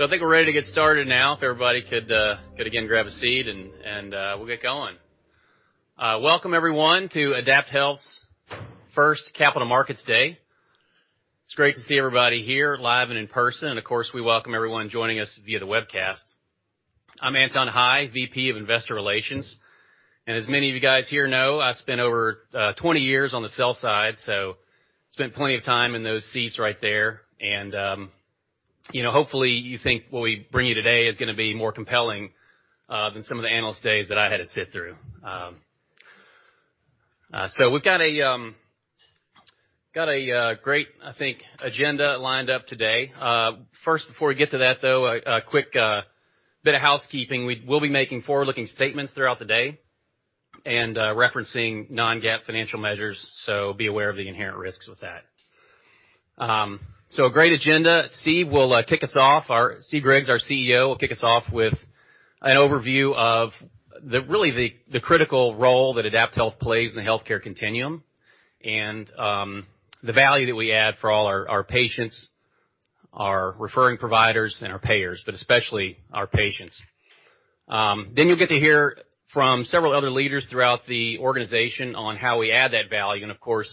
I think we're ready to get started now. If everybody could again grab a seat and we'll get going. Welcome everyone to AdaptHealth's first Capital Markets Day. It's great to see everybody here live and in person. Of course, we welcome everyone joining us via the webcast. I'm Anton Hie, VP of Investor Relations. As many of you guys here know, I spent over 20 years on the sales side, so spent plenty of time in those seats right there. You know, hopefully, you think what we bring you today is gonna be more compelling than some of the analyst days that I had to sit through. We've got a great, I think, agenda lined up today. First, before we get to that, though, a quick bit of housekeeping. We'll be making forward-looking statements throughout the day and referencing non-GAAP financial measures, so be aware of the inherent risks with that. A great agenda. Steve will kick us off. Steve Griggs, our CEO, will kick us off with an overview of really the critical role that AdaptHealth plays in the healthcare continuum and the value that we add for all our patients, our referring providers and our payers, but especially our patients. You'll get to hear from several other leaders throughout the organization on how we add that value and, of course,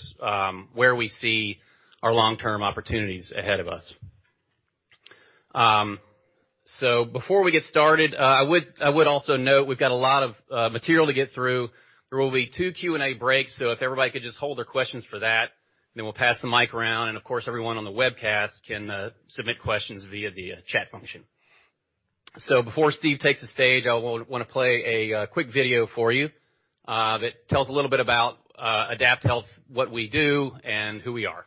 where we see our long-term opportunities ahead of us. Before we get started, I would also note we've got a lot of material to get through. There will be two Q&A breaks, so if everybody could just hold their questions for that, then we'll pass the mic around. Of course, everyone on the webcast can submit questions via the chat function. Before Steve takes the stage, I wanna play a quick video for you that tells a little bit about AdaptHealth, what we do and who we are.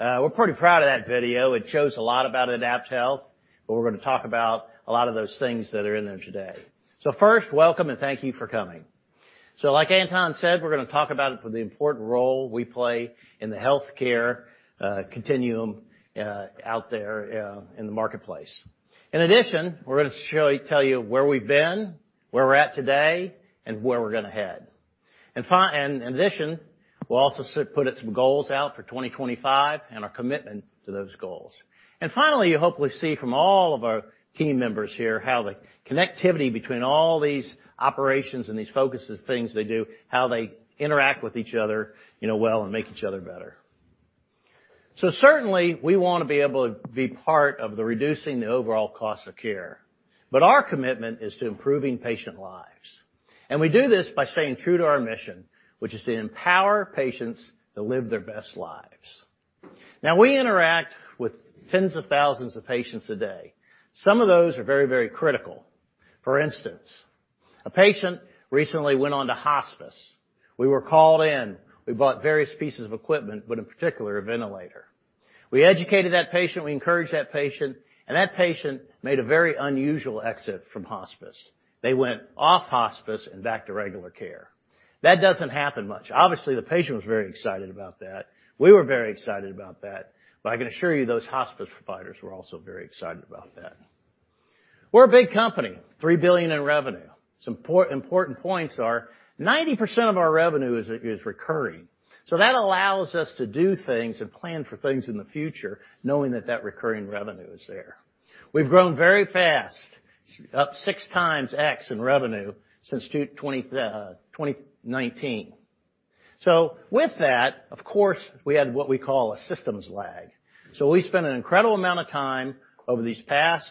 Anton, we're pretty proud of that video. It shows a lot about AdaptHealth, but we're gonna talk about a lot of those things that are in there today. First, welcome and thank you for coming. Like Anton said, we're gonna talk about the important role we play in the healthcare continuum out there in the marketplace. In addition, we're gonna tell you where we've been, where we're at today, and where we're gonna head. In addition, we'll also put out some goals out for 2025 and our commitment to those goals. Finally, you'll hopefully see from all of our team members here how the connectivity between all these operations and these focuses things they do, how they interact with each other, you know, well and make each other better. Certainly, we wanna be able to be part of the reducing the overall cost of care, but our commitment is to improving patient lives. We do this by staying true to our mission, which is to empower patients to live their best lives. Now, we interact with tens of thousands of patients a day. Some of those are very, very critical. For instance, a patient recently went on to hospice. We were called in. We bought various pieces of equipment, but in particular, a ventilator. We educated that patient, we encouraged that patient, and that patient made a very unusual exit from hospice. They went off hospice and back to regular care. That doesn't happen much. Obviously, the patient was very excited about that. We were very excited about that. But I can assure you, those hospice providers were also very excited about that. We're a big company, $3 billion in revenue. Some important points are 90% of our revenue is recurring. That allows us to do things and plan for things in the future, knowing that recurring revenue is there. We've grown very fast, up 6x in revenue since 2019. With that, of course, we had what we call a systems lag. We spent an incredible amount of time over these past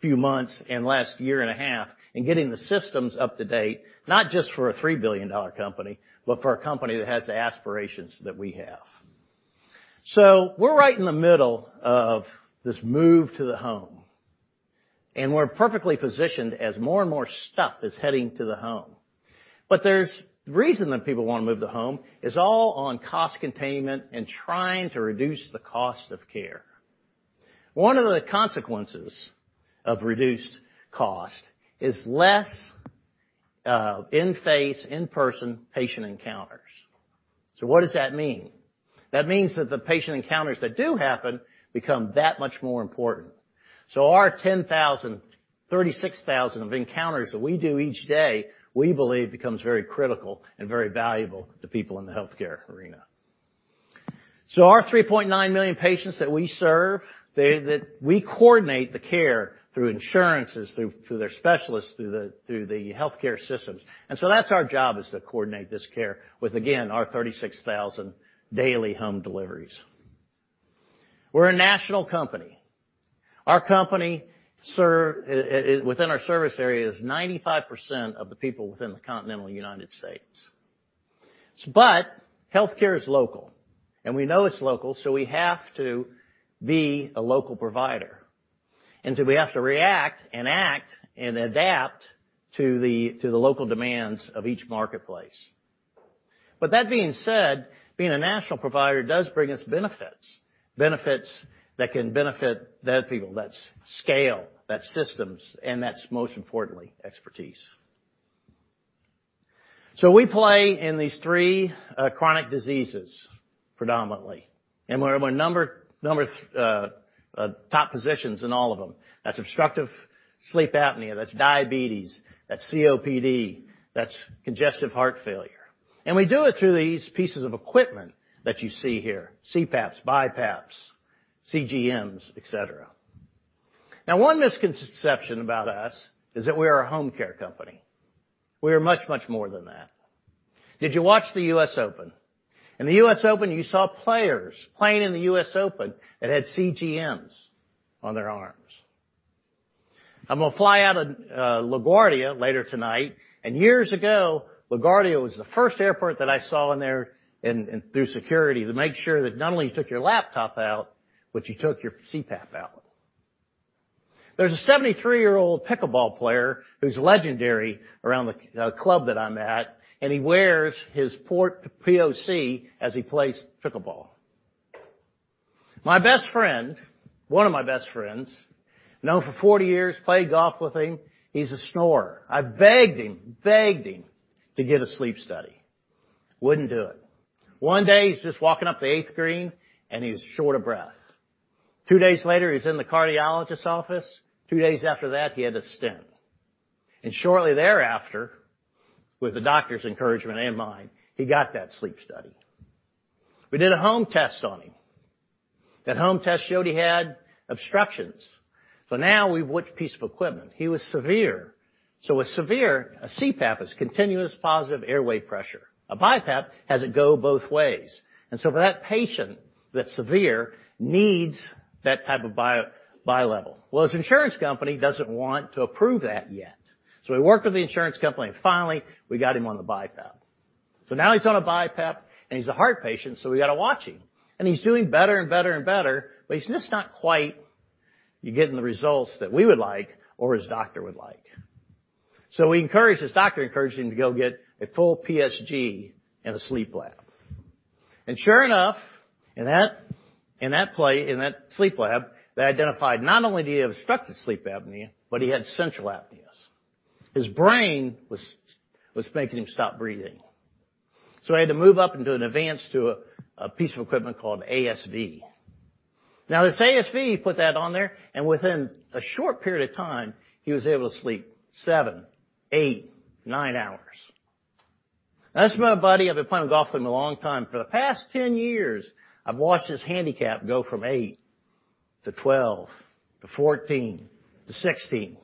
few months and last year and a half in getting the systems up to date, not just for a $3 billion company, but for a company that has the aspirations that we have. We're right in the middle of this move to the home, and we're perfectly positioned as more and more stuff is heading to the home. The reason that people wanna move to home is all on cost containment and trying to reduce the cost of care. One of the consequences of reduced cost is less in-person patient encounters. What does that mean? That means that the patient encounters that do happen become that much more important. Our 36,000 encounters that we do each day, we believe becomes very critical and very valuable to people in the healthcare arena. Our 3.9 million patients that we serve, that we coordinate the care through insurances, through their specialists, through the healthcare systems. That's our job, is to coordinate this care with, again, our 36,000 daily home deliveries. We're a national company. Our company's service area is 95% of the people within the continental United States. Healthcare is local, and we know it's local, so we have to be a local provider. We have to react and act and adapt to the local demands of each marketplace. That being said, being a national provider does bring us benefits that can benefit the people. That's scale, that's systems, and that's most importantly, expertise. We play in these three chronic diseases predominantly, and we're top positions in all of them. That's obstructive sleep apnea, that's diabetes, that's COPD, that's congestive heart failure. We do it through these pieces of equipment that you see here, CPAPs, BiPAPs, CGMs, et cetera. One misconception about us is that we are a home care company. We are much, much more than that. Did you watch the U.S. Open? In the U.S. Open, you saw players playing in the U.S. Open that had CGMs on their arms. I'm gonna fly out of LaGuardia later tonight, and years ago, LaGuardia was the first airport that I saw in there through security to make sure that not only you took your laptop out, but you took your CPAP out. There's a 73-year-old pickleball player who's legendary around the club that I'm at, and he wears his port POC as he plays pickleball. My best friend, one of my best friends, known him for 40 years, played golf with him, he's a snorer. I begged him to get a sleep study. Wouldn't do it. One day, he's just walking up the eighth green, and he's short of breath. Two days later, he's in the cardiologist's office. Two days after that, he had a stent. Shortly thereafter, with the doctor's encouragement and mine, he got that sleep study. We did a home test on him. That home test showed he had obstructions. Now we got a piece of equipment. He was severe. With severe, a CPAP is continuous positive airway pressure. A BiPAP has it go both ways. For that patient that's severe needs that type of bilevel. Well, his insurance company doesn't want to approve that yet. We worked with the insurance company, and finally, we got him on the BiPAP. Now he's on a BiPAP, and he's a heart patient, so we gotta watch him. He's doing better and better and better, but he's just not quite getting the results that we would like or his doctor would like. His doctor encouraged him to go get a full PSG in a sleep lab. Sure enough, in that sleep lab, they identified not only did he have obstructive sleep apnea, but he had central apneas. His brain was making him stop breathing. He had to move up into an advanced to a piece of equipment called ASV. Now, this ASV, he put that on there, and within a short period of time, he was able to sleep 7, 8, 9 hours. That's my buddy. I've been playing golf with him a long time. For the past 10 years, I've watched his handicap go from 8 to 12 to 14 to 16.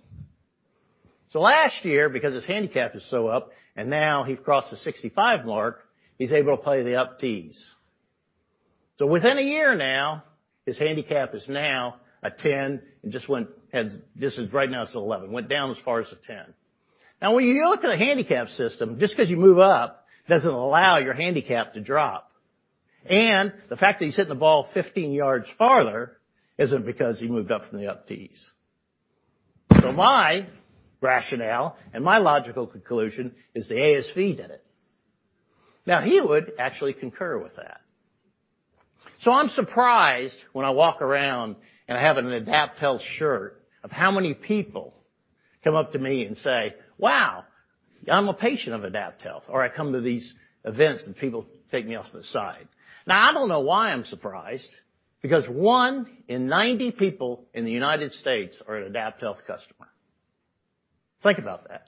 Last year, because his handicap is so up, and now he's crossed the 65 mark, he's able to play the up tees. Within a year now, his handicap is now a 10, and this is right now, it's 11. Went down as far as a 10. When you look at a handicap system, just 'cause you move up, doesn't allow your handicap to drop. The fact that he's hitting the ball 15 yards farther isn't because he moved up from the up tees. My rationale and my logical conclusion is the ASV did it. He would actually concur with that. I'm surprised when I walk around and I have an AdaptHealth shirt of how many people come up to me and say, "Wow, I'm a patient of AdaptHealth," or I come to these events, and people take me off to the side. Now, I don't know why I'm surprised, because 1 in 90 people in the United States are an AdaptHealth customer. Think about that.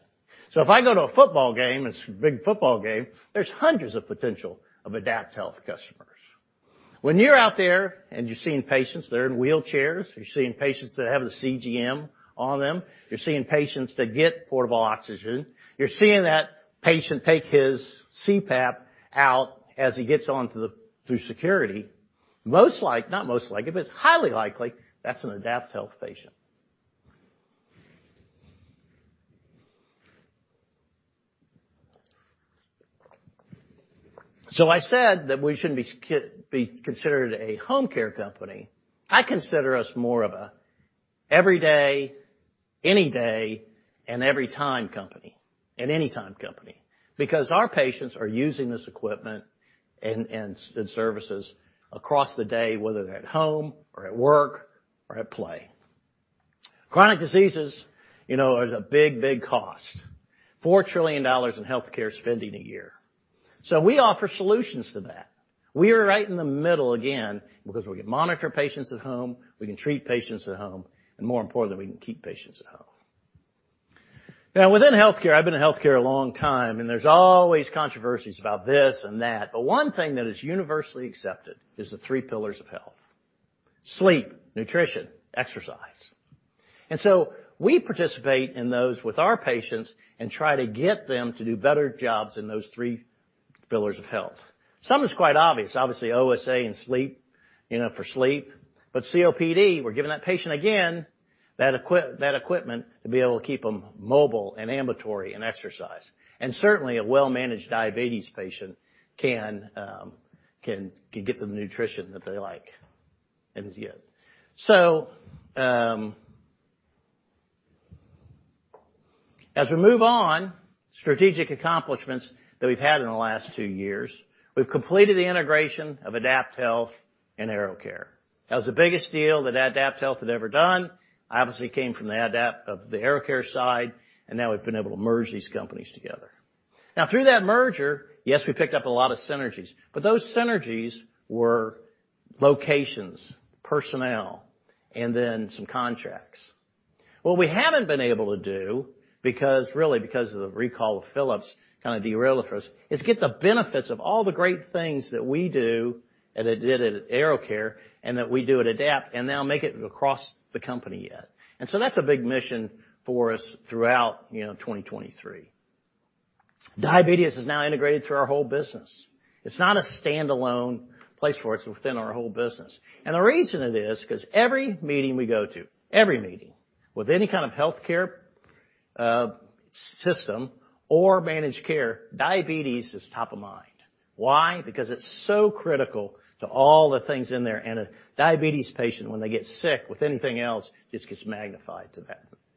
If I go to a football game, it's a big football game, there's hundreds of potential of AdaptHealth customers. When you're out there and you're seeing patients that are in wheelchairs, you're seeing patients that have the CGM on them, you're seeing patients that get portable oxygen, you're seeing that patient take his CPAP out as he gets on to through security, not most likely, but highly likely, that's an AdaptHealth patient. I said that we shouldn't be considered a home care company. I consider us more of an everyday, any day, and every time company, an anytime company, because our patients are using this equipment and services across the day, whether they're at home or at work or at play. Chronic diseases, you know, is a big cost. $4 trillion in healthcare spending a year. We offer solutions to that. We are right in the middle, again, because we can monitor patients at home, we can treat patients at home, and more importantly, we can keep patients at home. Now, within healthcare, I've been in healthcare a long time, and there's always controversies about this and that, but one thing that is universally accepted is the three pillars of health, sleep, nutrition, exercise. We participate in those with our patients and try to get them to do better jobs in those three pillars of health. Some is quite obvious. Obviously, OSA and sleep, you know, for sleep. But COPD, we're giving that patient, again, that equipment to be able to keep them mobile and ambulatory and exercise. Certainly, a well-managed diabetes patient can get the nutrition that they like and is good. As we move on, strategic accomplishments that we've had in the last two years, we've completed the integration of AdaptHealth and AeroCare. That was the biggest deal that AdaptHealth had ever done. I obviously came from the AeroCare side, and now we've been able to merge these companies together. Now through that merger, yes, we picked up a lot of synergies, but those synergies were locations, personnel, and then some contracts. What we haven't been able to do, because really because of the recall of Philips kind of derailed it for us, is get the benefits of all the great things that we do and that it did at AeroCare and that we do at Adapt and now make it across the company yet. That's a big mission for us throughout, you know, 2023. Diabetes is now integrated through our whole business. It's not a standalone place for it's within our whole business. The reason it is, 'cause every meeting we go to, every meeting, with any kind of healthcare, system or managed care, diabetes is top of mind. Why? Because it's so critical to all the things in there, and a diabetes patient, when they get sick with anything else, just gets magnified to the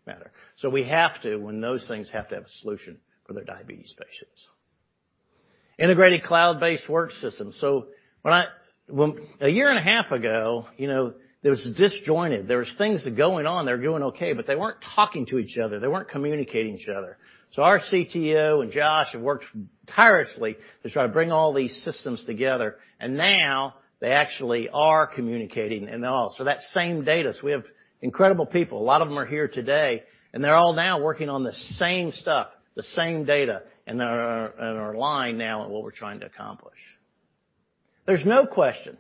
max. We have to, when those things have to have a solution for their diabetes patients. Integrated cloud-based work system. A year and a half ago, you know, there was a disjointed. There were things going on. They were doing okay, but they weren't talking to each other. They weren't communicating with each other. Our CTO and Josh have worked tirelessly to try to bring all these systems together, and now they actually are communicating and all. That same data, we have incredible people. A lot of them are here today, and they're all now working on the same stuff, the same data, and they are aligned now on what we're trying to accomplish. There's no question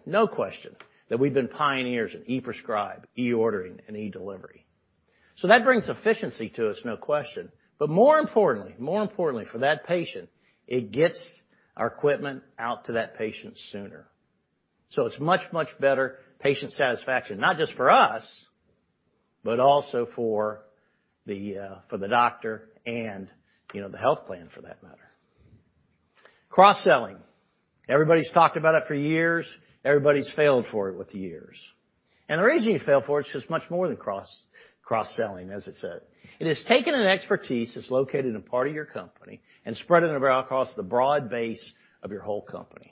that we've been pioneers in e-Prescribe, e-ordering, and e-delivery. That brings efficiency to us, no question. More importantly, for that patient, it gets our equipment out to that patient sooner. It's much, much better patient satisfaction, not just for us, but also for the doctor and, you know, the health plan for that matter. Cross-selling. Everybody's talked about it for years. Everybody's failed at it for years. The reason you fail at it is just much more than cross-selling, as it's said. It has taken an expertise that's located in a part of your company and spread it around across the broad base of your whole company.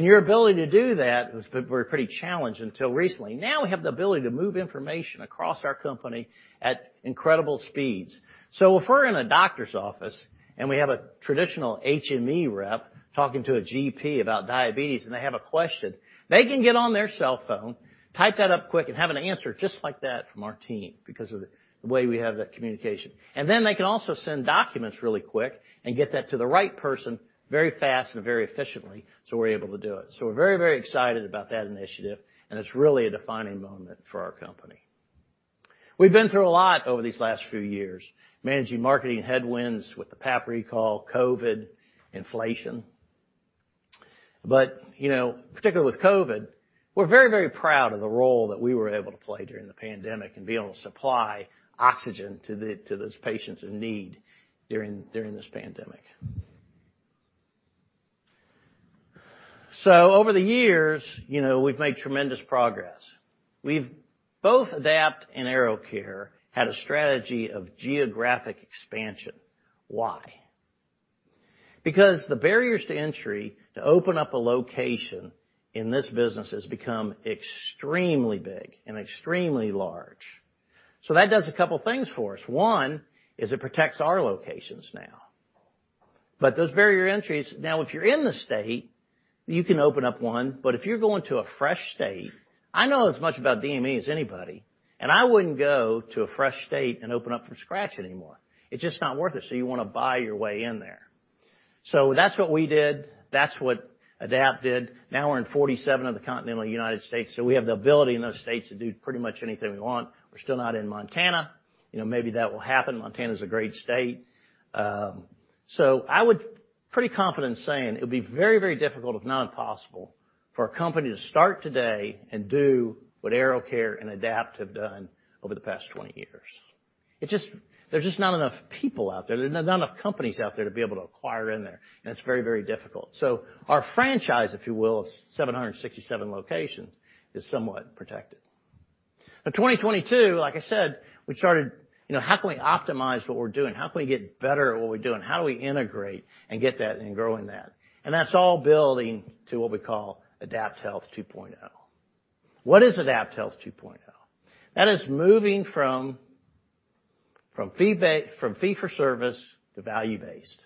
Your ability to do that was pretty challenging until recently. Now we have the ability to move information across our company at incredible speeds. If we're in a doctor's office and we have a traditional HME rep talking to a GP about diabetes and they have a question, they can get on their cell phone, type that up quick, and have an answer just like that from our team because of the way we have that communication. Then they can also send documents really quick and get that to the right person very fast and very efficiently, so we're able to do it. We're very, very excited about that initiative, and it's really a defining moment for our company. We've been through a lot over these last few years, managing marketing headwinds with the PAP recall, COVID, inflation. You know, particularly with COVID, we're very, very proud of the role that we were able to play during the pandemic and being able to supply oxygen to those patients in need during this pandemic. Over the years, you know, we've made tremendous progress. We've both AdaptHealth and AeroCare had a strategy of geographic expansion. Why? Because the barriers to entry to open up a location in this business has become extremely big and extremely large. That does a couple things for us. One is it protects our locations now. Those barrier entries, now, if you're in the state, you can open up one. But if you're going to a fresh state, I know as much about DME as anybody, and I wouldn't go to a fresh state and open up from scratch anymore. It's just not worth it, so you wanna buy your way in there. That's what we did. That's what Adapt did. Now we're in 47 of the continental United States, so we have the ability in those states to do pretty much anything we want. We're still not in Montana. You know, maybe that will happen. Montana is a great state. I would pretty confident saying it would be very, very difficult, if not impossible, for a company to start today and do what AeroCare and Adapt have done over the past 20 years. There's just not enough people out there. There's not enough companies out there to be able to acquire in there, and it's very, very difficult. Our franchise, if you will, of 767 locations is somewhat protected. In 2022, like I said, we started, you know, how can we optimize what we're doing? How can we get better at what we're doing? How do we integrate and get that and growing that? That's all building to what we call AdaptHealth 2.0. What is AdaptHealth 2.0? That is moving from fee-for-service to value-based.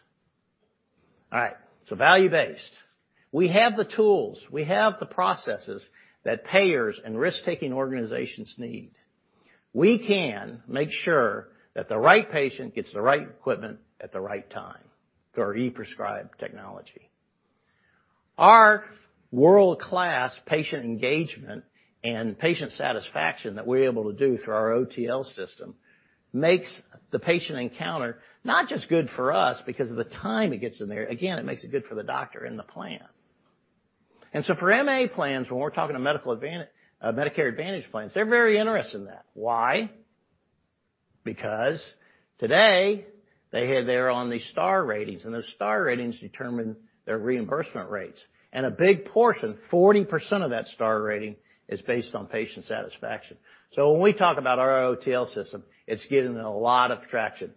All right, so value-based. We have the tools, we have the processes that payers and risk-taking organizations need. We can make sure that the right patient gets the right equipment at the right time through our e-Prescribe technology. Our world-class patient engagement and patient satisfaction that we're able to do through our OTL system makes the patient encounter not just good for us because of the time it gets in there, again, it makes it good for the doctor and the plan. For MA plans, when we're talking to Medicare Advantage plans, they're very interested in that. Why? Because today, they hear they're on these Star Ratings, and those Star Ratings determine their reimbursement rates. A big portion, 40% of that Star Rating is based on patient satisfaction. When we talk about our OTL system, it's getting a lot of traction.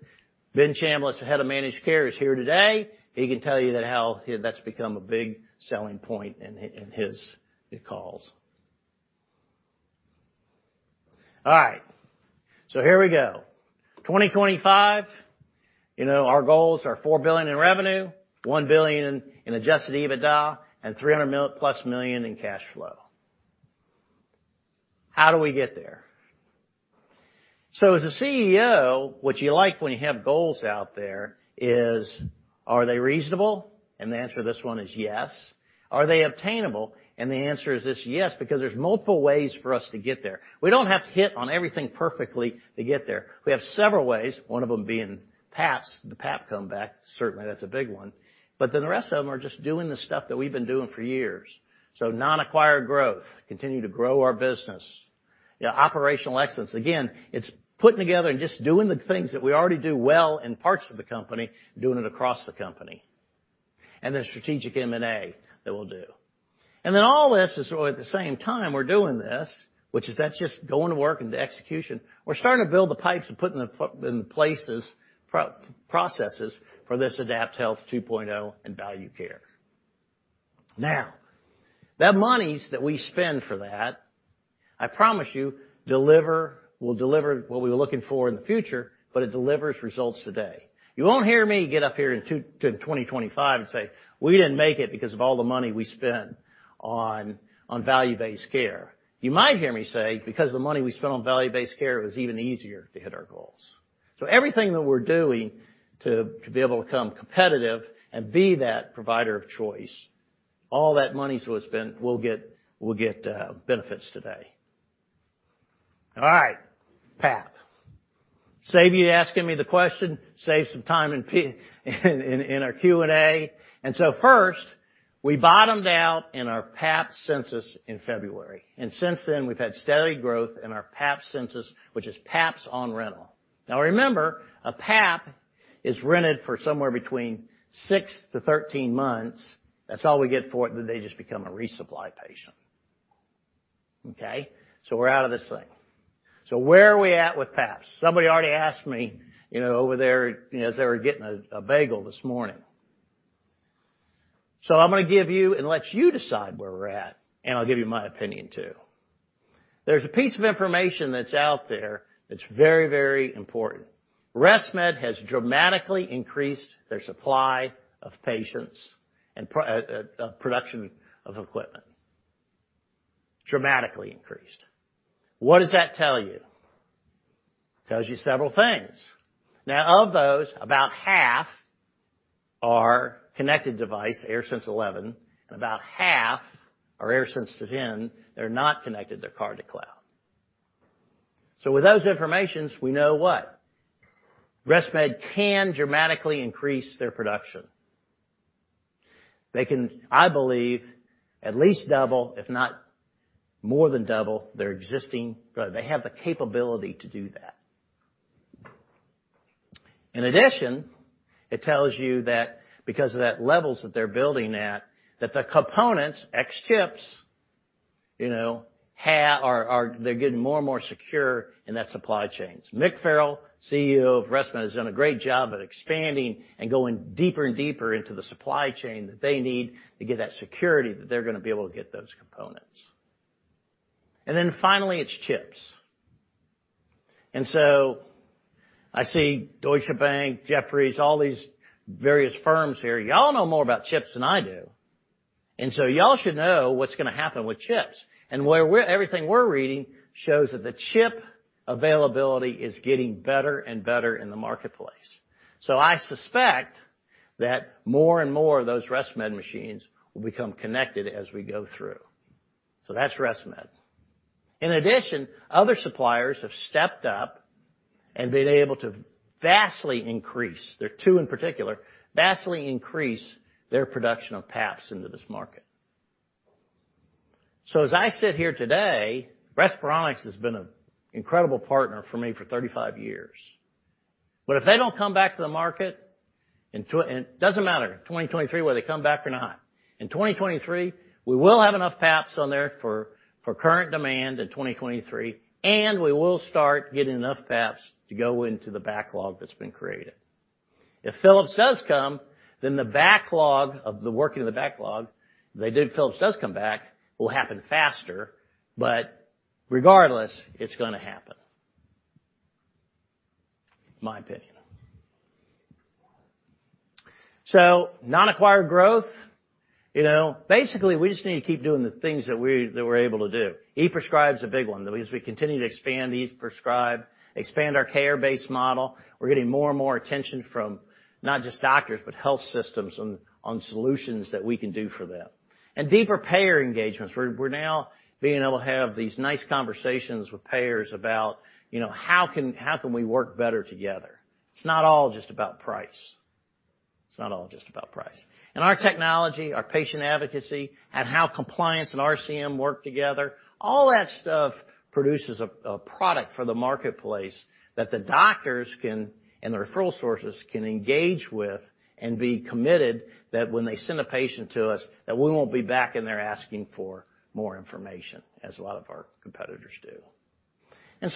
Ben Chambliss, the Head of Managed Care, is here today. He can tell you that how that's become a big selling point in his calls. All right. Here we go. 2025, you know, our goals are $4 billion in revenue, $1 billion in Adjusted EBITDA, and $300+ million in cash flow. How do we get there? As a CEO, what you like when you have goals out there is, are they reasonable? The answer to this one is yes. Are they obtainable? The answer to this, yes, because there's multiple ways for us to get there. We don't have to hit on everything perfectly to get there. We have several ways, one of them being PAPs, the PAP comeback. Certainly, that's a big one. The rest of them are just doing the stuff that we've been doing for years. Non-acquired growth, continue to grow our business. Operational excellence. Again, it's putting together and just doing the things that we already do well in parts of the company, doing it across the company. The strategic M&A that we'll do. Then all this is, or at the same time we're doing this, which is that's just going to work and the execution, we're starting to build the pipes and put in the processes for this AdaptHealth 2.0 and value care. Now, the monies that we spend for that, I promise you, will deliver what we were looking for in the future, but it delivers results today. You won't hear me get up here in 2025 and say, "We didn't make it because of all the money we spent on value-based care." You might hear me say, "Because the money we spent on value-based care, it was even easier to hit our goals." Everything that we're doing to be able to become competitive and be that provider of choice, all that money that was spent will get benefits today. All right, PAP. Save you asking me the question, save some time in our Q&A. First, we bottomed out in our PAP census in February. Since then, we've had steady growth in our PAP census, which is PAPs on rental. Now, remember, a PAP is rented for somewhere between 6-13 months. That's all we get for it, then they just become a resupply patient. Okay? We're out of this thing. Where are we at with PAPs? Somebody already asked me, you know, over there as they were getting a bagel this morning. I'm gonna give you and let you decide where we're at, and I'll give you my opinion too. There's a piece of information that's out there that's very, very important. ResMed has dramatically increased their supply of patients and production of equipment. Dramatically increased. What does that tell you? It tells you several things. Now of those, about half are connected device, AirSense 11, and about half are AirSense 10. They're not connected, they're card to cloud. With those informations, we know what? ResMed can dramatically increase their production. They can, I believe, at least double, if not more than double their existing. They have the capability to do that. In addition, it tells you that because of that levels that they're building at, that the components, except chips, you know, they're getting more and more secure in that supply chains. Mick Farrell, CEO of ResMed, has done a great job at expanding and going deeper and deeper into the supply chain that they need to get that security that they're gonna be able to get those components. Finally, it's chips. I see Deutsche Bank, Jefferies, all these various firms here. Y'all know more about chips than I do. Y'all should know what's gonna happen with chips. Everything we're reading shows that the chip availability is getting better and better in the marketplace. I suspect that more and more of those ResMed machines will become connected as we go through. That's ResMed. In addition, other suppliers have stepped up and been able to vastly increase their production of PAPs into this market. There are two in particular. As I sit here today, Respironics has been an incredible partner for me for 35 years. If they don't come back to the market, 2023, whether they come back or not. In 2023, we will have enough PAPs on there for current demand in 2023, and we will start getting enough PAPs to go into the backlog that's been created. If Philips does come, then the backlog of the work in the backlog, if Philips does come back, will happen faster. Regardless, it's gonna happen. My opinion. Non-acquired growth, you know, basically, we just need to keep doing the things that we're able to do. e-Prescribe is a big one that as we continue to expand the e-Prescribe, expand our care-based model, we're getting more and more attention from not just doctors, but health systems on solutions that we can do for them. Deeper payer engagements. We're now being able to have these nice conversations with payers about, you know, how can we work better together. It's not all just about price. It's not all just about price. Our technology, our patient advocacy, and how compliance and RCM work together, all that stuff produces a product for the marketplace that the doctors can, and the referral sources can engage with and be committed that when they send a patient to us, that we won't be back in there asking for more information as a lot of our competitors do.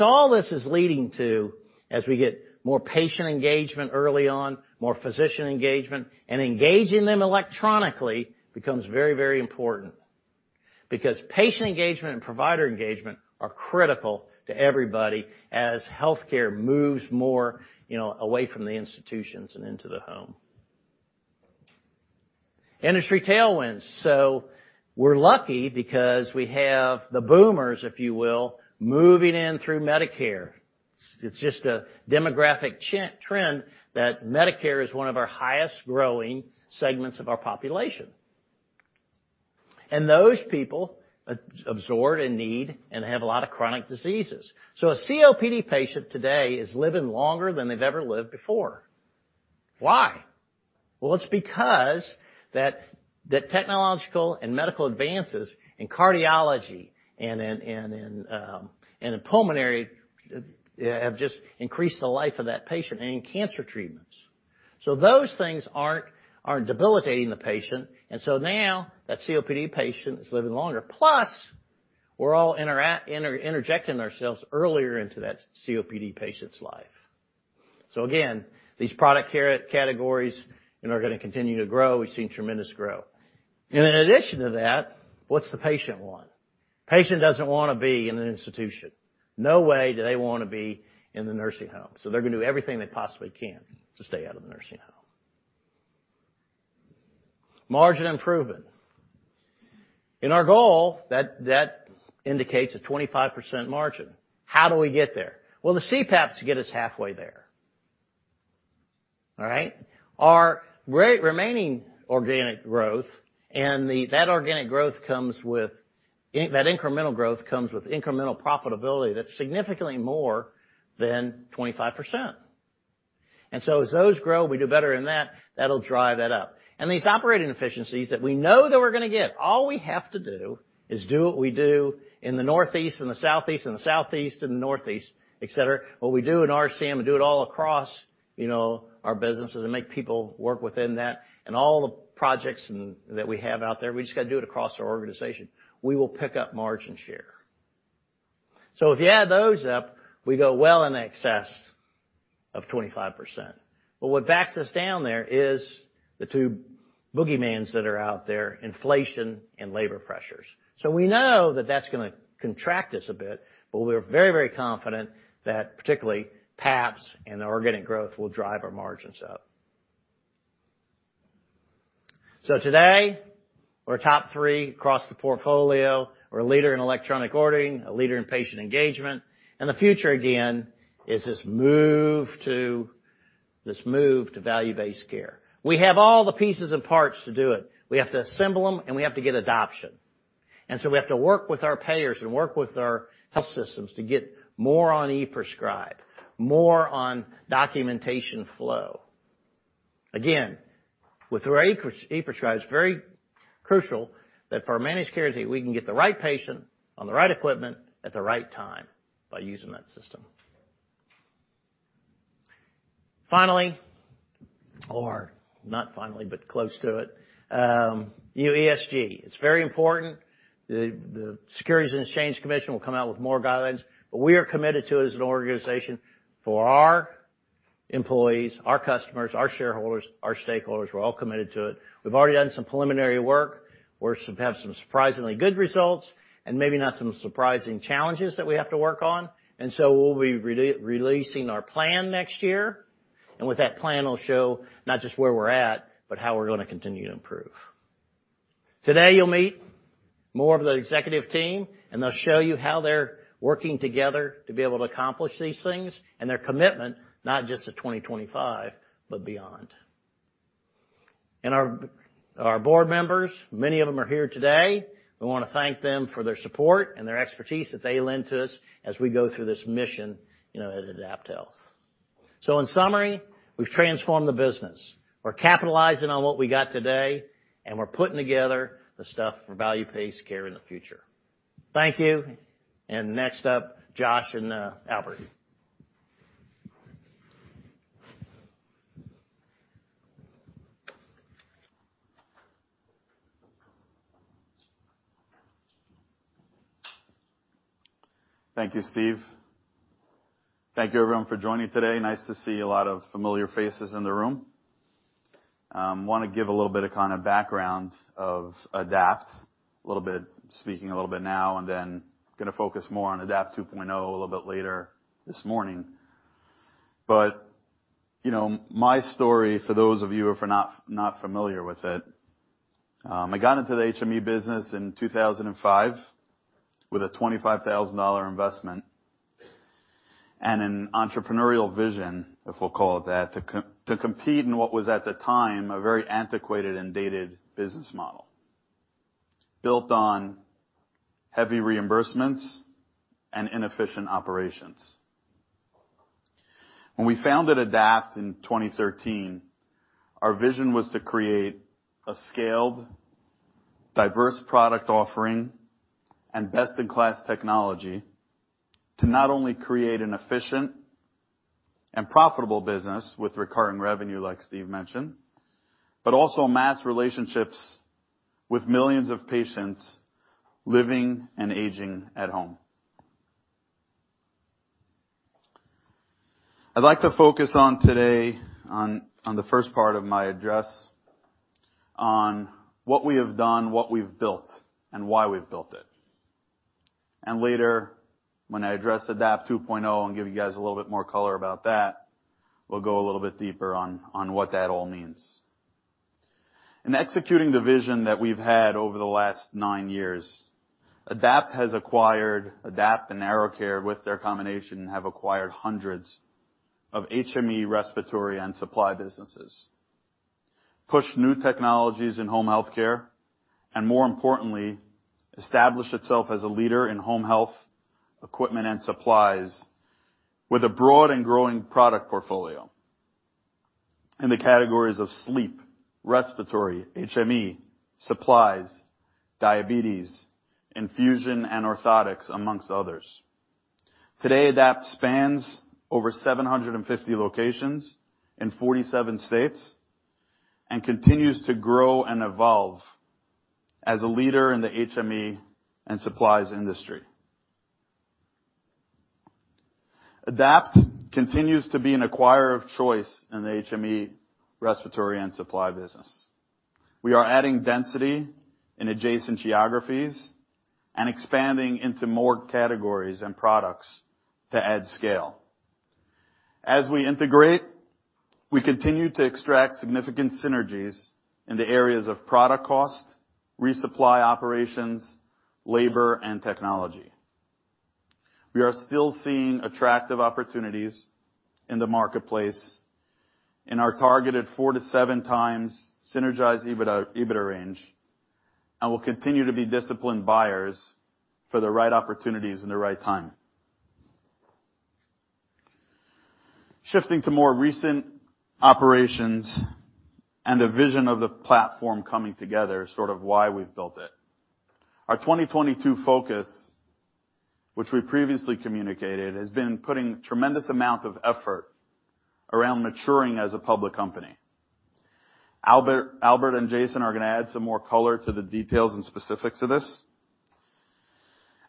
All this is leading to, as we get more patient engagement early on, more physician engagement, and engaging them electronically becomes very, very important. Because patient engagement and provider engagement are critical to everybody as healthcare moves more, you know, away from the institutions and into the home. Industry tailwinds. We're lucky because we have the boomers, if you will, moving in through Medicare. It's just a demographic trend that Medicare is one of our highest growing segments of our population. Those people absorb and need and have a lot of chronic diseases. A COPD patient today is living longer than they've ever lived before. Why? Well, it's because the technological and medical advances in cardiology and in pulmonary have just increased the life of that patient and in cancer treatments. Those things aren't debilitating the patient, and now that COPD patient is living longer. Plus, we're all interjecting ourselves earlier into that COPD patient's life. Again, these product categories, you know, are gonna continue to grow. We've seen tremendous growth. In addition to that, what's the patient want? Patient doesn't wanna be in an institution. No way do they wanna be in the nursing home. They're gonna do everything they possibly can to stay out of the nursing home. Margin improvement. In our goal, that indicates a 25% margin. How do we get there? Well, the CPAPs get us halfway there. All right? Our remaining organic growth and that organic growth comes with that incremental growth comes with incremental profitability that's significantly more than 25%. As those grow, we do better in that'll drive that up. These operating efficiencies that we know that we're gonna get, all we have to do is do what we do in the Northeast and the Southeast and the Northeast, et cetera. What we do in RCM, we do it all across, you know, our businesses and make people work within that, and all the projects that we have out there, we just gotta do it across our organization. We will pick up margin share. If you add those up, we go well in excess of 25%. What backs us down there is the two boogeymans that are out there, inflation and labor pressures. We know that that's gonna contract us a bit, but we're very, very confident that particularly PAPs and the organic growth will drive our margins up. Today, we're top three across the portfolio. We're a leader in electronic ordering, a leader in patient engagement, and the future, again, is this move to value-based care. We have all the pieces and parts to do it. We have to assemble them, and we have to get adoption. We have to work with our payers and work with our health systems to get more on e-Prescribe, more on documentation flow. Again, with our e-Prescribe, it's very crucial that for managed care is that we can get the right patient on the right equipment at the right time by using that system. Finally, or not finally, but close to it, ESG. It's very important. The Securities and Exchange Commission will come out with more guidelines, but we are committed to it as an organization for our employees, our customers, our shareholders, our stakeholders. We're all committed to it. We've already done some preliminary work. We have some surprisingly good results and maybe not some surprising challenges that we have to work on. So we'll be re-releasing our plan next year. With that plan, we'll show not just where we're at, but how we're gonna continue to improve. Today, you'll meet more of the executive team, and they'll show you how they're working together to be able to accomplish these things and their commitment, not just to 2025, but beyond. Our board members, many of them are here today. We wanna thank them for their support and their expertise that they lend to us as we go through this mission, you know, at AdaptHealth. In summary, we've transformed the business. We're capitalizing on what we got today, and we're putting together the stuff for value-based care in the future. Thank you. Next up, Josh and Albert. Thank you, Steve. Thank you everyone for joining today. Nice to see a lot of familiar faces in the room. Wanna give a little bit of kind of background of AdaptHealth, a little bit, speaking a little bit now and then gonna focus more on AdaptHealth 2.0 a little bit later this morning. You know, my story, for those of you who are not familiar with it, I got into the HME business in 2005 with a $25,000 investment and an entrepreneurial vision, if we'll call it that, to compete in what was, at the time, a very antiquated and dated business model built on heavy reimbursements and inefficient operations. When we founded AdaptHealth in 2013, our vision was to create a scaled, diverse product offering and best-in-class technology to not only create an efficient and profitable business with recurring revenue, like Steve mentioned, but also mass relationships with millions of patients living and aging at home. I'd like to focus today on the first part of my address on what we have done, what we've built, and why we've built it. Later, when I address AdaptHealth 2.0 and give you guys a little bit more color about that, we'll go a little bit deeper on what that all means. In executing the vision that we've had over the last nine years, AdaptHealth has acquired. AdaptHealth and AeroCare, with their combination, have acquired hundreds of HME respiratory and supply businesses, pushed new technologies in home healthcare, and more importantly, established itself as a leader in home health equipment and supplies with a broad and growing product portfolio in the categories of sleep, respiratory, HME, supplies, diabetes, infusion, and orthotics, among others. Today, AdaptHealth spans over 750 locations in 47 states and continues to grow and evolve as a leader in the HME and supplies industry. AdaptHealth continues to be an acquirer of choice in the HME respiratory and supply business. We are adding density in adjacent geographies and expanding into more categories and products to add scale. As we integrate, we continue to extract significant synergies in the areas of product cost, resupply operations, labor, and technology. We are still seeing attractive opportunities in the marketplace in our targeted 4-7x synergized EBITDA range, and we'll continue to be disciplined buyers for the right opportunities in the right time. Shifting to more recent operations and the vision of the platform coming together, sort of why we've built it. Our 2022 focus, which we previously communicated, has been putting tremendous amount of effort around maturing as a public company. Albert and Jason are gonna add some more color to the details and specifics of this,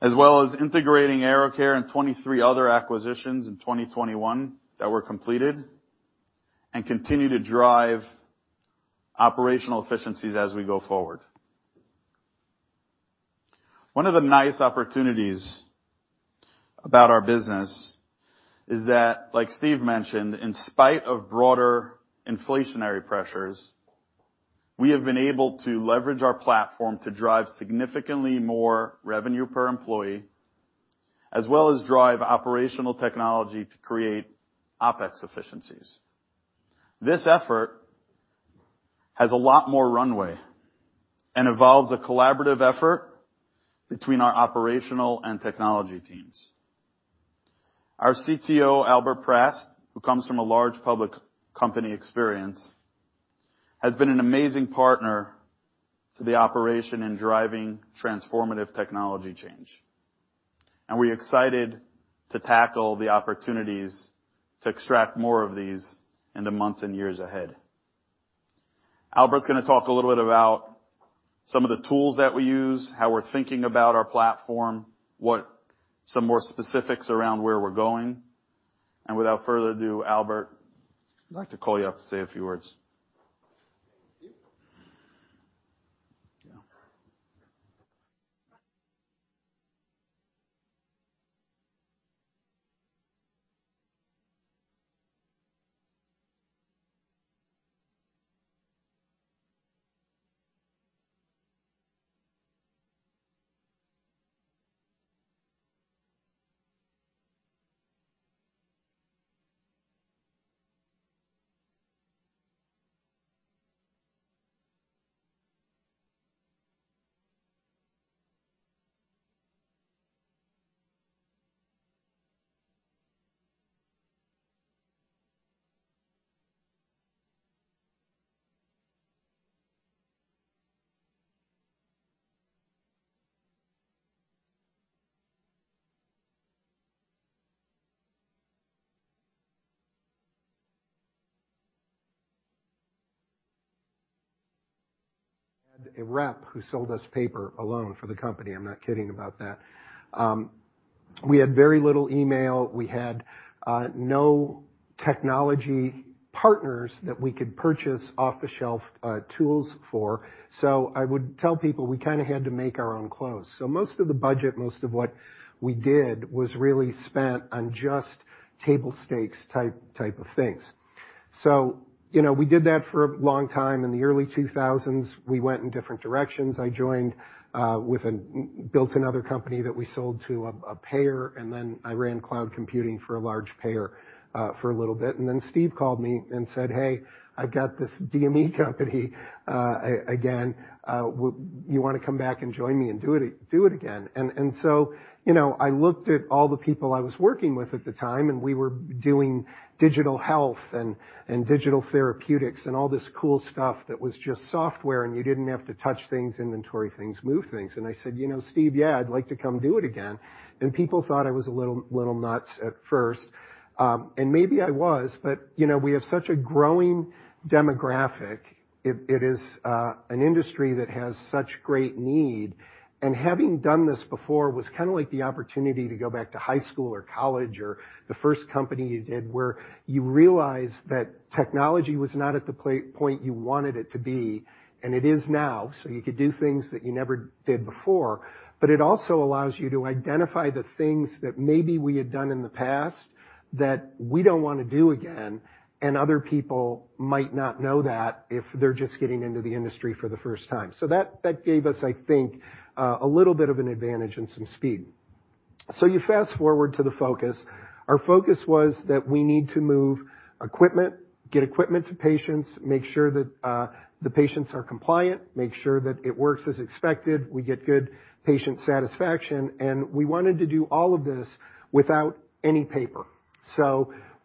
as well as integrating AeroCare and 23 other acquisitions in 2021 that were completed, and continue to drive operational efficiencies as we go forward. One of the nice opportunities about our business is that, like Steve mentioned, in spite of broader inflationary pressures, we have been able to leverage our platform to drive significantly more revenue per employee, as well as drive operational technology to create OpEx efficiencies. This effort has a lot more runway and involves a collaborative effort between our operational and technology teams. Our CTO, Albert Prast, who comes from a large public company experience, has been an amazing partner to the operation in driving transformative technology change, and we're excited to tackle the opportunities to extract more of these in the months and years ahead. Albert's gonna talk a little bit about some of the tools that we use, how we're thinking about our platform, what some more specifics around where we're going. Without further ado, Albert, I'd like to call you up to say a few words. Thank you. Yeah. A rep who sold us paper alone for the company. I'm not kidding about that. We had very little email. We had no technology partners that we could purchase off-the-shelf tools for. I would tell people we kinda had to make our own clothes. Most of the budget, most of what we did was really spent on just table stakes type of things. You know, we did that for a long time. In the early 2000s, we went in different directions. I joined, built another company that we sold to a payer, and then I ran cloud computing for a large payer for a little bit. Then Steve called me and said, "Hey, I've got this DME company, again. You wanna come back and join me and do it again?" So, you know, I looked at all the people I was working with at the time, and we were doing digital health and digital therapeutics and all this cool stuff that was just software, and you didn't have to touch things, inventory things, move things. I said, "You know, Steve, yeah, I'd like to come do it again." People thought I was a little nuts at first. Maybe I was, but, you know, we have such a growing demographic. It is an industry that has such great need, and having done this before was kinda like the opportunity to go back to high school or college or the first company you did, where you realize that technology was not at the point you wanted it to be, and it is now, so you could do things that you never did before. It also allows you to identify the things that maybe we had done in the past that we don't wanna do again, and other people might not know that if they're just getting into the industry for the first time. That gave us, I think, a little bit of an advantage and some speed. You fast-forward to the focus. Our focus was that we need to move equipment, get equipment to patients, make sure that the patients are compliant, make sure that it works as expected, we get good patient satisfaction, and we wanted to do all of this without any paper.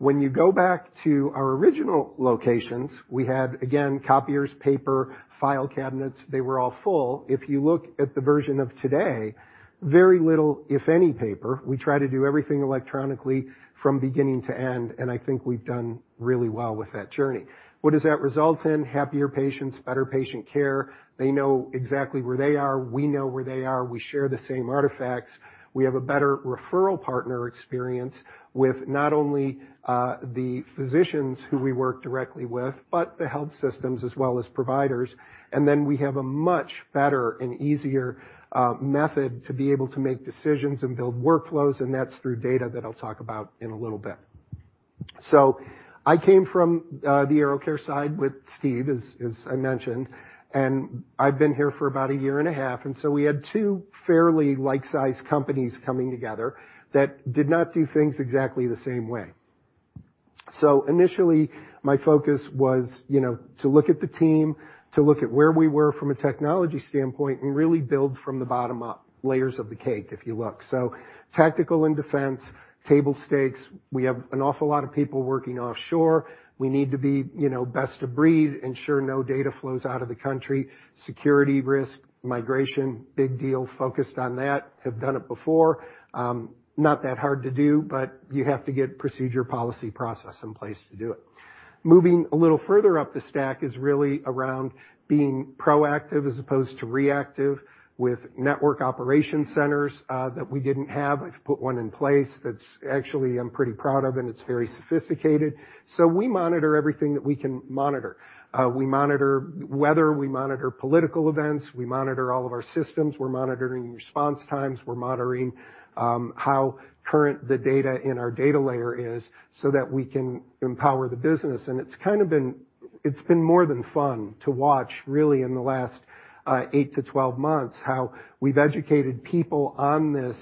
When you go back to our original locations, we had, again, copiers, paper, file cabinets. They were all full. If you look at the version of today, very little, if any, paper. We try to do everything electronically from beginning to end, and I think we've done really well with that journey. What does that result in? Happier patients, better patient care. They know exactly where they are. We know where they are. We share the same artifacts. We have a better referral partner experience with not only the physicians who we work directly with, but the health systems as well as providers. We have a much better and easier method to be able to make decisions and build workflows, and that's through data that I'll talk about in a little bit. I came from the AeroCare side with Steve, as I mentioned, and I've been here for about a year and a half, and so we had two fairly like-sized companies coming together that did not do things exactly the same way. Initially, my focus was, you know, to look at the team, to look at where we were from a technology standpoint, and really build from the bottom up, layers of the cake, if you look. Tactical and defense, table stakes. We have an awful lot of people working offshore. We need to be, you know, best of breed, ensure no data flows out of the country, security risk, migration, big deal, focused on that. Have done it before. Not that hard to do, but you have to get procedure policy process in place to do it. Moving a little further up the stack is really around being proactive as opposed to reactive with network operation centers that we didn't have. I've put one in place that's actually I'm pretty proud of, and it's very sophisticated. So we monitor everything that we can monitor. We monitor weather. We monitor political events. We monitor all of our systems. We're monitoring response times. We're monitoring how current the data in our data layer is so that we can empower the business. It's kind of been. It's been more than fun to watch really in the last 8-12 months, how we've educated people on this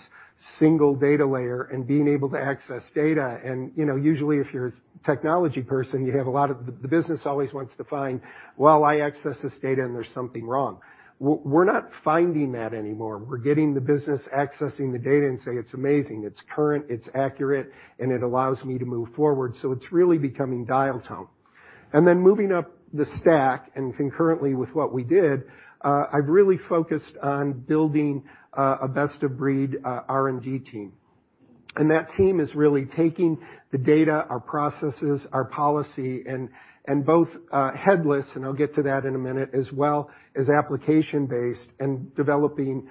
single data layer and being able to access data. You know, usually if you're a technology person, you have a lot of the business always wants to find, "Well, I access this data, and there's something wrong." We're not finding that anymore. We're getting the business accessing the data and say, "It's amazing. It's current, it's accurate, and it allows me to move forward." It's really becoming dial tone. Moving up the stack, and concurrently with what we did, I've really focused on building a best-of-breed R&D team. That team is really taking the data, our processes, our policy, and both headless, and I'll get to that in a minute, as well as application-based and developing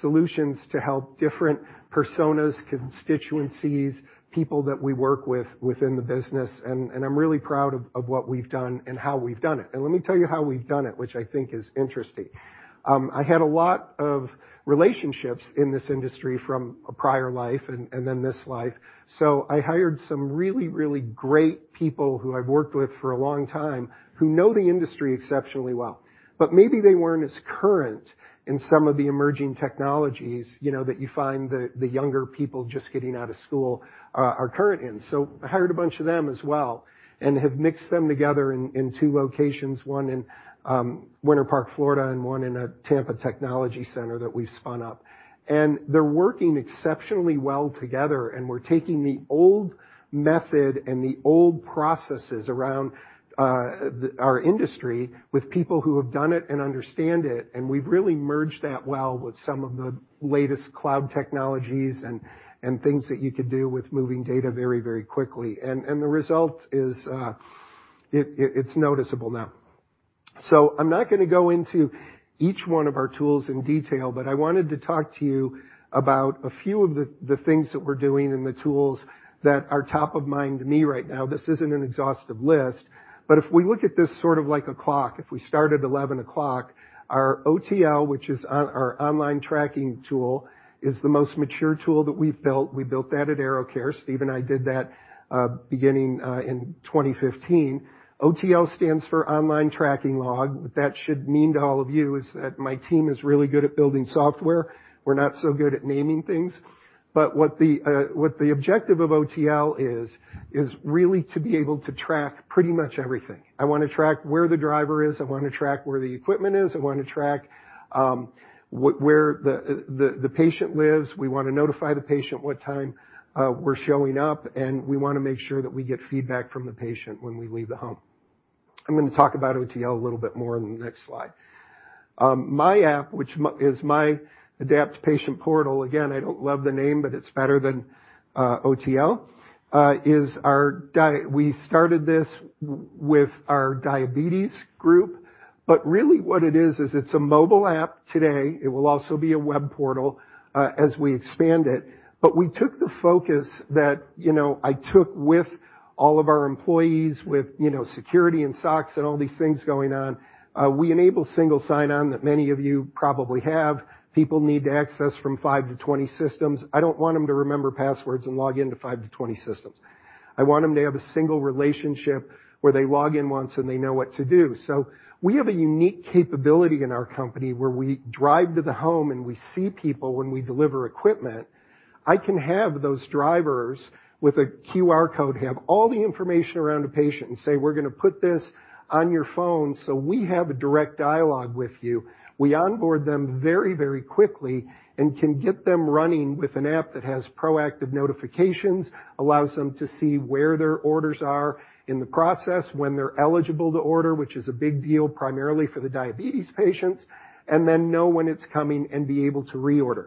solutions to help different personas, constituencies, people that we work with within the business, and I'm really proud of what we've done and how we've done it. Let me tell you how we've done it, which I think is interesting. I had a lot of relationships in this industry from a prior life and then this life. So I hired some really great people who I've worked with for a long time, who know the industry exceptionally well. Maybe they weren't as current in some of the emerging technologies, you know, that you find the younger people just getting out of school are current in. I hired a bunch of them as well and have mixed them together in two locations, one in Winter Park, Florida, and one in a Tampa technology center that we've spun up. They're working exceptionally well together, and we're taking the old method and the old processes around our industry with people who have done it and understand it, and we've really merged that well with some of the latest cloud technologies and things that you could do with moving data very, very quickly. The result is, it's noticeable now. I'm not gonna go into each one of our tools in detail, but I wanted to talk to you about a few of the things that we're doing and the tools that are top of mind to me right now. This isn't an exhaustive list, but if we look at this sort of like a clock, if we start at 11 o'clock, our OTL, which is our online tracking tool, is the most mature tool that we've built. We built that at AeroCare. Steve and I did that beginning in 2015. OTL stands for Online Tracking Log. What that should mean to all of you is that my team is really good at building software. We're not so good at naming things. But what the objective of OTL is really to be able to track pretty much everything. I wanna track where the driver is, I wanna track where the equipment is, I wanna track where the patient lives. We wanna notify the patient what time we're showing up, and we wanna make sure that we get feedback from the patient when we leave the home. I'm gonna talk about OTL a little bit more in the next slide. My app, which is my Adapt patient portal, again, I don't love the name, but it's better than OTL. We started this with our diabetes group, but really what it is it's a mobile app today. It will also be a web portal as we expand it. We took the focus that, you know, I took with all of our employees with, you know, security and SOX and all these things going on. We enable single sign-on that many of you probably have. People need to access from 5 to 20 systems. I don't want them to remember passwords and log in to 5-20 systems. I want them to have a single relationship where they log in once and they know what to do. We have a unique capability in our company where we drive to the home and we see people when we deliver equipment. I can have those drivers with a QR code, have all the information around a patient and say, "We're gonna put this on your phone so we have a direct dialogue with you." We onboard them very, very quickly and can get them running with an app that has proactive notifications, allows them to see where their orders are in the process, when they're eligible to order, which is a big deal primarily for the diabetes patients, and then know when it's coming and be able to reorder.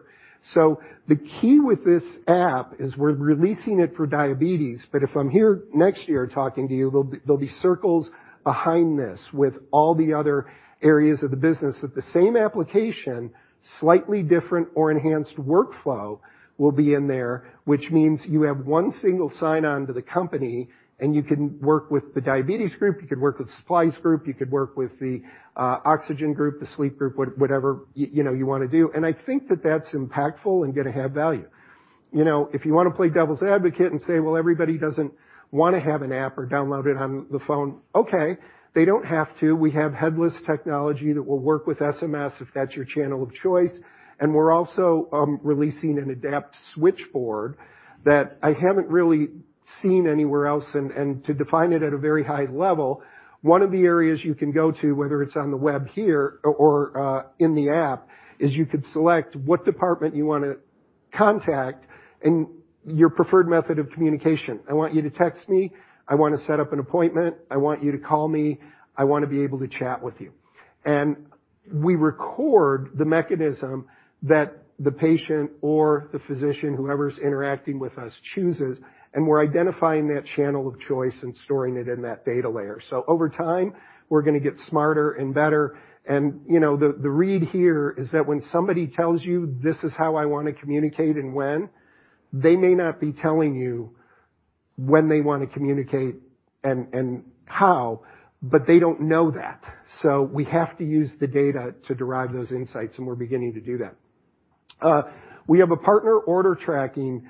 The key with this app is we're releasing it for diabetes, but if I'm here next year talking to you, there'll be circles behind this with all the other areas of the business that the same application, slightly different or enhanced workflow will be in there, which means you have one single sign-on to the company, and you can work with the diabetes group, you could work with the supplies group, you could work with the oxygen group, the sleep group, whatever you know, you wanna do. I think that that's impactful and gonna have value. You know, if you wanna play devil's advocate and say, "Well, everybody doesn't wanna have an app or download it on the phone," okay, they don't have to. We have headless technology that will work with SMS if that's your channel of choice, and we're also releasing an Adapt switchboard that I haven't really seen anywhere else. To define it at a very high level, one of the areas you can go to, whether it's on the web here or in the app, is you could select what department you wanna contact and your preferred method of communication. I want you to text me. I wanna set up an appointment. I want you to call me. I wanna be able to chat with you. We record the mechanism that the patient or the physician, whoever's interacting with us, chooses, and we're identifying that channel of choice and storing it in that data layer. Over time, we're gonna get smarter and better. You know, the read here is that when somebody tells you, "This is how I wanna communicate and when," they may not be telling you when they wanna communicate and how, but they don't know that. We have to use the data to derive those insights, and we're beginning to do that. We have a partner order tracking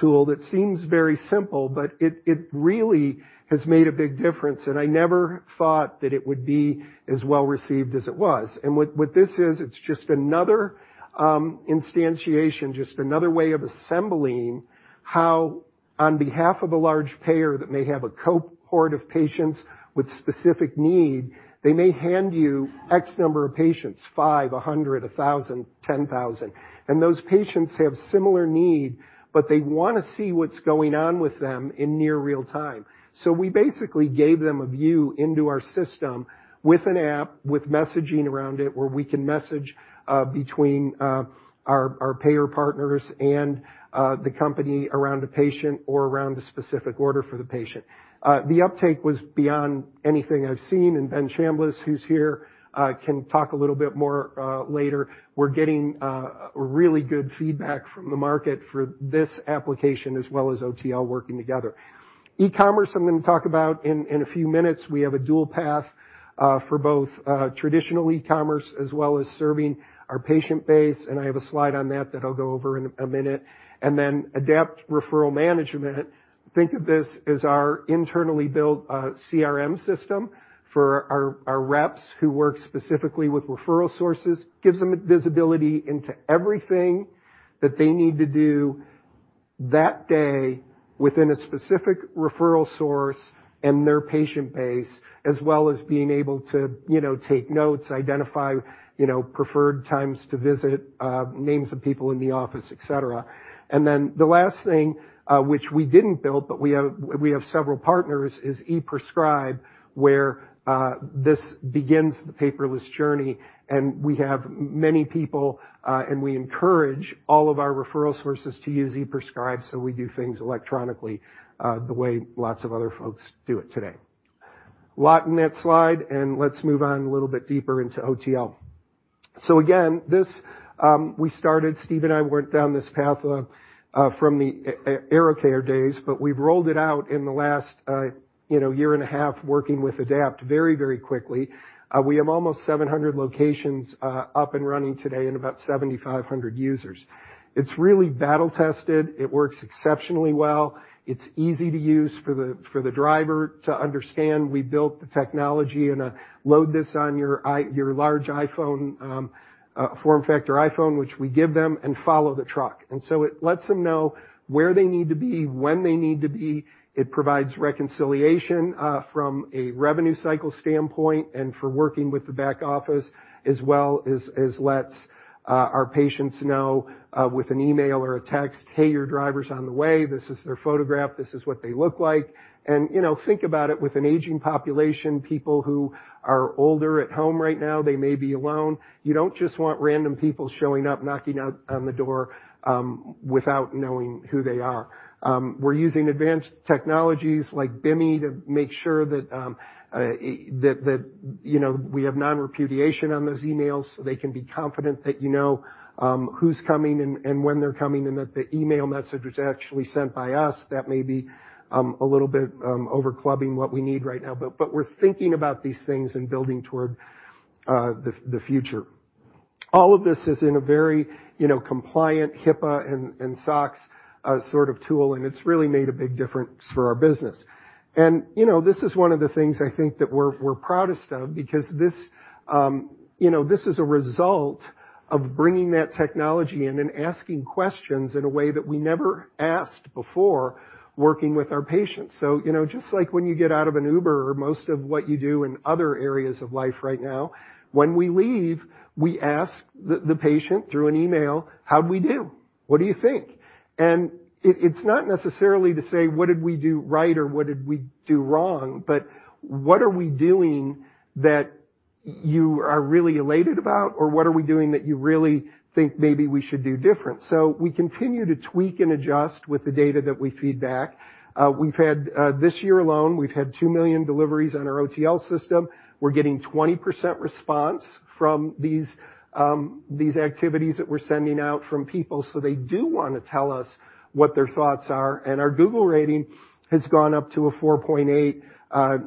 tool that seems very simple, but it really has made a big difference, and I never thought that it would be as well received as it was. What this is, it's just another instantiation, just another way of assembling how on behalf of a large payer that may have a cohort of patients with specific need, they may hand you X number of patients, 5, 100, 1,000, 10,000. Those patients have similar need, but they wanna see what's going on with them in near real time. We basically gave them a view into our system with an app, with messaging around it, where we can message between our payer partners and the company around a patient or around a specific order for the patient. The uptake was beyond anything I've seen, and Ben Chambliss, who's here, can talk a little bit more later. We're getting really good feedback from the market for this application as well as OTL working together. E-commerce, I'm gonna talk about in a few minutes. We have a dual path for both traditional e-commerce as well as serving our patient base, and I have a slide on that that I'll go over in a minute. AdaptHealth Referral Management, think of this as our internally built, CRM system for our reps who work specifically with referral sources. Gives them visibility into everything that they need to do that day within a specific referral source and their patient base, as well as being able to, you know, take notes, identify, you know, preferred times to visit, names of people in the office, et cetera. The last thing, which we didn't build, but we have several partners, is e-Prescribe, where this begins the paperless journey. We have many people, and we encourage all of our referral sources to use e-Prescribe, so we do things electronically, the way lots of other folks do it today. A lot in that slide, let's move on a little bit deeper into OTL. We started—Steve and I went down this path from the AeroCare days, but we've rolled it out in the last year and a half working with Adapt very, very quickly. We have almost 700 locations up and running today and about 7,500 users. It's really battle-tested. It works exceptionally well. It's easy to use for the driver to understand. We built the technology and load this on your large iPhone form factor iPhone, which we give them and follow the truck. It lets them know where they need to be, when they need to be. It provides reconciliation from a revenue cycle standpoint and for working with the back office as well as lets our patients know with an email or a text, "Hey, your driver's on the way. This is their photograph. This is what they look like." You know, think about it with an aging population, people who are older at home right now, they may be alone. You don't just want random people showing up, knocking on the door without knowing who they are. We're using advanced technologies like BIMI to make sure that you know, we have non-repudiation on those emails so they can be confident that you know who's coming and when they're coming, and that the email message was actually sent by us. That may be a little bit over clubbing what we need right now, but we're thinking about these things and building toward the future. All of this is in a very compliant HIPAA and SOCs sort of tool, and it's really made a big difference for our business. You know, this is one of the things I think that we're proudest of because this, you know, this is a result of bringing that technology in and asking questions in a way that we never asked before working with our patients. You know, just like when you get out of an Uber or most of what you do in other areas of life right now, when we leave, we ask the patient through an email, "How'd we do? What do you think?" It's not necessarily to say, what did we do right or what did we do wrong, but what are we doing that you are really elated about, or what are we doing that you really think maybe we should do different? We continue to tweak and adjust with the data that we feedback. We've had this year alone 2 million deliveries on our OTL system. We're getting 20% response from these activities that we're sending out to people, so they do wanna tell us what their thoughts are, and our Google rating has gone up to a 4.8.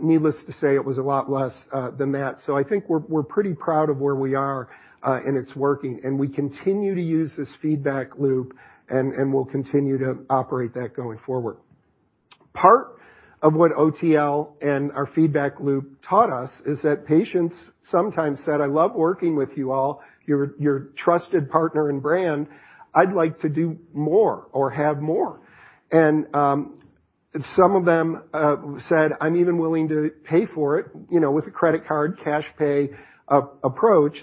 Needless to say, it was a lot less than that. I think we're pretty proud of where we are, and it's working, and we continue to use this feedback loop, and we'll continue to operate that going forward. Part of what OTL and our feedback loop taught us is that patients sometimes said, "I love working with you all. You're a trusted partner and brand. I'd like to do more or have more." Some of them said, "I'm even willing to pay for it, you know, with a credit card, cash pay approach."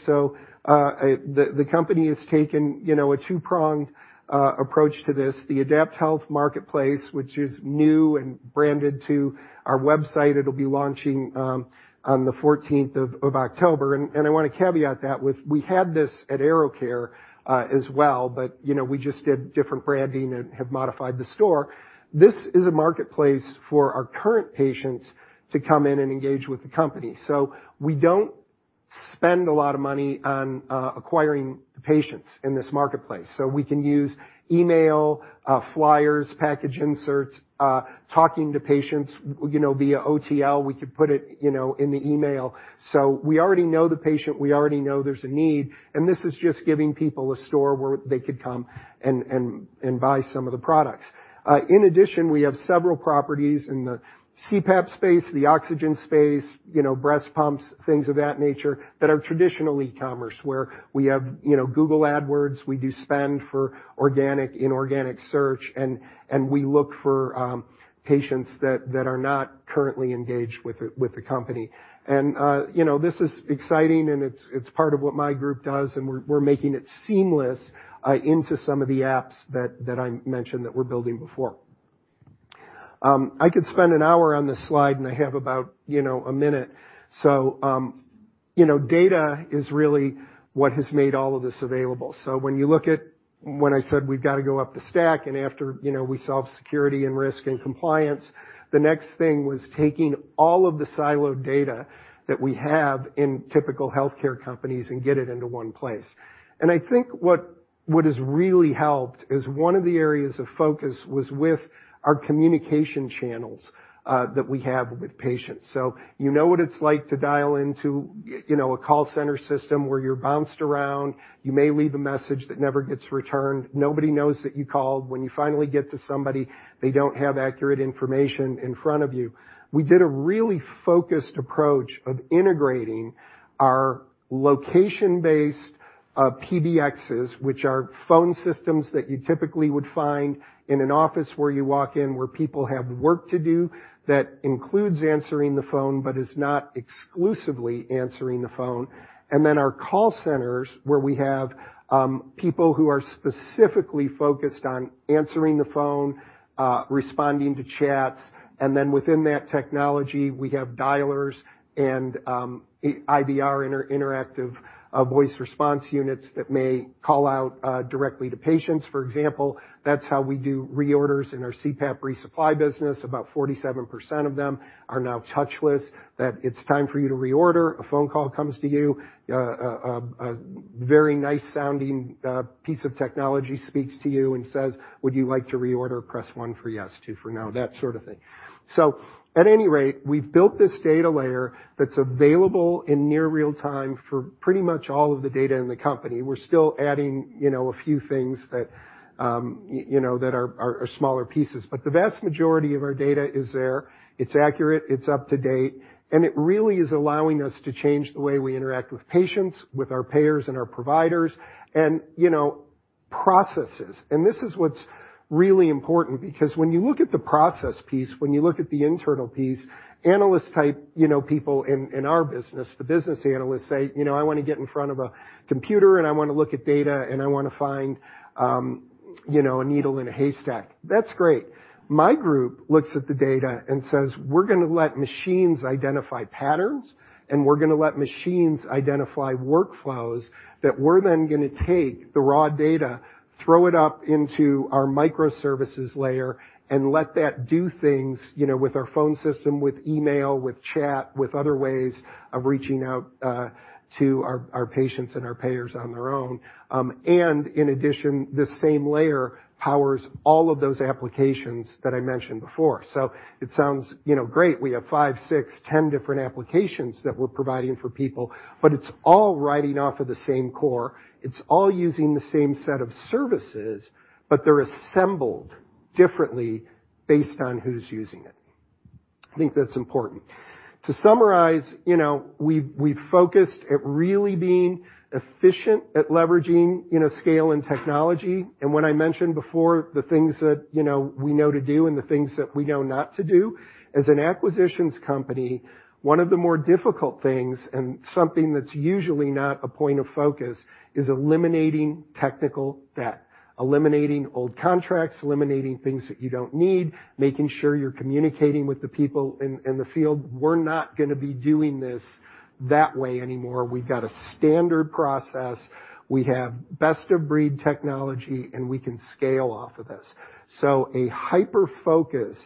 The company has taken, you know, a two-pronged approach to this. The AdaptHealth Marketplace, which is new and branded to our website, it'll be launching on the 14th of October. I wanna caveat that with we had this at AeroCare, as well, but you know, we just did different branding and have modified the store. This is a marketplace for our current patients to come in and engage with the company. We don't spend a lot of money on acquiring the patients in this marketplace. We can use email, flyers, package inserts, talking to patients, you know, via OTL. We could put it, you know, in the email. We already know the patient. We already know there's a need, and this is just giving people a store where they could come and buy some of the products. In addition, we have several properties in the CPAP space, the oxygen space, you know, breast pumps, things of that nature that are traditional e-commerce, where we have, you know, Google AdWords. We do spend for organic, inorganic search, and we look for patients that are not currently engaged with the company. You know, this is exciting, and it's part of what my group does, and we're making it seamless into some of the apps that I mentioned that we're building before. I could spend an hour on this slide, and I have about, you know, a minute. You know, data is really what has made all of this available. When you look at when I said we've got to go up the stack and after, you know, we solve security and risk and compliance, the next thing was taking all of the siloed data that we have in typical healthcare companies and get it into one place. I think what has really helped is one of the areas of focus was with our communication channels that we have with patients. You know what it's like to dial into you know a call center system where you're bounced around, you may leave a message that never gets returned. Nobody knows that you called. When you finally get to somebody, they don't have accurate information in front of you. We did a really focused approach of integrating our location-based PBXs, which are phone systems that you typically would find in an office where you walk in, where people have work to do that includes answering the phone but is not exclusively answering the phone. Then our call centers, where we have people who are specifically focused on answering the phone, responding to chats. Then within that technology, we have dialers. IVR, interactive voice response units that may call out directly to patients. For example, that's how we do reorders in our CPAP resupply business. About 47% of them are now touchless, that it's time for you to reorder. A phone call comes to you. A very nice sounding piece of technology speaks to you and says, "Would you like to reorder? Press one for yes, two for no," that sort of thing. At any rate, we've built this data layer that's available in near real-time for pretty much all of the data in the company. We're still adding, you know, a few things that are smaller pieces. But the vast majority of our data is there. It's accurate, it's up to date, and it really is allowing us to change the way we interact with patients, with our payers and our providers, and, you know, processes. This is what's really important because when you look at the process piece, when you look at the internal piece, analyst type, you know, people in our business, the business analysts say, "You know, I wanna get in front of a computer, and I wanna look at data, and I wanna find, you know, a needle in a haystack." That's great. My group looks at the data and says, "We're gonna let machines identify patterns, and we're gonna let machines identify workflows that we're then gonna take the raw data, throw it up into our microservices layer, and let that do things, you know, with our phone system, with email, with chat, with other ways of reaching out to our patients and our payers on their own." In addition, this same layer powers all of those applications that I mentioned before. It sounds, you know, great. We have five, six, 10 different applications that we're providing for people, but it's all riding off of the same core. It's all using the same set of services, but they're assembled differently based on who's using it. I think that's important. To summarize, you know, we've focused at really being efficient at leveraging, you know, scale and technology. When I mentioned before the things that, you know, we know to do, and the things that we know not to do. As an acquisitions company, one of the more difficult things, and something that's usually not a point of focus is eliminating technical debt, eliminating old contracts, eliminating things that you don't need, making sure you're communicating with the people in the field. We're not gonna be doing this that way anymore. We've got a standard process. We have best-of-breed technology, and we can scale off of this. A hyper-focus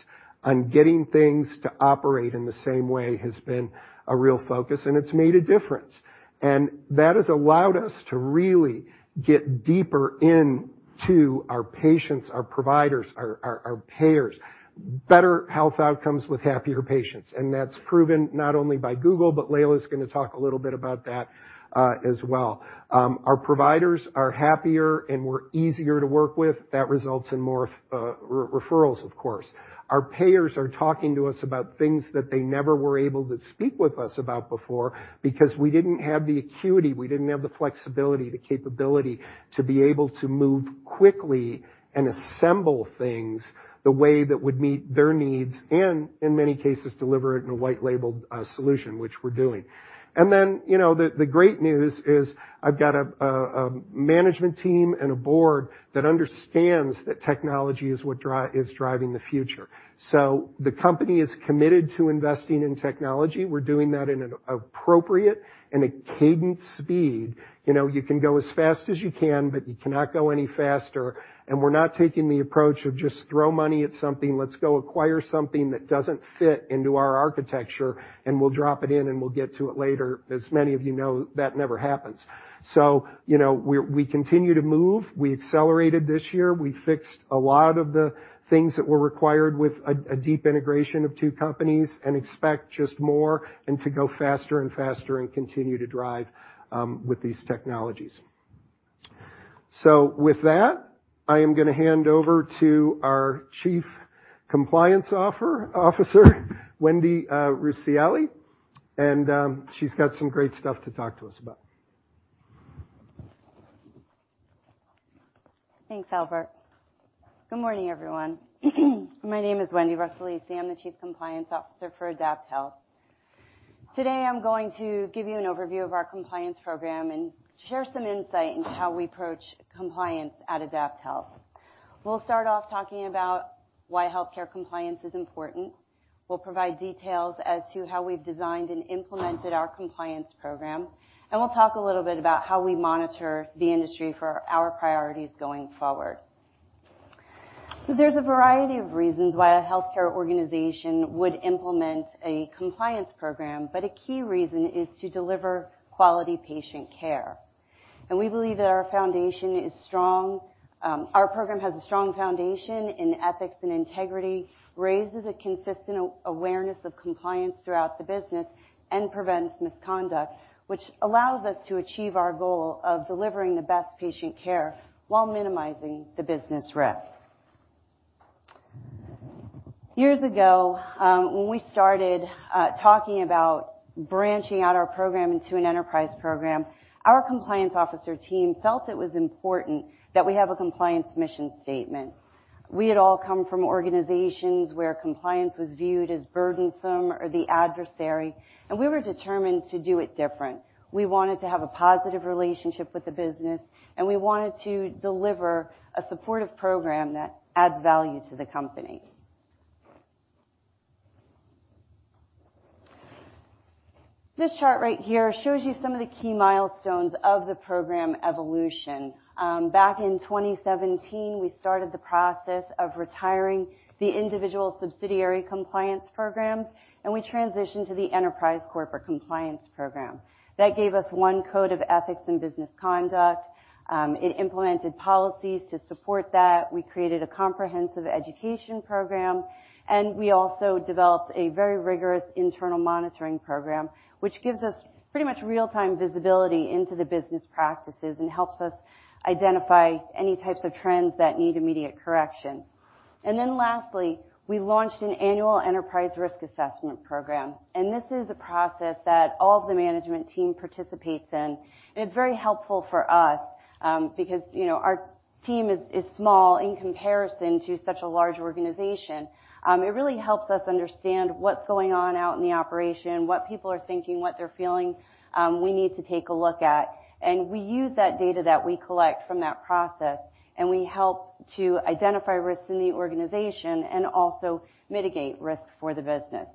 on getting things to operate in the same way has been a real focus, and it's made a difference. That has allowed us to really get deeper into our patients, our providers, our payers. Better health outcomes with happier patients. That's proven not only by Google, but Leila's gonna talk a little bit about that, as well. Our providers are happier, and we're easier to work with. That results in more referrals, of course. Our payers are talking to us about things that they never were able to speak with us about before because we didn't have the acuity, we didn't have the flexibility, the capability to be able to move quickly and assemble things the way that would meet their needs, and in many cases, deliver it in a white labeled solution, which we're doing. You know, the great news is I've got a management team and a board that understands that technology is what is driving the future. The company is committed to investing in technology. We're doing that in an appropriate and a cadenced speed. You know, you can go as fast as you can, but you cannot go any faster. We're not taking the approach of just throw money at something. Let's go acquire something that doesn't fit into our architecture, and we'll drop it in, and we'll get to it later. As many of you know, that never happens. You know, we continue to move. We accelerated this year. We fixed a lot of the things that were required with a deep integration of two companies and expect just more and to go faster and faster and continue to drive with these technologies. With that, I am gonna hand over to our Chief Compliance Officer, Wendy Russalesi, and she's got some great stuff to talk to us about. Thanks, Albert. Good morning, everyone. My name is Wendy Russalesi. I'm the chief compliance officer for AdaptHealth. Today, I'm going to give you an overview of our compliance program and share some insight into how we approach compliance at AdaptHealth. We'll start off talking about why healthcare compliance is important. We'll provide details as to how we've designed and implemented our compliance program. We'll talk a little bit about how we monitor the industry for our priorities going forward. There's a variety of reasons why a healthcare organization would implement a compliance program, but a key reason is to deliver quality patient care. We believe that our foundation is strong. Our program has a strong foundation in ethics and integrity, raises a consistent awareness of compliance throughout the business, and prevents misconduct, which allows us to achieve our goal of delivering the best patient care while minimizing the business risk. Years ago, when we started talking about branching out our program into an enterprise program, our compliance officer team felt it was important that we have a compliance mission statement. We had all come from organizations where compliance was viewed as burdensome or the adversary, and we were determined to do it different. We wanted to have a positive relationship with the business, and we wanted to deliver a supportive program that adds value to the company. This chart right here shows you some of the key milestones of the program evolution. Back in 2017, we started the process of retiring the individual subsidiary compliance programs, and we transitioned to the enterprise corporate compliance program. That gave us one code of ethics and business conduct. It implemented policies to support that. We created a comprehensive education program, and we also developed a very rigorous internal monitoring program, which gives us pretty much real-time visibility into the business practices and helps us identify any types of trends that need immediate correction. Then lastly, we launched an annual enterprise risk assessment program, and this is a process that all of the management team participates in. It's very helpful for us, because, you know, our team is small in comparison to such a large organization. It really helps us understand what's going on out in the operation, what people are thinking, what they're feeling, we need to take a look at. We use that data that we collect from that process, and we help to identify risks in the organization and also mitigate risk for the business.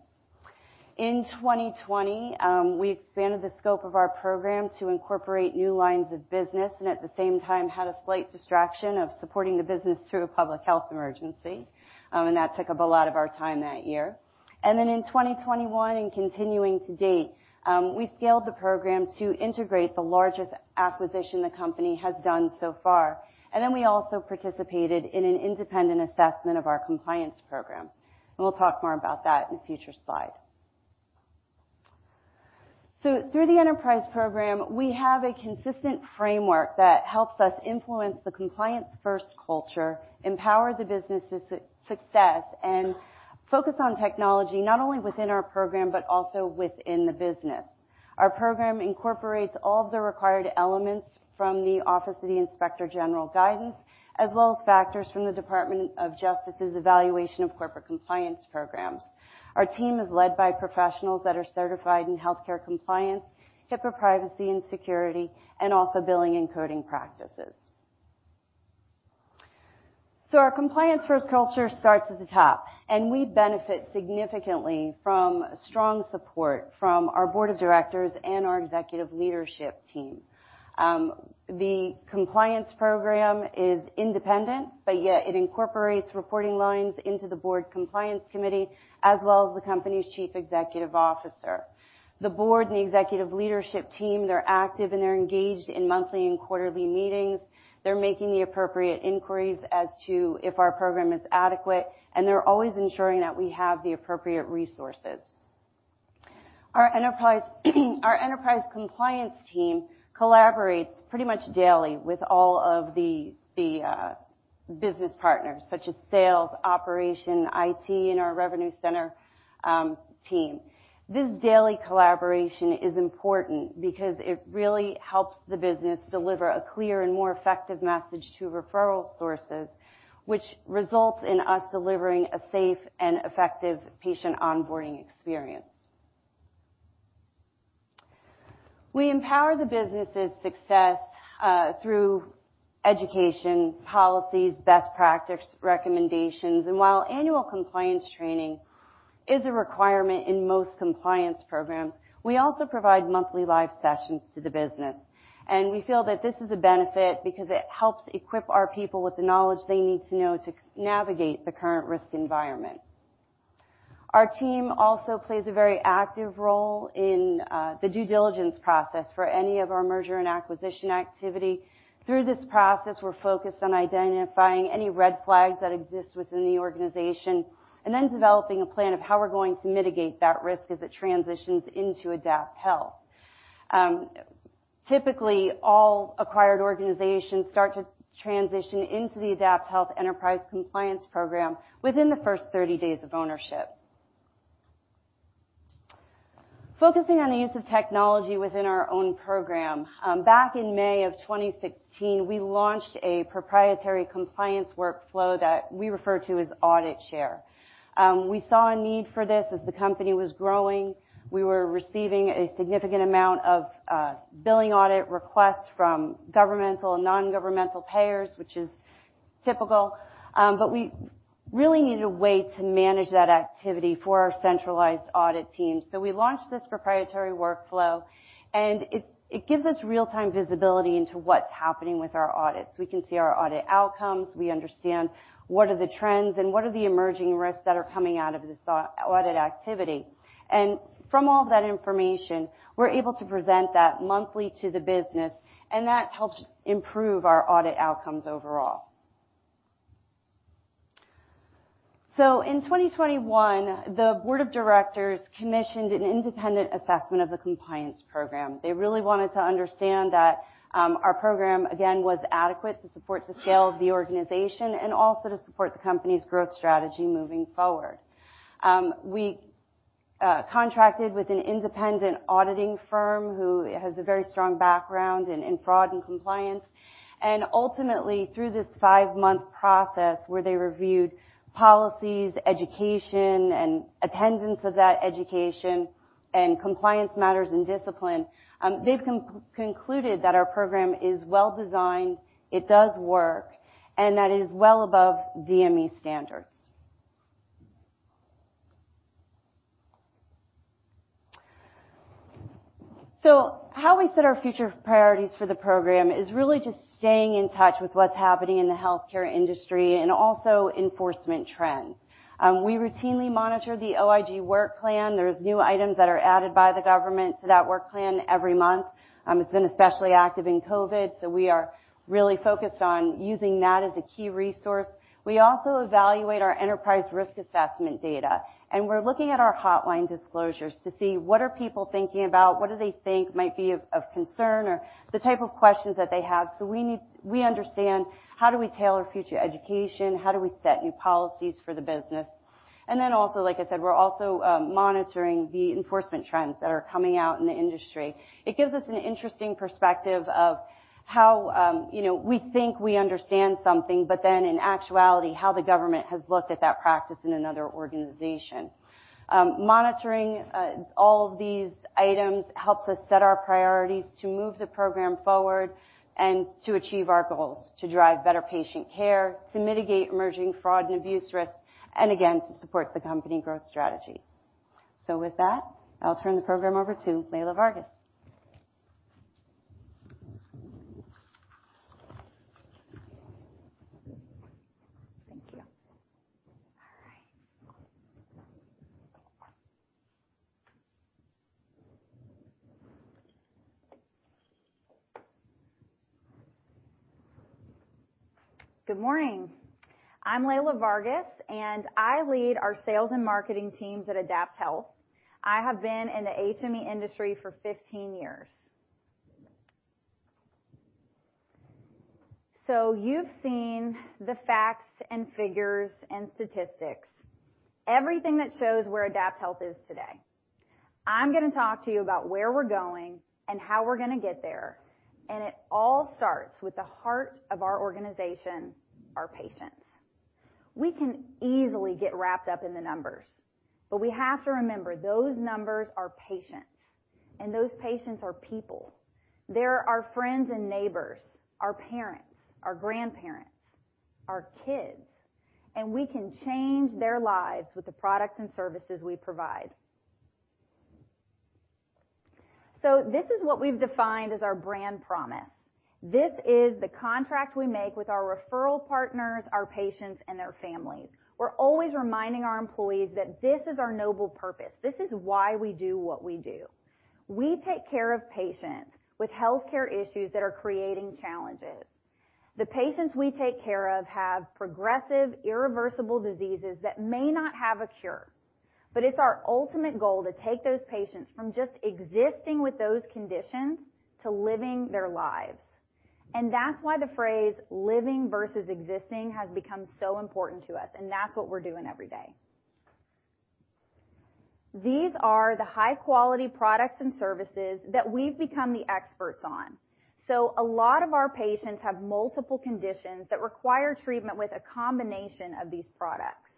In 2020, we expanded the scope of our program to incorporate new lines of business, and at the same time had a slight distraction of supporting the business through a public health emergency. That took up a lot of our time that year. In 2021 and continuing to date, we scaled the program to integrate the largest acquisition the company has done so far. We also participated in an independent assessment of our compliance program. We'll talk more about that in a future slide. Through the enterprise program, we have a consistent framework that helps us influence the compliance-first culture, empower the business' success, and focus on technology, not only within our program, but also within the business. Our program incorporates all of the required elements from the Office of the Inspector General guidance, as well as factors from the Department of Justice's evaluation of corporate compliance programs. Our team is led by professionals that are certified in healthcare compliance, HIPAA privacy and security, and also billing and coding practices. Our compliance-first culture starts at the top, and we benefit significantly from strong support from our board of directors and our executive leadership team. The compliance program is independent, but yet it incorporates reporting lines into the board compliance committee as well as the company's chief executive officer. The board and the executive leadership team, they're active and they're engaged in monthly and quarterly meetings. They're making the appropriate inquiries as to if our program is adequate, and they're always ensuring that we have the appropriate resources. Our enterprise compliance team collaborates pretty much daily with all of the business partners such as sales, operation, IT, and our revenue center team. This daily collaboration is important because it really helps the business deliver a clear and more effective message to referral sources, which results in us delivering a safe and effective patient onboarding experience. We empower the business' success through education, policies, best practice recommendations. While annual compliance training is a requirement in most compliance programs, we also provide monthly live sessions to the business. We feel that this is a benefit because it helps equip our people with the knowledge they need to know to navigate the current risk environment. Our team also plays a very active role in the due diligence process for any of our merger and acquisition activity. Through this process, we're focused on identifying any red flags that exist within the organization, and then developing a plan of how we're going to mitigate that risk as it transitions into AdaptHealth. Typically, all acquired organizations start to transition into the AdaptHealth Enterprise Compliance Program within the first 30 days of ownership. Focusing on the use of technology within our own program, back in May of 2016, we launched a proprietary compliance workflow that we refer to as Audit Share. We saw a need for this as the company was growing. We were receiving a significant amount of billing audit requests from governmental and non-governmental payers, which is typical. We really needed a way to manage that activity for our centralized audit team. We launched this proprietary workflow, and it gives us real-time visibility into what's happening with our audits. We can see our audit outcomes, we understand what are the trends and what are the emerging risks that are coming out of this audit activity. From all of that information, we're able to present that monthly to the business, and that helps improve our audit outcomes overall. In 2021, the board of directors commissioned an independent assessment of the compliance program. They really wanted to understand that our program again was adequate to support the scale of the organization and also to support the company's growth strategy moving forward. We contracted with an independent auditing firm who has a very strong background in fraud and compliance. Ultimately, through this five-month process where they reviewed policies, education, and attendance of that education, and compliance matters and discipline, they've concluded that our program is well-designed, it does work, and that is well above DME standards. How we set our future priorities for the program is really just staying in touch with what's happening in the healthcare industry and also enforcement trends. We routinely monitor the OIG Work Plan. There's new items that are added by the government to that work plan every month. It's been especially active in COVID, so we are really focused on using that as a key resource. We also evaluate our enterprise risk assessment data, and we're looking at our hotline disclosures to see what are people thinking about? What do they think might be of concern or the type of questions that they have. We understand how do we tailor future education? How do we set new policies for the business? Like I said, we're also monitoring the enforcement trends that are coming out in the industry. It gives us an interesting perspective of how, you know, we think we understand something, but then in actuality, how the government has looked at that practice in another organization. Monitoring all of these items helps us set our priorities to move the program forward and to achieve our goals, to drive better patient care, to mitigate emerging fraud and abuse risks, and again, to support the company growth strategy. With that, I'll turn the program over to Leila Vargas. Thank you. All right. Good morning. I'm Leila Vargas, and I lead our sales and marketing teams at AdaptHealth. I have been in the HME industry for 15 years. You've seen the facts and figures and statistics, everything that shows where AdaptHealth is today. I'm gonna talk to you about where we're going and how we're gonna get there, and it all starts with the heart of our organization, our patients. We can easily get wrapped up in the numbers, but we have to remember, those numbers are patients, and those patients are people. They're our friends and neighbors, our parents, our grandparents, our kids, and we can change their lives with the products and services we provide. This is what we've defined as our brand promise. This is the contract we make with our referral partners, our patients, and their families. We're always reminding our employees that this is our noble purpose. This is why we do what we do. We take care of patients with healthcare issues that are creating challenges. The patients we take care of have progressive, irreversible diseases that may not have a cure, but it's our ultimate goal to take those patients from just existing with those conditions to living their lives. That's why the phrase living versus existing has become so important to us, and that's what we're doing every day. These are the high-quality products and services that we've become the experts on. A lot of our patients have multiple conditions that require treatment with a combination of these products.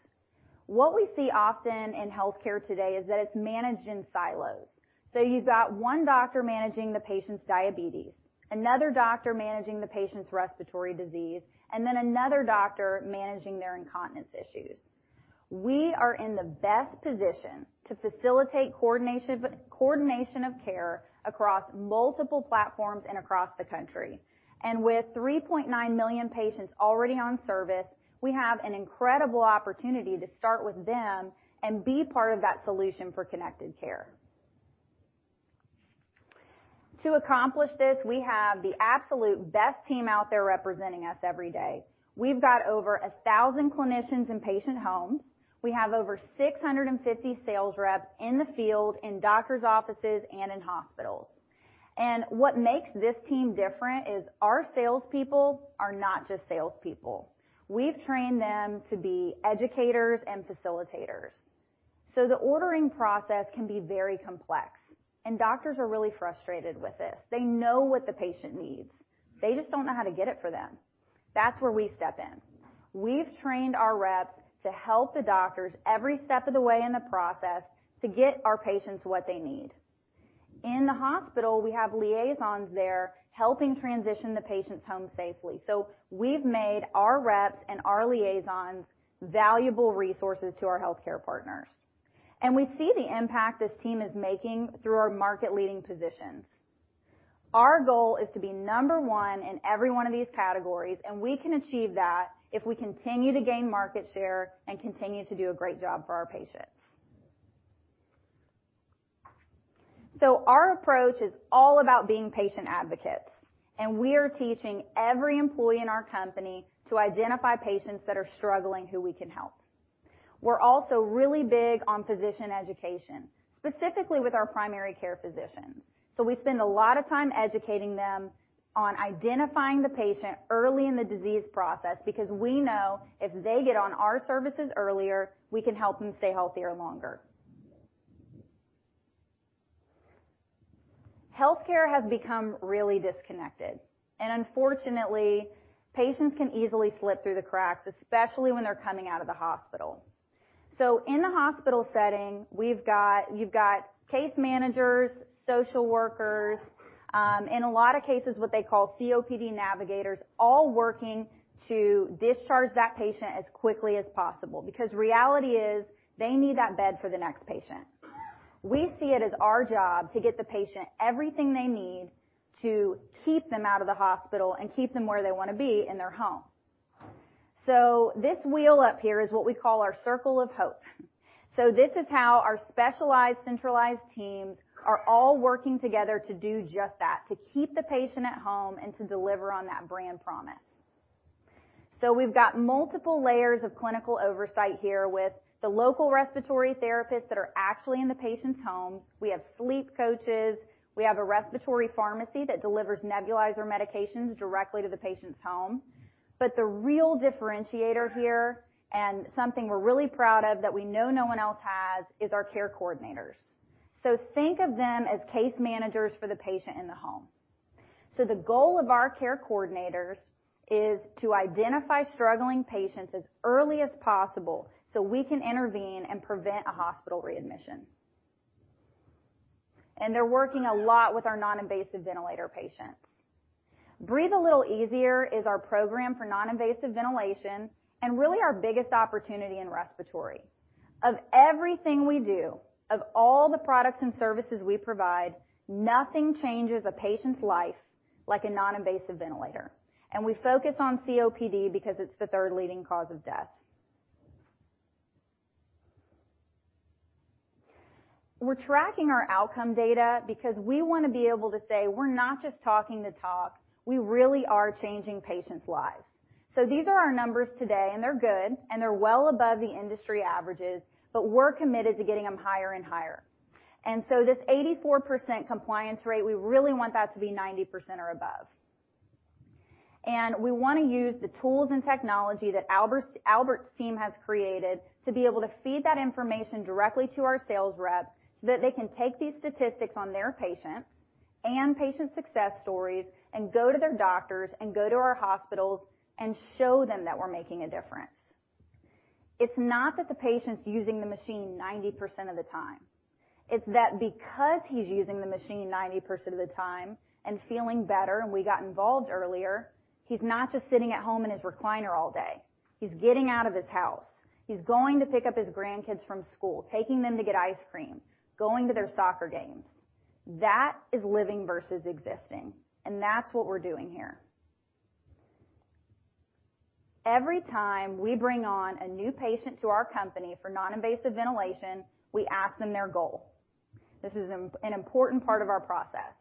What we see often in healthcare today is that it's managed in silos. You've got one doctor managing the patient's diabetes, another doctor managing the patient's respiratory disease, and then another doctor managing their incontinence issues. We are in the best position to facilitate coordination of care across multiple platforms and across the country. With 3.9 million patients already on service, we have an incredible opportunity to start with them and be part of that solution for connected care. To accomplish this, we have the absolute best team out there representing us every day. We've got over 1,000 clinicians in patient homes. We have over 650 sales reps in the field, in doctor's offices, and in hospitals. What makes this team different is our salespeople are not just salespeople. We've trained them to be educators and facilitators. The ordering process can be very complex, and doctors are really frustrated with this. They know what the patient needs. They just don't know how to get it for them. That's where we step in. We've trained our reps to help the doctors every step of the way in the process to get our patients what they need. In the hospital, we have liaisons there helping transition the patients home safely. We've made our reps and our liaisons valuable resources to our healthcare partners. We see the impact this team is making through our market leading positions. Our goal is to be number one in every one of these categories, and we can achieve that if we continue to gain market share and continue to do a great job for our patients. Our approach is all about being patient advocates, and we are teaching every employee in our company to identify patients that are struggling, who we can help. We're also really big on physician education, specifically with our primary care physicians. We spend a lot of time educating them on identifying the patient early in the disease process because we know if they get on our services earlier, we can help them stay healthier longer. Healthcare has become really disconnected, and unfortunately, patients can easily slip through the cracks, especially when they're coming out of the hospital. In the hospital setting, you've got case managers, social workers, in a lot of cases, what they call COPD navigators, all working to discharge that patient as quickly as possible because reality is they need that bed for the next patient. We see it as our job to get the patient everything they need to keep them out of the hospital and keep them where they want to be, in their home. This wheel up here is what we call our Circle of Hope. This is how our specialized, centralized teams are all working together to do just that, to keep the patient at home and to deliver on that brand promise. We've got multiple layers of clinical oversight here with the local respiratory therapists that are actually in the patient's homes. We have sleep coaches. We have a respiratory pharmacy that delivers nebulizer medications directly to the patient's home. The real differentiator here, and something we're really proud of that we know no one else has, is our care coordinators. Think of them as case managers for the patient in the home. The goal of our care coordinators is to identify struggling patients as early as possible, so we can intervene and prevent a hospital readmission. They're working a lot with our non-invasive ventilator patients. Breathe a Little Easier is our program for non-invasive ventilation and really our biggest opportunity in respiratory. Of everything we do, of all the products and services we provide, nothing changes a patient's life like a non-invasive ventilator. We focus on COPD because it's the third leading cause of death. We're tracking our outcome data because we want to be able to say, "We're not just talking the talk, we really are changing patients' lives." These are our numbers today, and they're good, and they're well above the industry averages, but we're committed to getting them higher and higher. This 84% compliance rate, we really want that to be 90% or above. We wanna use the tools and technology that Albert's team has created to be able to feed that information directly to our sales reps, so that they can take these statistics on their patients and patient success stories and go to their doctors and go to our hospitals and show them that we're making a difference. It's not that the patient's using the machine 90% of the time. It's that because he's using the machine 90% of the time and feeling better, and we got involved earlier, he's not just sitting at home in his recliner all day. He's getting out of his house. He's going to pick up his grandkids from school, taking them to get ice cream, going to their soccer games. That is living versus existing, and that's what we're doing here. Every time we bring on a new patient to our company for non-invasive ventilation, we ask them their goal. This is an important part of our process.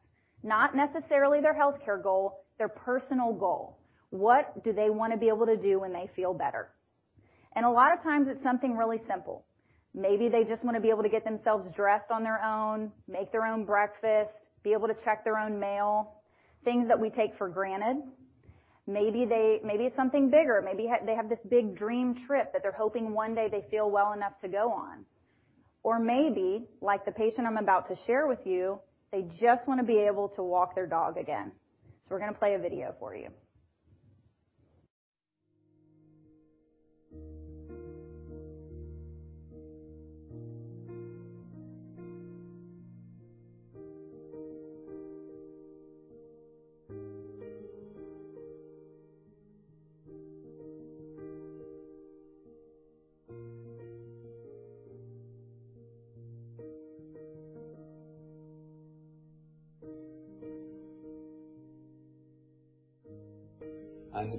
Not necessarily their healthcare goal, their personal goal. What do they wanna be able to do when they feel better? A lot of times it's something really simple. Maybe they just wanna be able to get themselves dressed on their own, make their own breakfast, be able to check their own mail, things that we take for granted. Maybe it's something bigger. Maybe they have this big dream trip that they're hoping one day they feel well enough to go on. Or maybe, like the patient I'm about to share with you, they just wanna be able to walk their dog again. We're gonna play a video for you.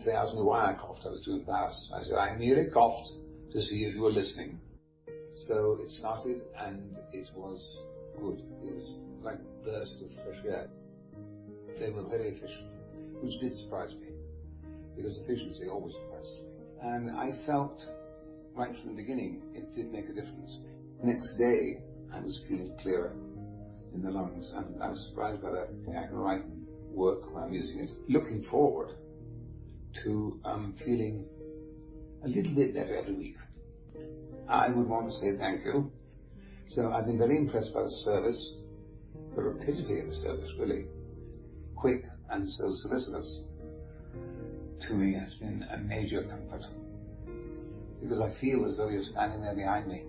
They say, "I don't know why I coughed. I was doing that." I said, "I merely coughed to see if you were listening." It started, and it was good. It was like a burst of fresh air. They were very efficient, which did surprise me because efficiency always surprises me. I felt right from the beginning, it did make a difference. The next day, I was feeling clearer in the lungs, and I was surprised by that. I can write and work while I'm using it. Looking forward to feeling a little bit better every week. I would want to say thank you. I've been very impressed by the service, the rapidity of the service, really. Quick and so solicitous. To me, it's been a major comfort because I feel as though you're standing there behind me.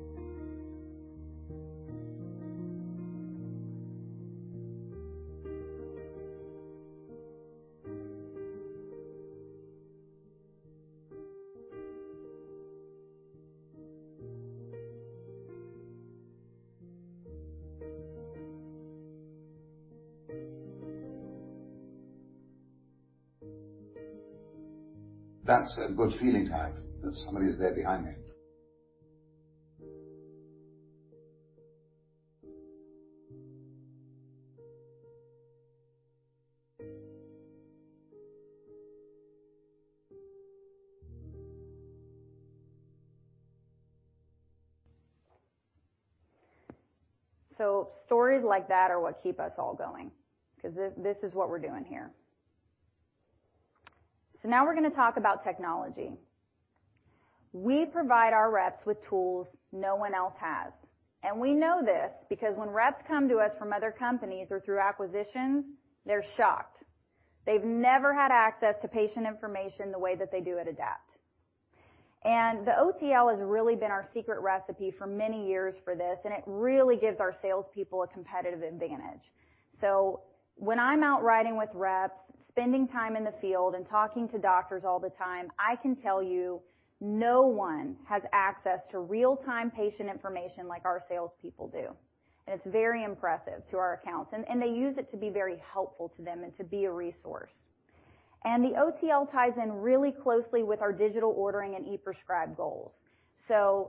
That's a good feeling to have, that somebody's there behind me. Stories like that are what keep us all going because this is what we're doing here. Now we're gonna talk about technology. We provide our reps with tools no one else has. We know this because when reps come to us from other companies or through acquisitions, they're shocked. They've never had access to patient information the way that they do at Adapt. The OTL has really been our secret recipe for many years for this, and it really gives our salespeople a competitive advantage. When I'm out riding with reps, spending time in the field and talking to doctors all the time, I can tell you no one has access to real-time patient information like our salespeople do. It's very impressive to our accounts, and they use it to be very helpful to them and to be a resource. The OTL ties in really closely with our digital ordering and e-prescribe goals. The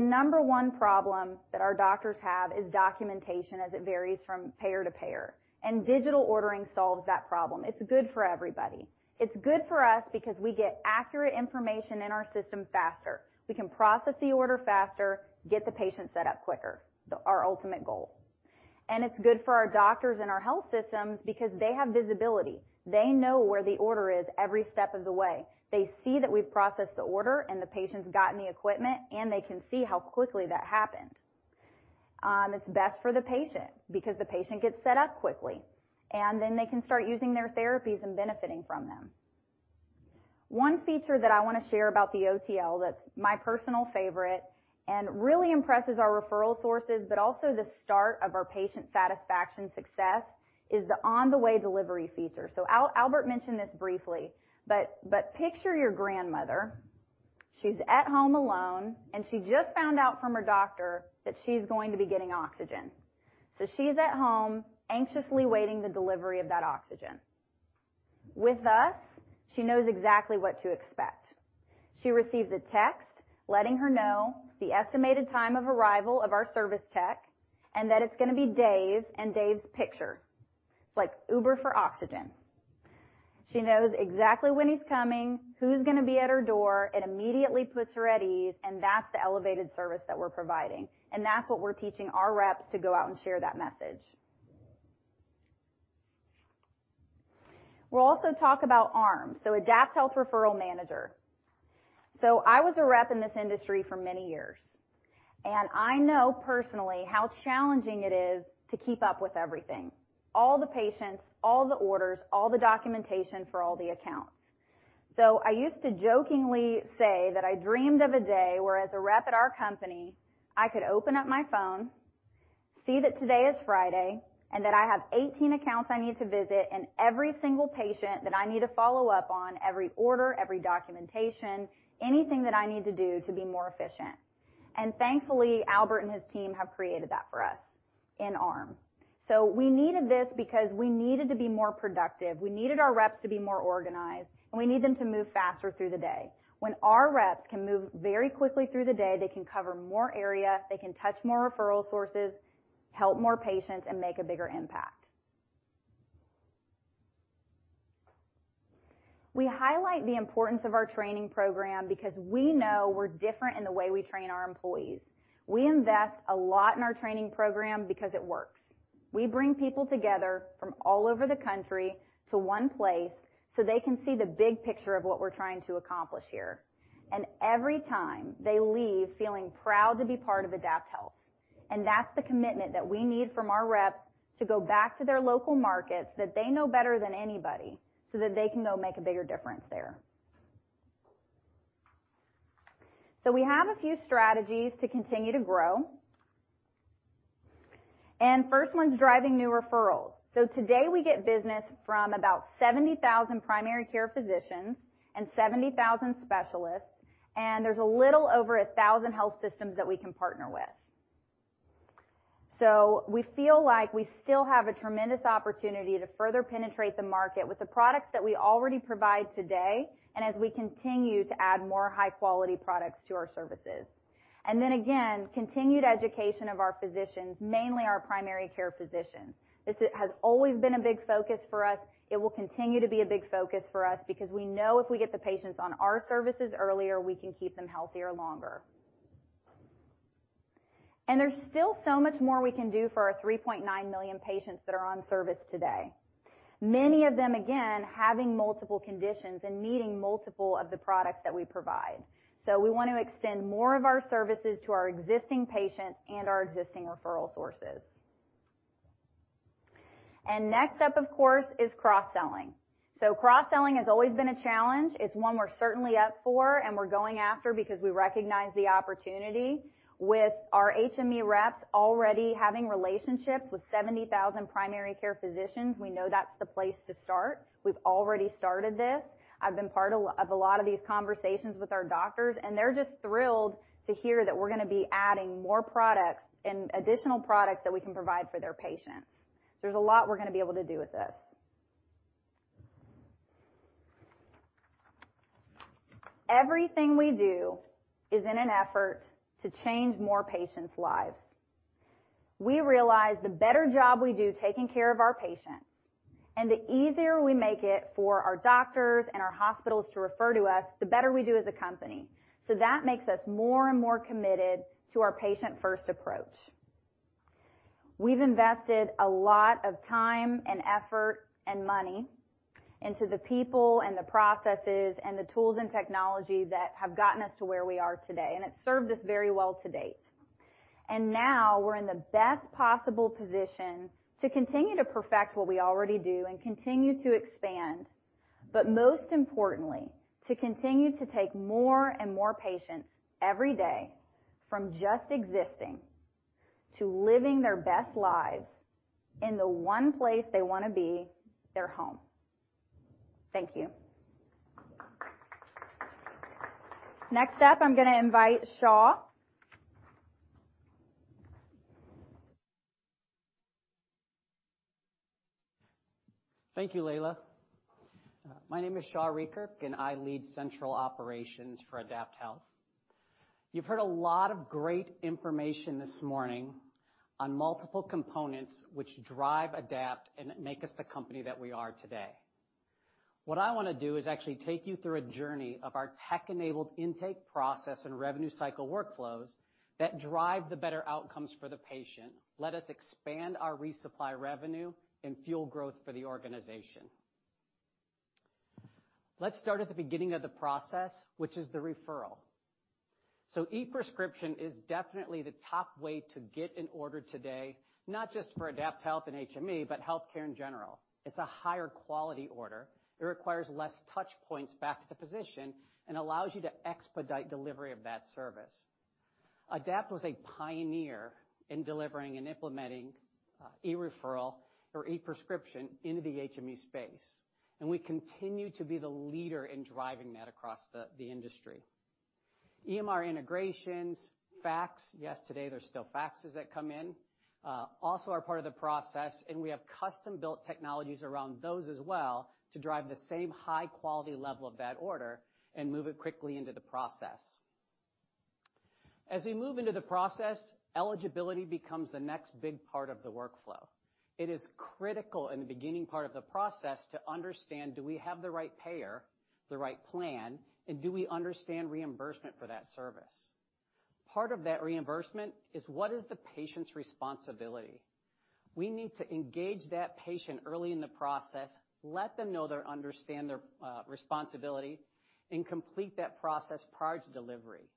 number 1 problem that our doctors have is documentation as it varies from payer to payer, and digital ordering solves that problem. It's good for everybody. It's good for us because we get accurate information in our system faster. We can process the order faster, get the patient set up quicker, our ultimate goal. It's good for our doctors and our health systems because they have visibility. They know where the order is every step of the way. They see that we've processed the order, and the patient's gotten the equipment, and they can see how quickly that happened. It's best for the patient because the patient gets set up quickly, and then they can start using their therapies and benefiting from them. One feature that I wanna share about the OTL that's my personal favorite and really impresses our referral sources but also the start of our patient satisfaction success is the on-the-way delivery feature. Albert mentioned this briefly, but picture your grandmother. She's at home alone, and she just found out from her doctor that she's going to be getting oxygen. She's at home anxiously awaiting the delivery of that oxygen. With us, she knows exactly what to expect. She receives a text letting her know the estimated time of arrival of our service tech and that it's gonna be Dave and Dave's picture. It's like Uber for oxygen. She knows exactly when he's coming, who's gonna be at her door, it immediately puts her at ease, and that's the elevated service that we're providing. That's what we're teaching our reps to go out and share that message. We'll also talk about ARM, so AdaptHealth Referral Manager. I was a rep in this industry for many years, and I know personally how challenging it is to keep up with everything, all the patients, all the orders, all the documentation for all the accounts. I used to jokingly say that I dreamed of a day where, as a rep at our company, I could open up my phone, see that today is Friday, and that I have 18 accounts I need to visit and every single patient that I need to follow up on, every order, every documentation, anything that I need to do to be more efficient. Thankfully, Albert and his team have created that for us in ARM. We needed this because we needed to be more productive, we needed our reps to be more organized, and we need them to move faster through the day. When our reps can move very quickly through the day, they can cover more area, they can touch more referral sources, help more patients, and make a bigger impact. We highlight the importance of our training program because we know we're different in the way we train our employees. We invest a lot in our training program because it works. We bring people together from all over the country to one place, so they can see the big picture of what we're trying to accomplish here. Every time, they leave feeling proud to be part of AdaptHealth. That's the commitment that we need from our reps to go back to their local markets that they know better than anybody, so that they can go make a bigger difference there. We have a few strategies to continue to grow. First one's driving new referrals. Today, we get business from about 70,000 primary care physicians and 70,000 specialists, and there's a little over 1,000 health systems that we can partner with. We feel like we still have a tremendous opportunity to further penetrate the market with the products that we already provide today and as we continue to add more high-quality products to our services. Then again, continued education of our physicians, mainly our primary care physicians. This has always been a big focus for us. It will continue to be a big focus for us because we know if we get the patients on our services earlier, we can keep them healthier longer. There's still so much more we can do for our 3.9 million patients that are on service today. Many of them, again, having multiple conditions and needing multiple of the products that we provide. We want to extend more of our services to our existing patients and our existing referral sources. Next up, of course, is cross-selling. Cross-selling has always been a challenge. It's one we're certainly up for, and we're going after because we recognize the opportunity. With our HME reps already having relationships with 70,000 primary care physicians, we know that's the place to start. We've already started this. I've been part of a lot of these conversations with our doctors, and they're just thrilled to hear that we're gonna be adding more products and additional products that we can provide for their patients. There's a lot we're gonna be able to do with this. Everything we do is in an effort to change more patients' lives. We realize the better job we do taking care of our patients and the easier we make it for our doctors and our hospitals to refer to us, the better we do as a company. That makes us more and more committed to our patient-first approach. We've invested a lot of time and effort and money into the people and the processes and the tools and technology that have gotten us to where we are today, and it's served us very well to date. Now we're in the best possible position to continue to perfect what we already do and continue to expand, but most importantly, to continue to take more and more patients every day from just existing to living their best lives in the one place they wanna be, their home. Thank you. Next up, I'm gonna invite Shaw. Thank you, Leila. My name is Shaw Rietkerk, and I lead central operations for AdaptHealth. You've heard a lot of great information this morning on multiple components which drive AdaptHealth and make us the company that we are today. What I wanna do is actually take you through a journey of our tech-enabled intake process and revenue cycle workflows that drive the better outcomes for the patient, let us expand our resupply revenue and fuel growth for the organization. Let's start at the beginning of the process, which is the referral. e-prescription is definitely the top way to get an order today, not just for AdaptHealth and HME, but healthcare in general. It's a higher quality order. It requires less touch points back to the physician and allows you to expedite delivery of that service. Adapt was a pioneer in delivering and implementing, e-referral or e-prescription into the HME space, and we continue to be the leader in driving that across the industry. EMR integrations, fax. Yes, today, there's still faxes that come in, also are part of the process, and we have custom-built technologies around those as well to drive the same high quality level of that order and move it quickly into the process. As we move into the process, eligibility becomes the next big part of the workflow. It is critical in the beginning part of the process to understand do we have the right payer, the right plan, and do we understand reimbursement for that service? Part of that reimbursement is what is the patient's responsibility. We need to engage that patient early in the process, let them know or understand their responsibility, and complete that process prior to delivery.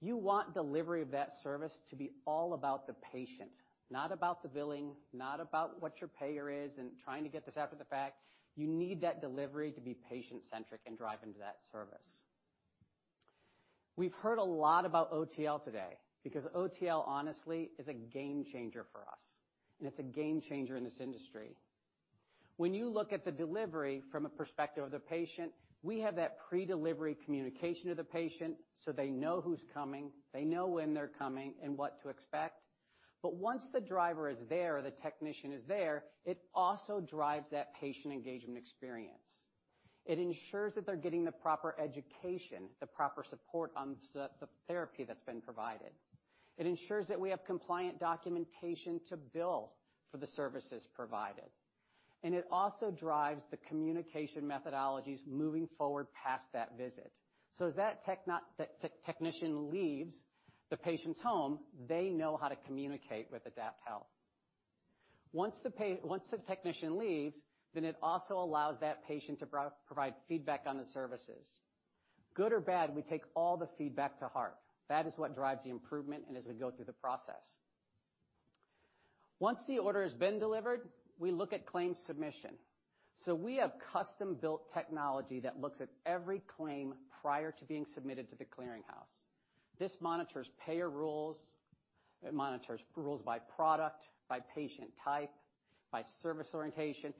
You want delivery of that service to be all about the patient, not about the billing, not about what your payer is and trying to get this after the fact. You need that delivery to be patient-centric and drive them to that service. We've heard a lot about OTL today because OTL honestly is a game changer for us, and it's a game changer in this industry. When you look at the delivery from a perspective of the patient, we have that pre-delivery communication to the patient so they know who's coming, they know when they're coming, and what to expect. Once the driver is there, the technician is there, it also drives that patient engagement experience. It ensures that they're getting the proper education, the proper support on the therapy that's been provided. It ensures that we have compliant documentation to bill for the services provided. It also drives the communication methodologies moving forward past that visit. As that technician leaves the patient's home, they know how to communicate with AdaptHealth. Once the technician leaves, then it also allows that patient to provide feedback on the services. Good or bad, we take all the feedback to heart. That is what drives the improvement and as we go through the process. Once the order has been delivered, we look at claims submission. We have custom-built technology that looks at every claim prior to being submitted to the clearing house. This monitors payer rules. It monitors rules by product, by patient type, by service orientation.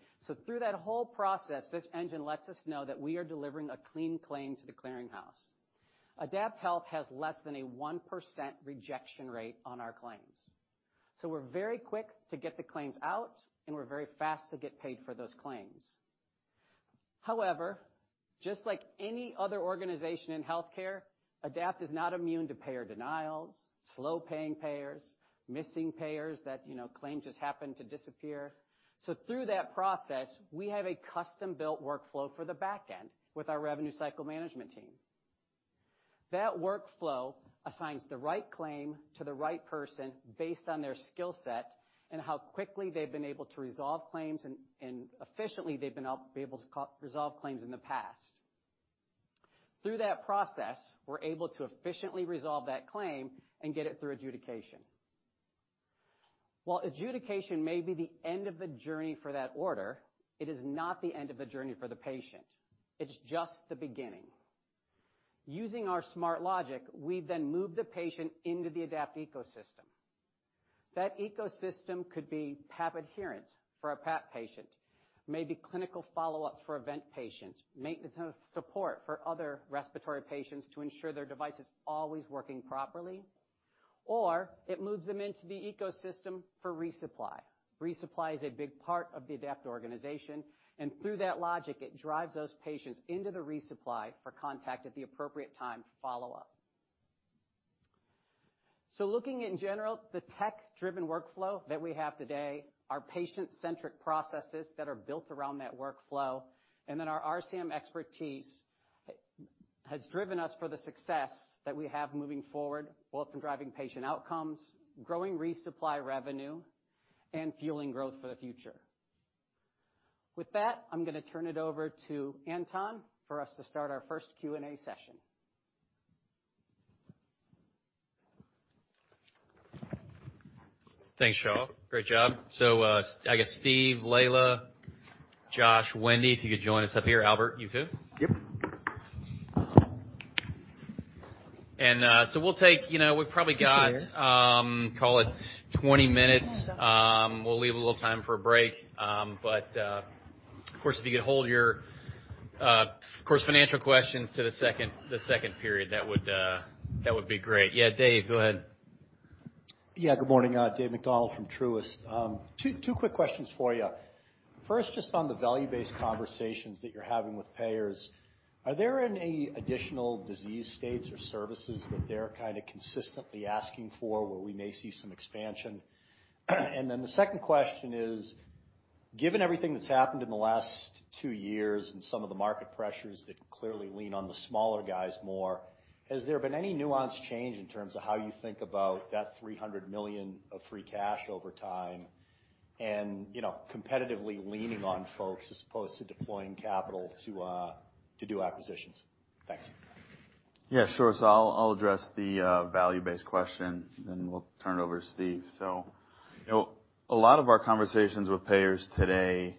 Through that whole process, this engine lets us know that we are delivering a clean claim to the clearing house. AdaptHealth has less than a 1% rejection rate on our claims. We're very quick to get the claims out, and we're very fast to get paid for those claims. However, just like any other organization in healthcare, AdaptHealth is not immune to payer denials, slow-paying payers, missing payers that, you know, claims just happen to disappear. Through that process, we have a custom-built workflow for the back end with our revenue cycle management team. That workflow assigns the right claim to the right person based on their skill set and how quickly they've been able to resolve claims and efficiently they've been able to resolve claims in the past. Through that process, we're able to efficiently resolve that claim and get it through adjudication. While adjudication may be the end of the journey for that order, it is not the end of the journey for the patient. It's just the beginning. Using our smart logic, we then move the patient into the Adapt ecosystem. That ecosystem could be PAP adherence for a PAP patient. Maybe clinical follow-up for a vent patient, maintenance of support for other respiratory patients to ensure their device is always working properly, or it moves them into the ecosystem for resupply. Resupply is a big part of the Adapt organization, and through that logic, it drives those patients into the resupply for contact at the appropriate time for follow-up. Looking in general, the tech-driven workflow that we have today are patient-centric processes that are built around that workflow, and then our RCM expertise has driven us for the success that we have moving forward, both in driving patient outcomes, growing resupply revenue, and fueling growth for the future. With that, I'm gonna turn it over to Anton for us to start our first Q&A session. Thanks, Shaw. Great job. I guess Steve, Leila, Josh, Wendy, if you could join us up here. Albert, you too. Yep. We'll take, you know, we've probably got, call it 20 minutes. We'll leave a little time for a break. Of course, if you could hold your financial questions to the second period, that would be great. Yeah, Dave, go ahead. Yeah, good morning. David MacDonald from Truist. Two quick questions for you. First, just on the value-based conversations that you're having with payers, are there any additional disease states or services that they're kinda consistently asking for where we may see some expansion? Then the second question is, given everything that's happened in the last two years and some of the market pressures that clearly lean on the smaller guys more, has there been any nuance change in terms of how you think about that $300 million of free cash over time and, you know, competitively leaning on folks as opposed to deploying capital to do acquisitions? Thanks. Yeah, sure. I'll address the value-based question, then we'll turn it over to Steve. You know, a lot of our conversations with payers today,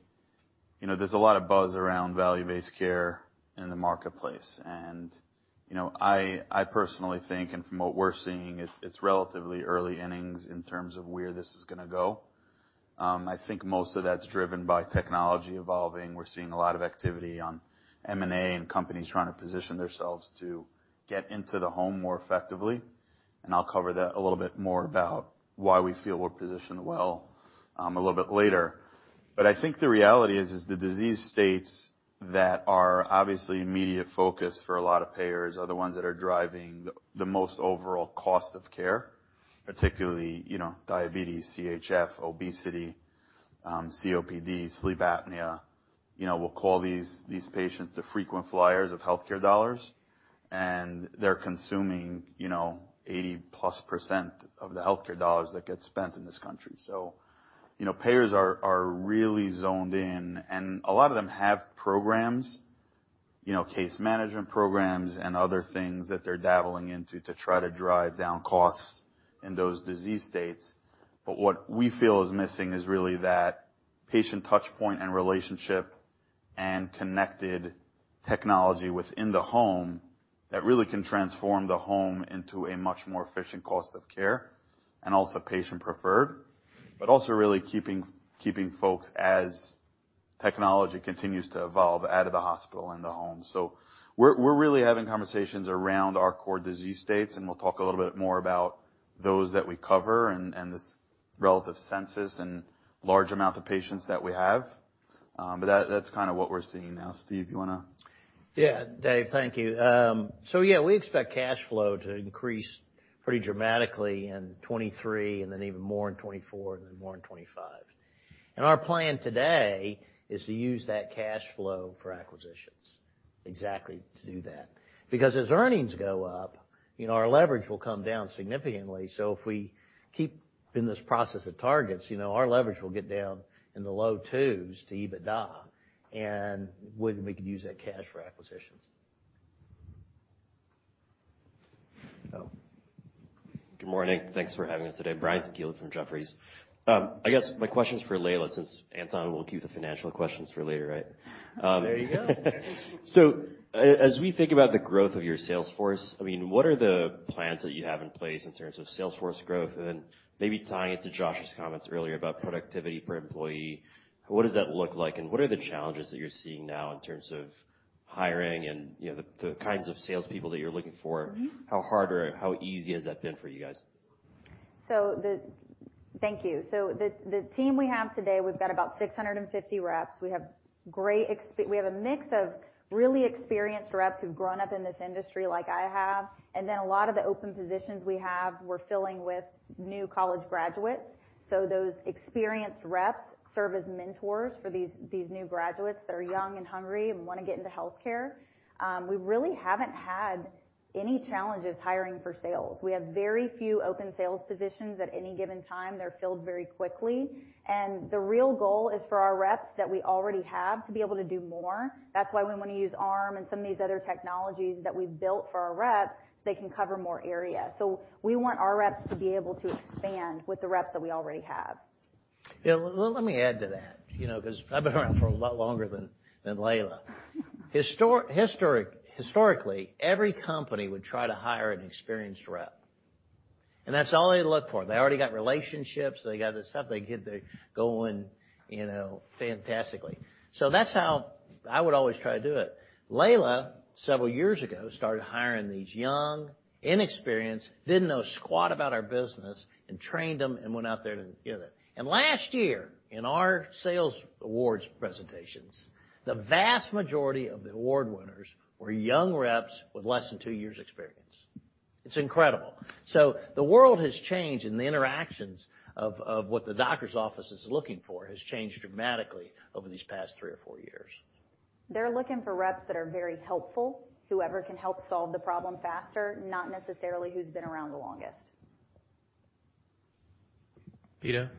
you know, there's a lot of buzz around value-based care in the marketplace. I personally think, and from what we're seeing, it's relatively early innings in terms of where this is gonna go. I think most of that's driven by technology evolving. We're seeing a lot of activity on M&A and companies trying to position theirselves to get into the home more effectively. I'll cover that a little bit more about why we feel we're positioned well, a little bit later. I think the reality is the disease states that are obviously immediate focus for a lot of payers are the ones that are driving the most overall cost of care, particularly, you know, diabetes, CHF, obesity, COPD, sleep apnea. You know, we'll call these patients the frequent flyers of healthcare dollars, and they're consuming, you know, 80%+ of the healthcare dollars that get spent in this country. You know, payers are really zoned in, and a lot of them have programs, you know, case management programs and other things that they're dabbling into to try to drive down costs in those disease states. What we feel is missing is really that patient touch point and relationship and connected technology within the home that really can transform the home into a much more efficient cost of care and also patient preferred, but also really keeping folks as technology continues to evolve out of the hospital in the home. We're really having conversations around our core disease states, and we'll talk a little bit more about those that we cover and the relative census and large amount of patients that we have. That's kinda what we're seeing now. Steve, you wanna... Yeah. Dave, thank you. Yeah, we expect cash flow to increase pretty dramatically in 2023 and then even more in 2024 and then more in 2025. Our plan today is to use that cash flow for acquisitions, exactly to do that. Because as earnings go up, you know, our leverage will come down significantly. If we keep in this process of targets, you know, our leverage will get down in the low twos to EBITDA, and we can use that cash for acquisitions. Oh. Good morning. Thanks for having us today. Brian Tanquilut from Jefferies. I guess my question is for Leila, since Anton will keep the financial questions for later, right? There you go. As we think about the growth of your sales force, I mean, what are the plans that you have in place in terms of sales force growth? Then maybe tying it to Josh's comments earlier about productivity per employee, what does that look like, and what are the challenges that you're seeing now in terms of hiring and, you know, the kinds of salespeople that you're looking for? Mm-hmm. How hard or how easy has that been for you guys? The team we have today, we've got about 650 reps. We have a mix of really experienced reps who've grown up in this industry like I have, and then a lot of the open positions we have, we're filling with new college graduates. Those experienced reps serve as mentors for these new graduates that are young and hungry and wanna get into healthcare. We really haven't had any challenges hiring for sales. We have very few open sales positions at any given time. They're filled very quickly. The real goal is for our reps that we already have to be able to do more. That's why we wanna use ARM and some of these other technologies that we've built for our reps, so they can cover more area. We want our reps to be able to expand with the reps that we already have. Yeah. Let me add to that, you know, 'cause I've been around for a lot longer than Leila. Historically, every company would try to hire an experienced rep, and that's all they look for. They already got relationships, they got the stuff, they get to going, you know, fantastically. So that's how I would always try to do it. Leila, several years ago, started hiring these young, inexperienced, didn't know squat about our business, and trained them and went out there to do that. Last year, in our sales awards presentations, the vast majority of the award winners were young reps with less than two years experience. It's incredible. So the world has changed, and the interactions of what the doctor's office is looking for has changed dramatically over these past three or four years. They're looking for reps that are very helpful, whoever can help solve the problem faster, not necessarily who's been around the longest. Pito?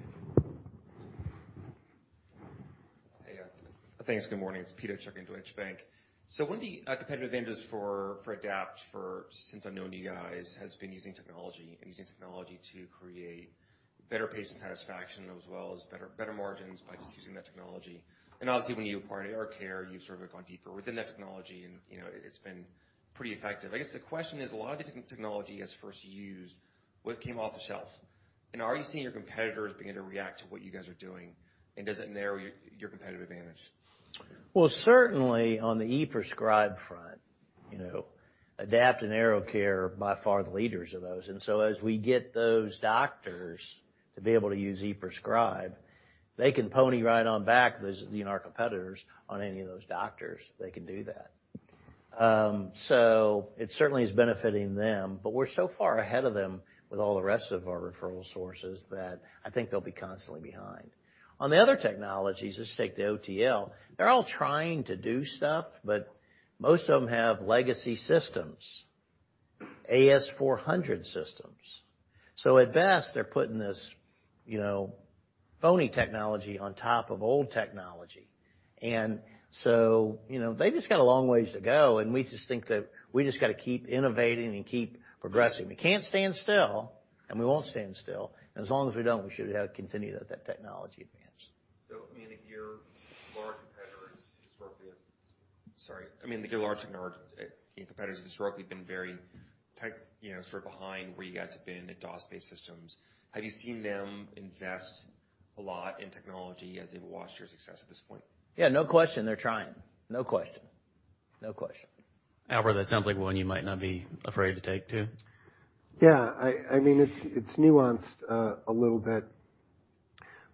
Thanks. Good morning. It's Pito Chickering in Deutsche Bank. One of the competitive advantages for Adapt since I've known you guys has been using technology and using technology to create better patient satisfaction as well as better margins by just using that technology. Obviously, when you acquired AeroCare, you've sort of gone deeper within that technology, and you know, it's been pretty effective. I guess the question is, a lot of the technology you guys first used, well, it came off the shelf. Are you seeing your competitors begin to react to what you guys are doing? Does it narrow your competitive advantage? Well, certainly on the e-Prescribe front, you know, AdaptHealth and AeroCare are by far the leaders of those. As we get those doctors to be able to use e-Prescribe, they can pony right on back, those, you know, our competitors on any of those doctors, they can do that. It certainly is benefiting them, but we're so far ahead of them with all the rest of our referral sources that I think they'll be constantly behind. On the other technologies, let's take the OTL. They're all trying to do stuff, but most of them have legacy systems, AS/400 systems. At best, they're putting this, you know, phony technology on top of old technology. You know, they just got a long ways to go, and we just think that we just gotta keep innovating and keep progressing. We can't stand still, and we won't stand still. As long as we don't, we should have continued that technology advance. I mean, if your large competitors historically have been very tech, you know, sort of behind where you guys have been at DOS-based systems. Have you seen them invest a lot in technology as they've watched your success at this point? Yeah, no question. They're trying. No question. Albert, that sounds like one you might not be afraid to take, too. Yeah, I mean, it's nuanced a little bit.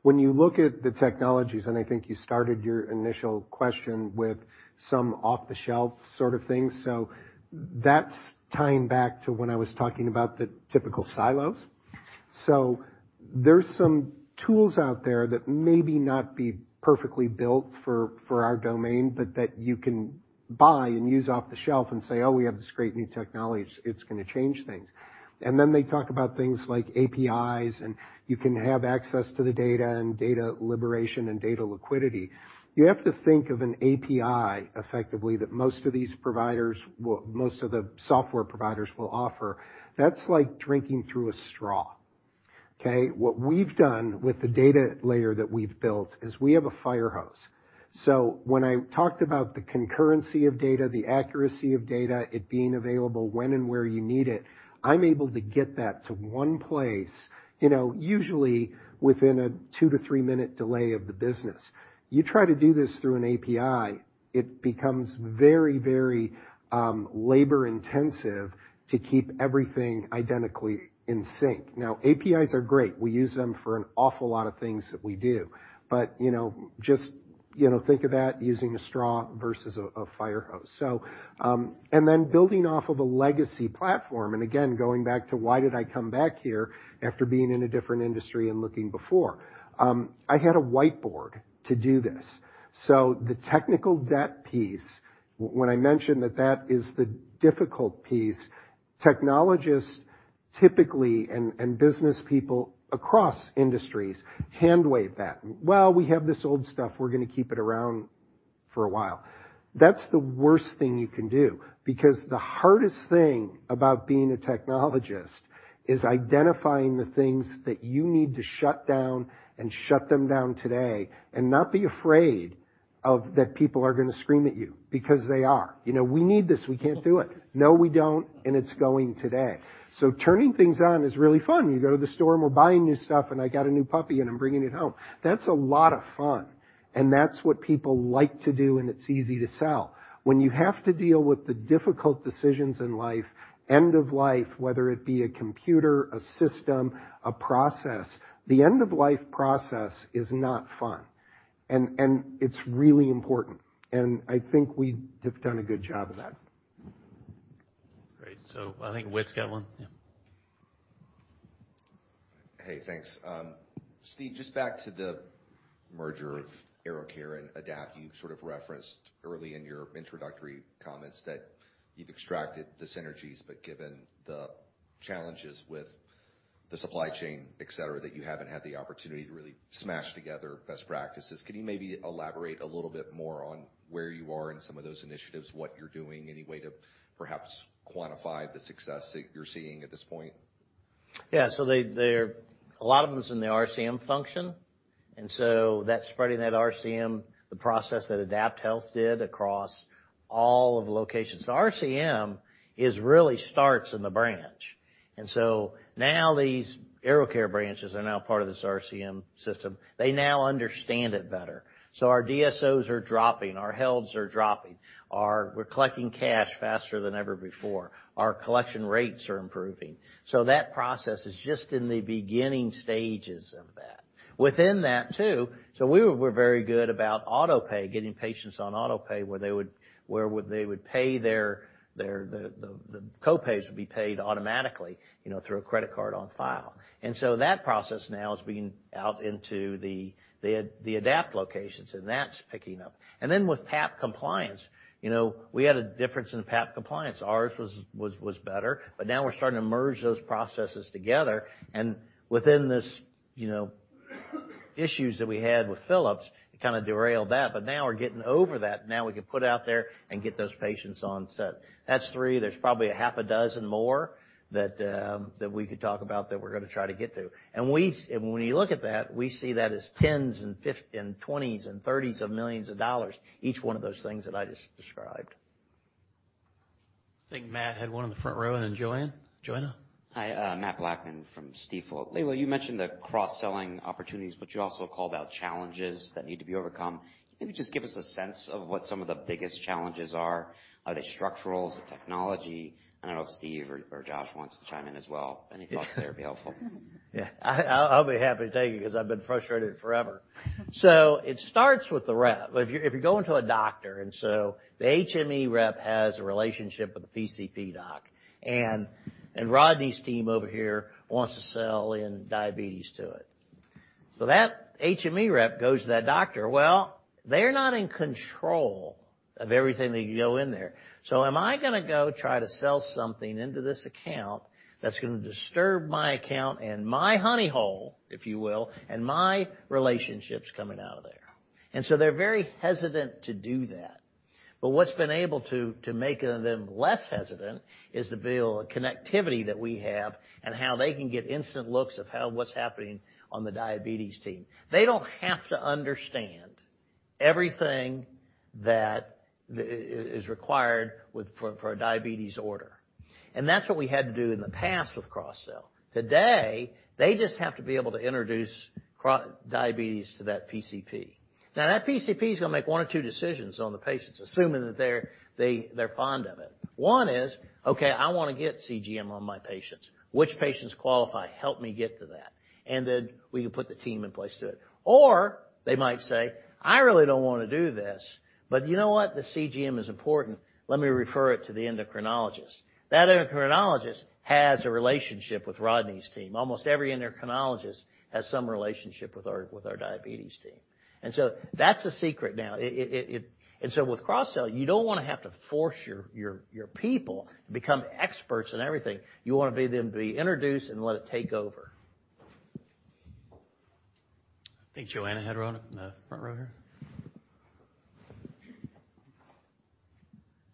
When you look at the technologies, I think you started your initial question with some off-the-shelf sort of things. That's tying back to when I was talking about the typical silos. There's some tools out there that may not be perfectly built for our domain, but that you can buy and use off the shelf and say, "Oh, we have this great new technology. It's gonna change things." They talk about things like APIs, and you can have access to the data and data liberation and data liquidity. You have to think of an API effectively that most of the software providers will offer. That's like drinking through a straw, okay? What we've done with the data layer that we've built is we have a firehose. When I talked about the concurrency of data, the accuracy of data, it being available when and where you need it, I'm able to get that to one place, you know, usually within a 2-3 minute delay of the business. You try to do this through an API. It becomes very, very labor intensive to keep everything identically in sync. Now, APIs are great. We use them for an awful lot of things that we do. You know, just, you know, think of that using a straw versus a fire hose. Building off of a legacy platform, and again, going back to why did I come back here after being in a different industry and looking before. I had a whiteboard to do this. The technical debt piece, when I mentioned that is the difficult piece, technologists typically and business people across industries hand-wave that. "Well, we have this old stuff. We're gonna keep it around for a while." That's the worst thing you can do because the hardest thing about being a technologist is identifying the things that you need to shut down and shut them down today and not be afraid of that people are gonna scream at you because they are. You know, "We need this. We can't do it." No, we don't, and it's going today. Turning things on is really fun. You go to the store, and we're buying new stuff, and I got a new puppy, and I'm bringing it home. That's a lot of fun, and that's what people like to do, and it's easy to sell. When you have to deal with the difficult decisions in life, end of life, whether it be a computer, a system, a process, the end of life process is not fun. It's really important. I think we have done a good job of that. Great. I think Whit's got one. Yeah. Hey, thanks. Steve, just back to the merger of AeroCare and AdaptHealth. You sort of referenced early in your introductory comments that you've extracted the synergies, but given the challenges with the supply chain, et cetera, that you haven't had the opportunity to really smash together best practices. Can you maybe elaborate a little bit more on where you are in some of those initiatives, what you're doing, any way to perhaps quantify the success that you're seeing at this point? Yeah. They’re a lot of them is in the RCM function, and that's spreading that RCM, the process that AdaptHealth did across all of the locations. RCM really starts in the branch. Now these AeroCare branches are part of this RCM system. They now understand it better. Our DSOs are dropping, our holds are dropping. We're collecting cash faster than ever before. Our collection rates are improving. That process is just in the beginning stages of that. Within that, too, we were very good about auto pay, getting patients on auto pay, where they would pay their co-pays automatically, you know, through a credit card on file. That process now is being put into the AdaptHealth locations, and that's picking up. Then with PAP compliance, you know, we had a difference in PAP compliance. Ours was better, but now we're starting to merge those processes together. Within this, issues that we had with Philips, it kind of derailed that. Now we're getting over that. Now we can put out there and get those patients on set. That's three. There's probably a half a dozen more that we could talk about that we're gonna try to get to. When you look at that, we see that as 10s and 20s and 30s of millions of dollars, each one of those things that I just described. I think Matt had one in the front row, and then Joanna. Joanna? Hi, Mathew Blackman from Stifel. Leila, you mentioned the cross-selling opportunities, but you also called out challenges that need to be overcome. Can you just give us a sense of what some of the biggest challenges are? Are they structural or technological? I don't know if Steve or Josh wants to chime in as well. Any thoughts there would be helpful. Yeah. I'll be happy to take it 'cause I've been frustrated forever. It starts with the rep. If you're going to a doctor, the HME rep has a relationship with the PCP doc, and Rodney's team over here wants to sell in diabetes to it. That HME rep goes to that doctor. Well, they're not in control of everything that can go in there. Am I gonna go try to sell something into this account that's gonna disturb my account and my honey hole, if you will, and my relationships coming out of there? They're very hesitant to do that. But what's been able to make them less hesitant is the build connectivity that we have and how they can get instant looks of how what's happening on the diabetes team. They don't have to understand everything that is required for a diabetes order. That's what we had to do in the past with cross-sell. Today, they just have to be able to introduce diabetes to that PCP. Now, that PCP is gonna make one or two decisions on the patients, assuming that they're fond of it. One is, "Okay, I wanna get CGM on my patients. Which patients qualify? Help me get to that." Then we can put the team in place to it. Or they might say, "I really don't wanna do this, but you know what? The CGM is important. Let me refer it to the endocrinologist." That endocrinologist has a relationship with Rodney's team. Almost every endocrinologist has some relationship with our diabetes team. That's the secret now. With cross-sell, you don't wanna have to force your people to become experts in everything. You wanna be them to be introduced and let it take over. I think Joanna had one in the front row here.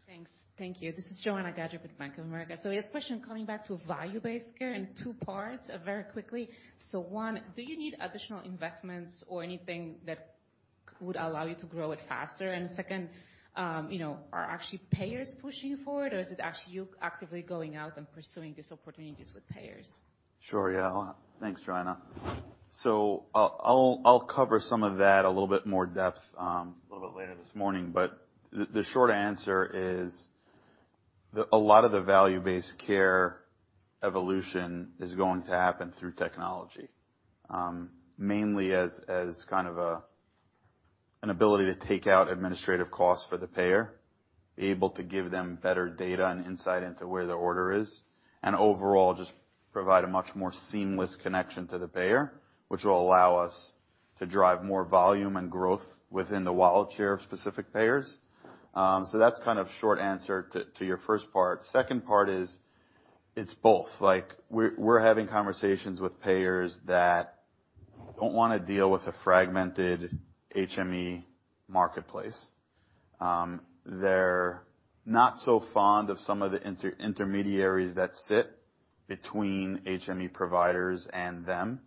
Thanks. Thank you. This is Joanna Gajuk with Bank of America. This question coming back to value-based care in two parts, very quickly. One, do you need additional investments or anything that would allow you to grow it faster? Second, you know, are actually payers pushing you forward, or is it actually you actively going out and pursuing these opportunities with payers? Sure. Yeah. Thanks, Joanna. I'll cover some of that a little bit more depth, a little bit later this morning. The short answer is a lot of the value-based care evolution is going to happen through technology, mainly as kind of an ability to take out administrative costs for the payer, able to give them better data and insight into where the order is, and overall just provide a much more seamless connection to the payer, which will allow us to drive more volume and growth within the wallet share of specific payers. That's kind of short answer to your first part. Second part is it's both. Like, we're having conversations with payers that don't wanna deal with the fragmented HME marketplace. They're not so fond of some of the intermediaries that sit between HME providers and them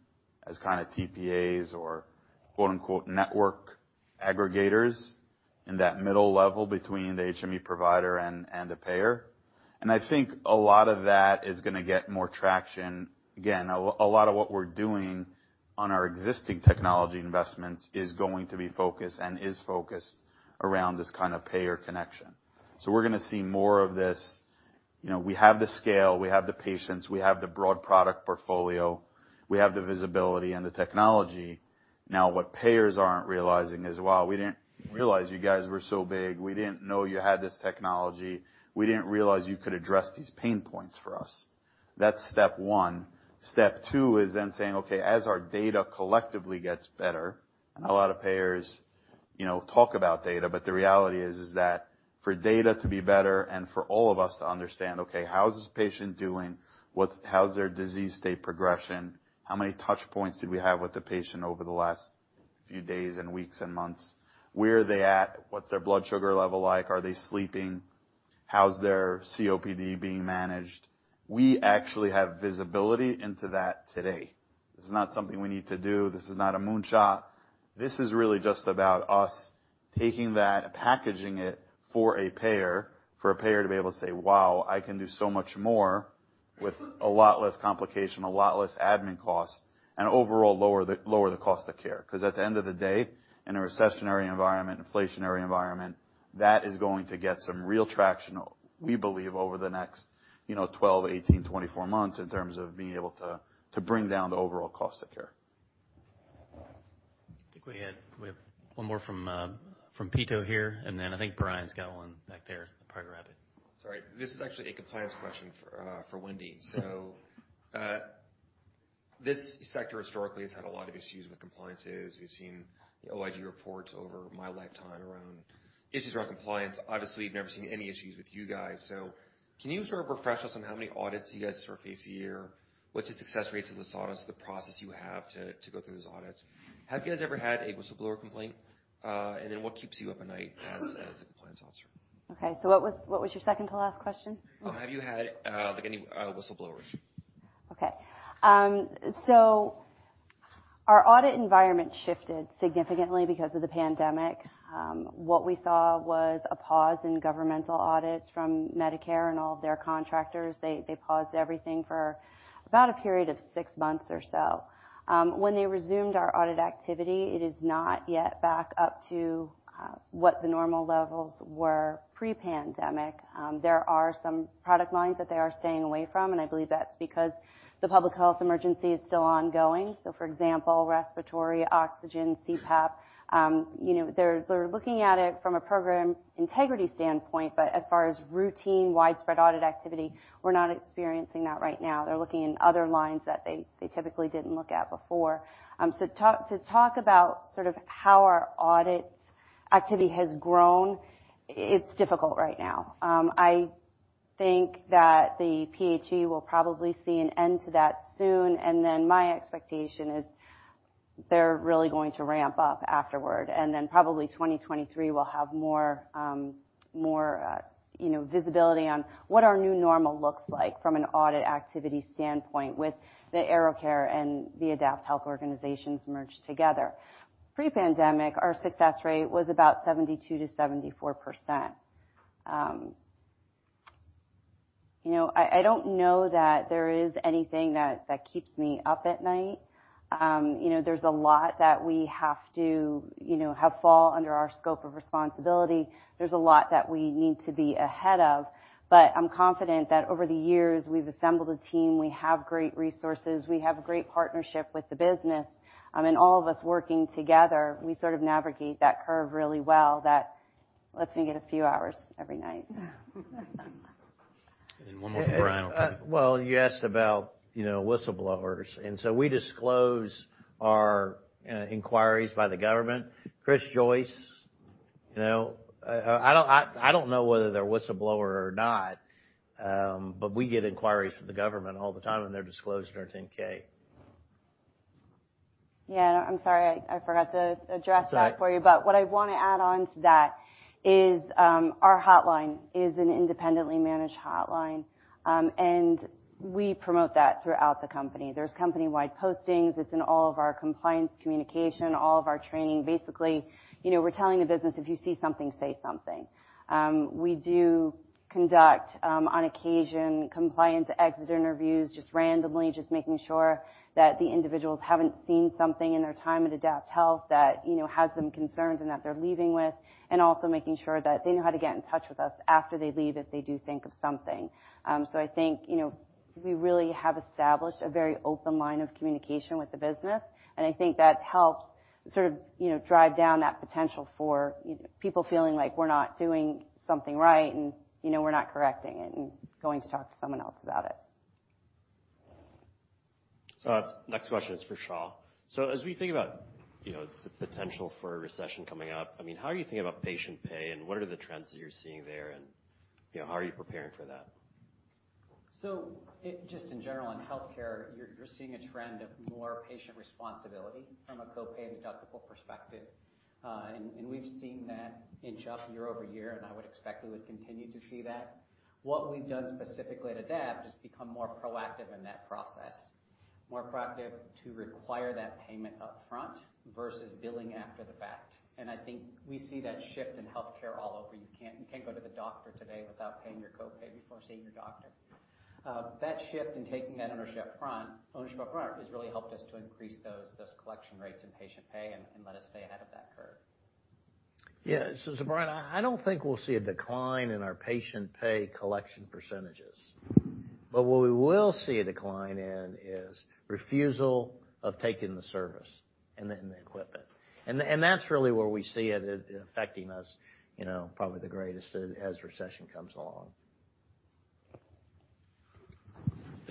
as kinda TPAs or quote-unquote network aggregators in that middle level between the HME provider and the payer. I think a lot of that is gonna get more traction. Again, a lot of what we're doing on our existing technology investments is going to be focused and is focused around this kind of payer connection. We're gonna see more of this. You know, we have the scale, we have the patients, we have the broad product portfolio, we have the visibility and the technology. Now what payers aren't realizing is, "Wow, we didn't realize you guys were so big. We didn't know you had this technology. We didn't realize you could address these pain points for us." That's step one. Step two is saying, "Okay, as our data collectively gets better," and a lot of payers, you know, talk about data, but the reality is that for data to be better and for all of us to understand, okay, how is this patient doing? What's their disease state progression? How many touch points did we have with the patient over the last few days and weeks and months? Where are they at? What's their blood sugar level like? Are they sleeping? How's their COPD being managed? We actually have visibility into that today. This is not something we need to do. This is not a moonshot. This is really just about us taking that and packaging it for a payer, for a payer to be able to say, "Wow, I can do so much more with a lot less complication, a lot less admin costs, and overall lower the cost of care." 'Cause at the end of the day, in a recessionary environment, inflationary environment, that is going to get some real traction, we believe, over the next, you know, 12, 18, 24 months in terms of being able to bring down the overall cost of care. I think we have one more from Pito here, and then I think Brian's got one back there. Probably grab it. Sorry. This is actually a compliance question for Wendy. This sector historically has had a lot of issues with compliance. We've seen OIG reports over my lifetime around issues around compliance. Obviously, we've never seen any issues with you guys. Can you sort of refresh us on how many audits you guys sort of face a year? What's the success rates of those audits, the process you have to go through those audits? Have you guys ever had a whistleblower complaint? And then what keeps you up at night as a compliance officer? Okay. What was your second to last question? Have you had, like, any whistleblowers? Our audit environment shifted significantly because of the pandemic. What we saw was a pause in governmental audits from Medicare and all of their contractors. They paused everything for about a period of 6 months or so. When they resumed our audit activity, it is not yet back up to what the normal levels were pre-pandemic. There are some product lines that they are staying away from, and I believe that's because the public health emergency is still ongoing. For example, respiratory, oxygen, CPAP, you know, they're looking at it from a program integrity standpoint. As far as routine widespread audit activity, we're not experiencing that right now. They're looking in other lines that they typically didn't look at before. To talk about sort of how our audit activity has grown, it's difficult right now. I think that the PHE will probably see an end to that soon. My expectation is they're really going to ramp-up afterward. Then probably 2023, we'll have more, you know, visibility on what our new normal looks like from an audit activity standpoint with the AeroCare and the AdaptHealth organizations merged together. Pre-pandemic, our success rate was about 72%-74%. You know, I don't know that there is anything that keeps me up at night. You know, there's a lot that we have to, you know, have fall under our scope of responsibility. There's a lot that we need to be ahead of. I'm confident that over the years, we've assembled a team, we have great resources, we have a great partnership with the business. I mean, all of us working together, we sort of navigate that curve really well that lets me get a few hours every night. One more for Brian. Well, you asked about, you know, whistleblowers, and so we disclose our inquiries by the government. Christopher Joyce, you know, I don't know whether they're a whistleblower or not, but we get inquiries from the government all the time, and they're disclosed in our 10-K. Yeah, I'm sorry, I forgot to address that for you. That's all right. What I wanna add on to that is, our hotline is an independently managed hotline, and we promote that throughout the company. There's company-wide postings. It's in all of our compliance communication, all of our training. Basically, you know, we're telling the business, "If you see something, say something." We do conduct, on occasion, compliance exit interviews just randomly, just making sure that the individuals haven't seen something in their time at AdaptHealth that, you know, has them concerned and that they're leaving with. Also making sure that they know how to get in touch with us after they leave if they do think of something. I think, you know, we really have established a very open line of communication with the business, and I think that helps sort of, you know, drive down that potential for people feeling like we're not doing something right and, you know, we're not correcting it and going to talk to someone else about it. Next question is for Shaw. As we think about, you know, the potential for a recession coming up, I mean, how are you thinking about patient pay and what are the trends that you're seeing there and, you know, how are you preparing for that? Just in general, in healthcare, you're seeing a trend of more patient responsibility from a co-pay and deductible perspective. We've seen that inch up year over year, and I would expect we would continue to see that. What we've done specifically at Adapt is become more proactive in that process, more proactive to require that payment upfront versus billing after the fact. I think we see that shift in healthcare all over. You can't go to the doctor today without paying your co-pay before seeing your doctor. That shift in taking that ownership up front has really helped us to increase those collection rates and patient pay and let us stay ahead of that curve. Yeah. Brian, I don't think we'll see a decline in our patient pay collection percentages, but what we will see a decline in is refusal of taking the service and the equipment. And that's really where we see it affecting us, you know, probably the greatest as recession comes along.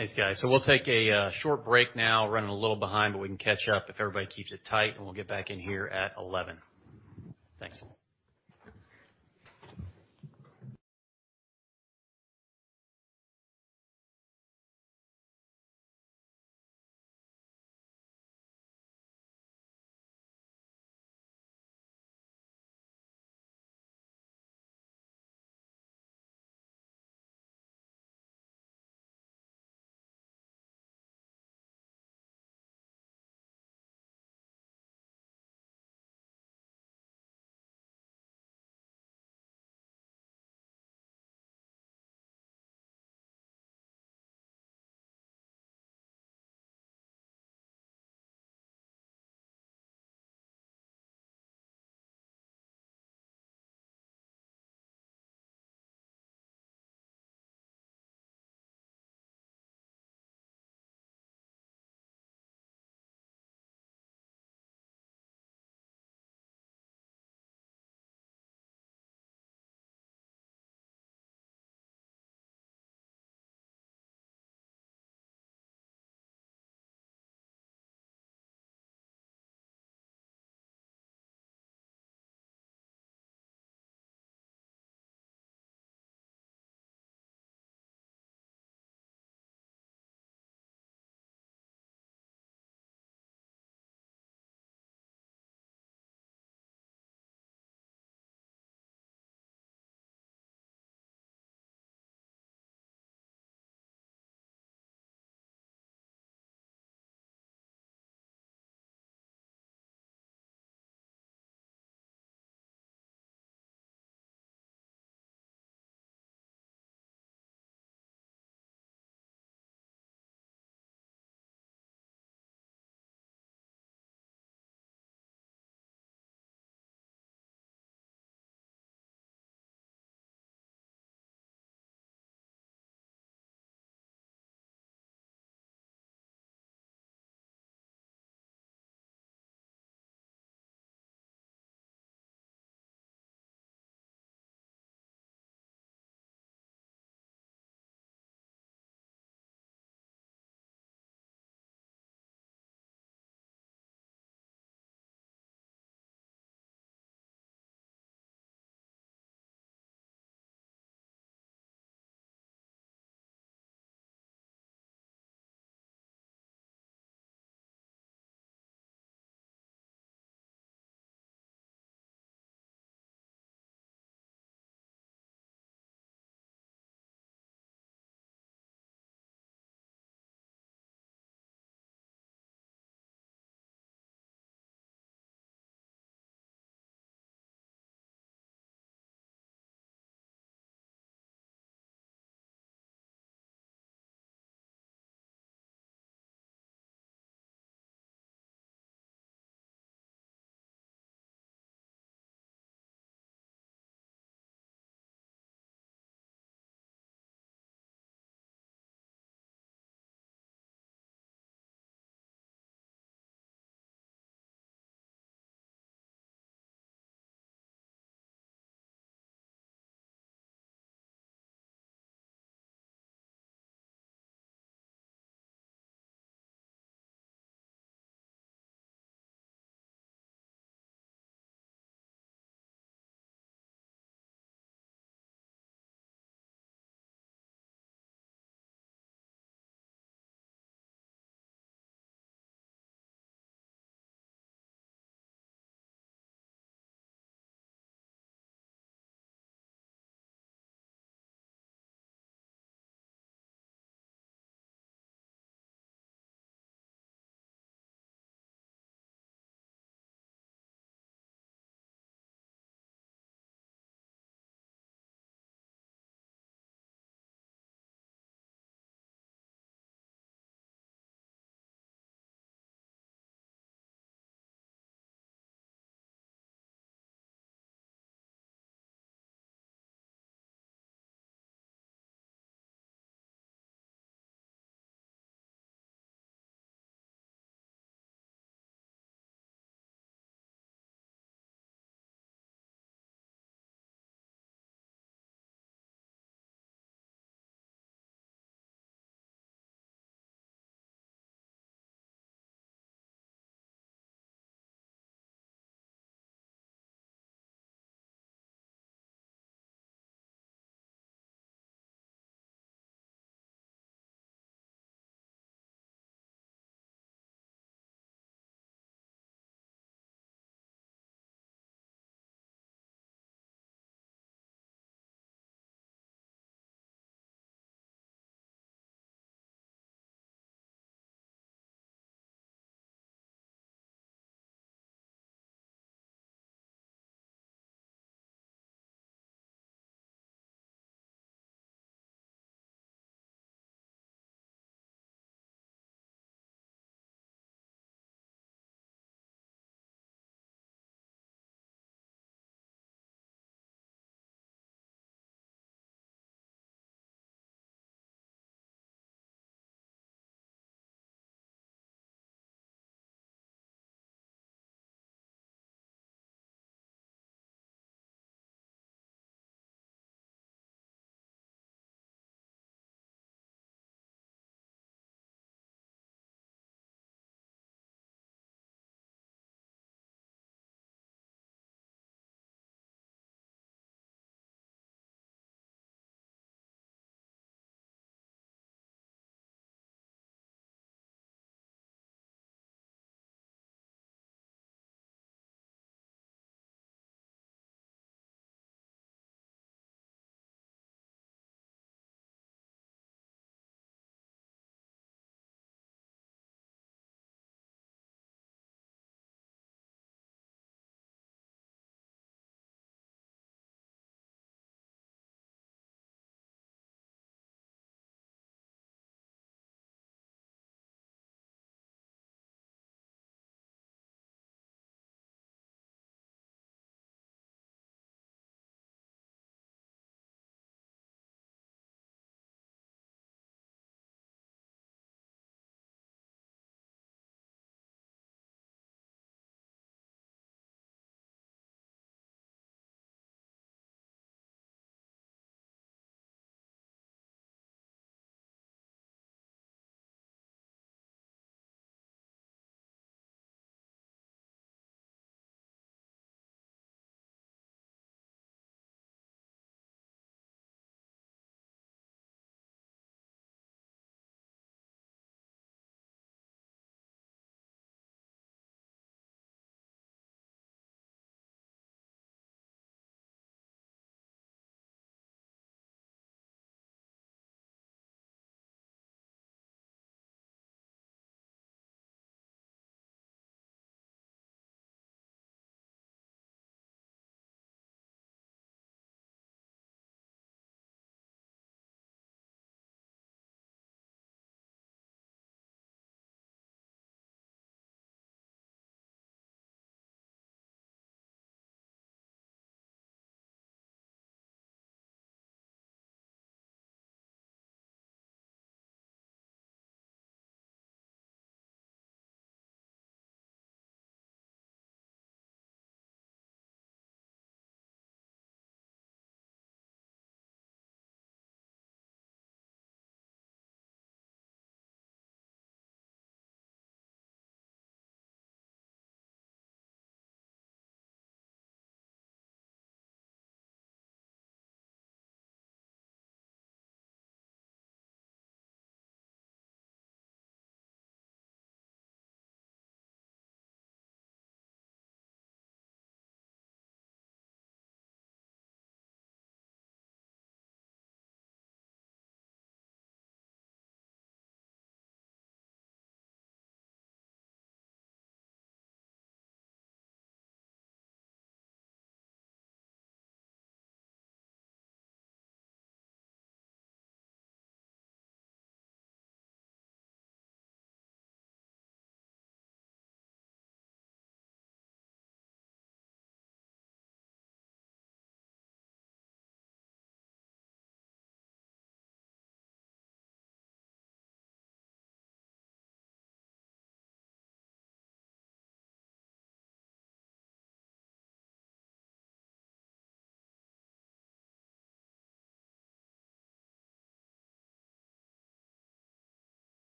Thanks, guys. We'll take a short break now. Running a little behind, but we can catch up if everybody keeps it tight, and we'll get back in here at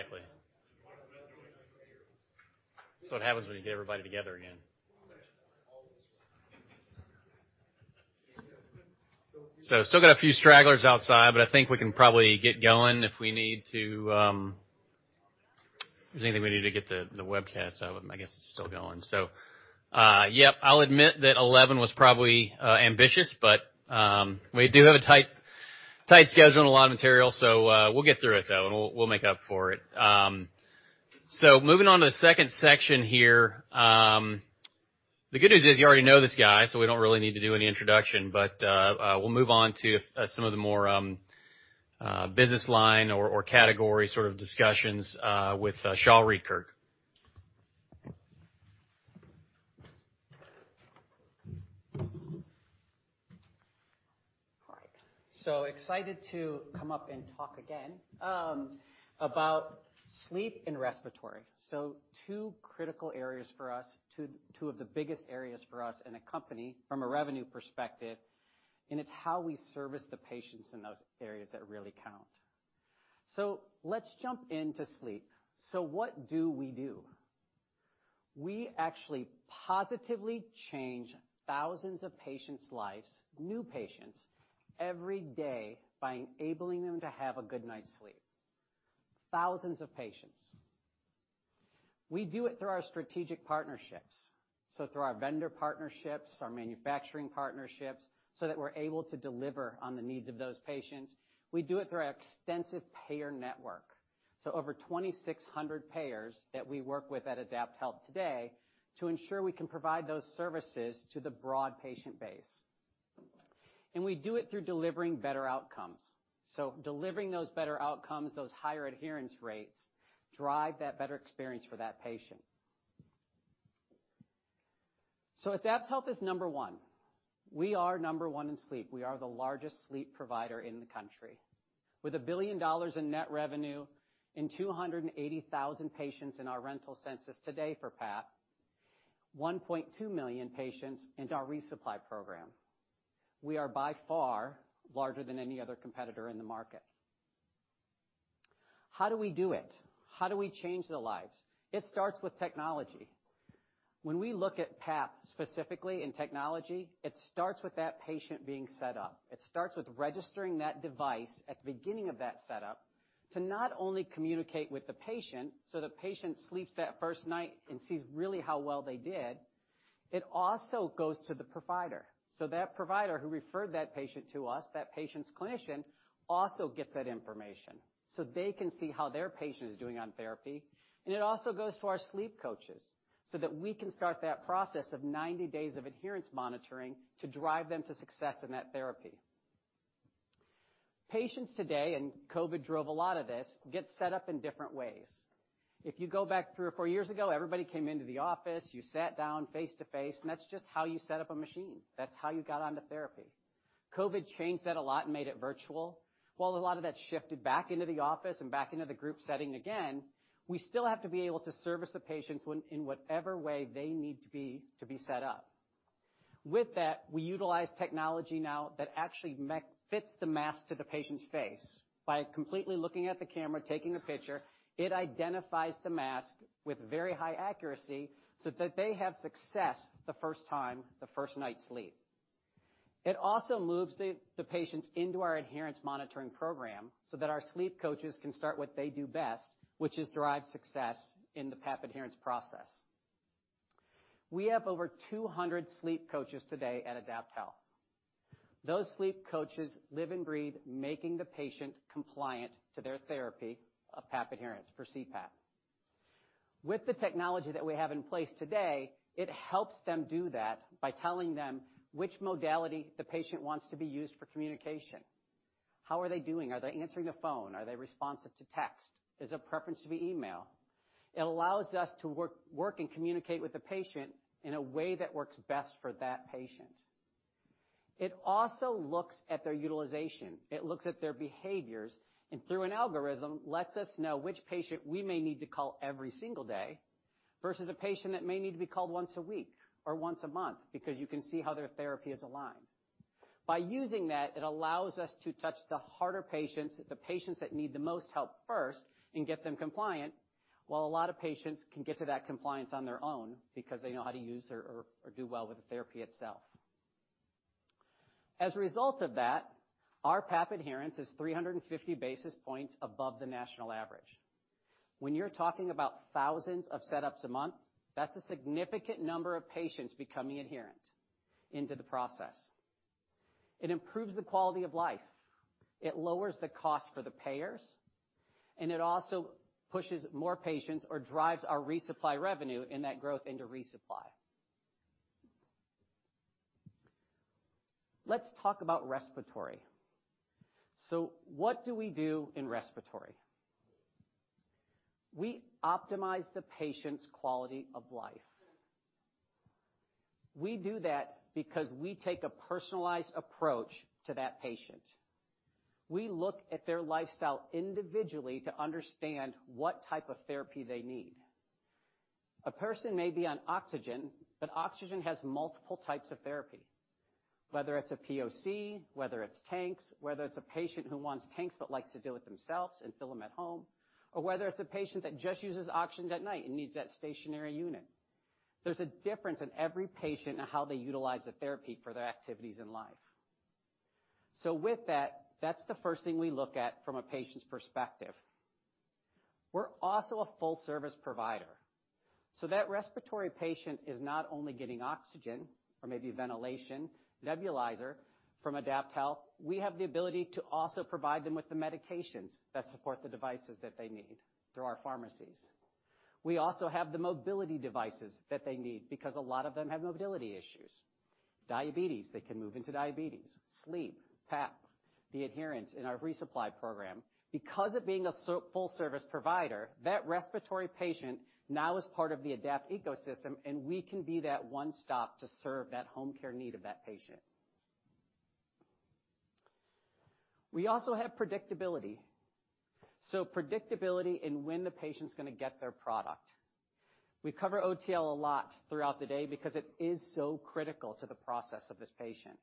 11:00. Thanks. Exactly. That's what happens when you get everybody together again. Still got a few stragglers outside, but I think we can probably get going if we need to. If there's anything we need to get the webcast of them, I guess it's still going. Yep, I'll admit that 11 was probably ambitious, but we do have a tight schedule and a lot of material, so we'll get through it though, and we'll make up for it. Moving on to the second section here, the good news is you already know this guy, so we don't really need to do any introduction. We'll move on to some of the more business line or category sort of discussions with Shaw Rietkerk. All right. Excited to come up and talk again about sleep and respiratory. Two critical areas for us, two of the biggest areas for us in the company from a revenue perspective, and it's how we service the patients in those areas that really count. Let's jump into sleep. What do we do? We actually positively change thousands of patients' lives, new patients, every day by enabling them to have a good night's sleep. Thousands of patients. We do it through our strategic partnerships, so through our vendor partnerships, our manufacturing partnerships, so that we're able to deliver on the needs of those patients. We do it through our extensive payer network. Over 2,600 payers that we work with at AdaptHealth today to ensure we can provide those services to the broad patient base. We do it through delivering better outcomes. Delivering those better outcomes, those higher adherence rates, drive that better experience for that patient. AdaptHealth is number one. We are number one in sleep. We are the largest sleep provider in the country. With $1 billion in net revenue and 280,000 patients in our rental census today for PAP, 1.2 million patients into our resupply program. We are by far larger than any other competitor in the market. How do we do it? How do we change their lives? It starts with technology. When we look at PAP specifically in technology, it starts with that patient being set up. It starts with registering that device at the beginning of that setup to not only communicate with the patient, so the patient sleeps that first night and sees really how well they did. It also goes to the provider, so that provider who referred that patient to us, that patient's clinician, also gets that information, so they can see how their patient is doing on therapy. It also goes to our sleep coaches so that we can start that process of 90 days of adherence monitoring to drive them to success in that therapy. Patients today, and COVID drove a lot of this, get set up in different ways. If you go back three or four years ago, everybody came into the office, you sat down face-to-face, and that's just how you set up a machine. That's how you got onto therapy. COVID changed that a lot and made it virtual. While a lot of that shifted back into the office and back into the group setting again, we still have to be able to service the patients when in whatever way they need to be set up. With that, we utilize technology now that actually fits the mask to the patient's face. By completely looking at the camera, taking a picture, it identifies the mask with very high accuracy so that they have success the first time, the first night's sleep. It also moves the patients into our adherence monitoring program so that our sleep coaches can start what they do best, which is drive success in the PAP adherence process. We have over 200 sleep coaches today at AdaptHealth. Those sleep coaches live and breathe making the patient compliant to their therapy of PAP adherence for CPAP. With the technology that we have in place today, it helps them do that by telling them which modality the patient wants to be used for communication. How are they doing? Are they answering a phone? Are they responsive to text? Is there a preference via email? It allows us to work and communicate with the patient in a way that works best for that patient. It also looks at their utilization. It looks at their behaviors, and through an algorithm, lets us know which patient we may need to call every single day versus a patient that may need to be called once a week or once a month because you can see how their therapy is aligned. By using that, it allows us to touch the harder patients, the patients that need the most help first and get them compliant, while a lot of patients can get to that compliance on their own because they know how to use or do well with the therapy itself. As a result of that, our PAP adherence is 350 basis points above the national average. When you're talking about thousands of setups a month, that's a significant number of patients becoming adherent into the process. It improves the quality of life, it lowers the cost for the payers, and it also pushes more patients or drives our resupply revenue in that growth into resupply. Let's talk about respiratory. What do we do in respiratory? We optimize the patient's quality of life. We do that because we take a personalized approach to that patient. We look at their lifestyle individually to understand what type of therapy they need. A person may be on oxygen, but oxygen has multiple types of therapy, whether it's a POC, whether it's tanks, whether it's a patient who wants tanks but likes to do it themselves and fill them at home, or whether it's a patient that just uses oxygen at night and needs that stationary unit. There's a difference in every patient and how they utilize the therapy for their activities in life. With that's the first thing we look at from a patient's perspective. We're also a full service provider, so that respiratory patient is not only getting oxygen or maybe ventilation, nebulizer from AdaptHealth, we have the ability to also provide them with the medications that support the devices that they need through our pharmacies. We also have the mobility devices that they need because a lot of them have mobility issues. Diabetes, they can move into diabetes, sleep, PAP, the adherence in our resupply program. Because of being a full service provider, that respiratory patient now is part of the Adapt ecosystem, and we can be that one stop to serve that home care need of that patient. We also have predictability. Predictability in when the patient's gonna get their product. We cover OTL a lot throughout the day because it is so critical to the process of this patient.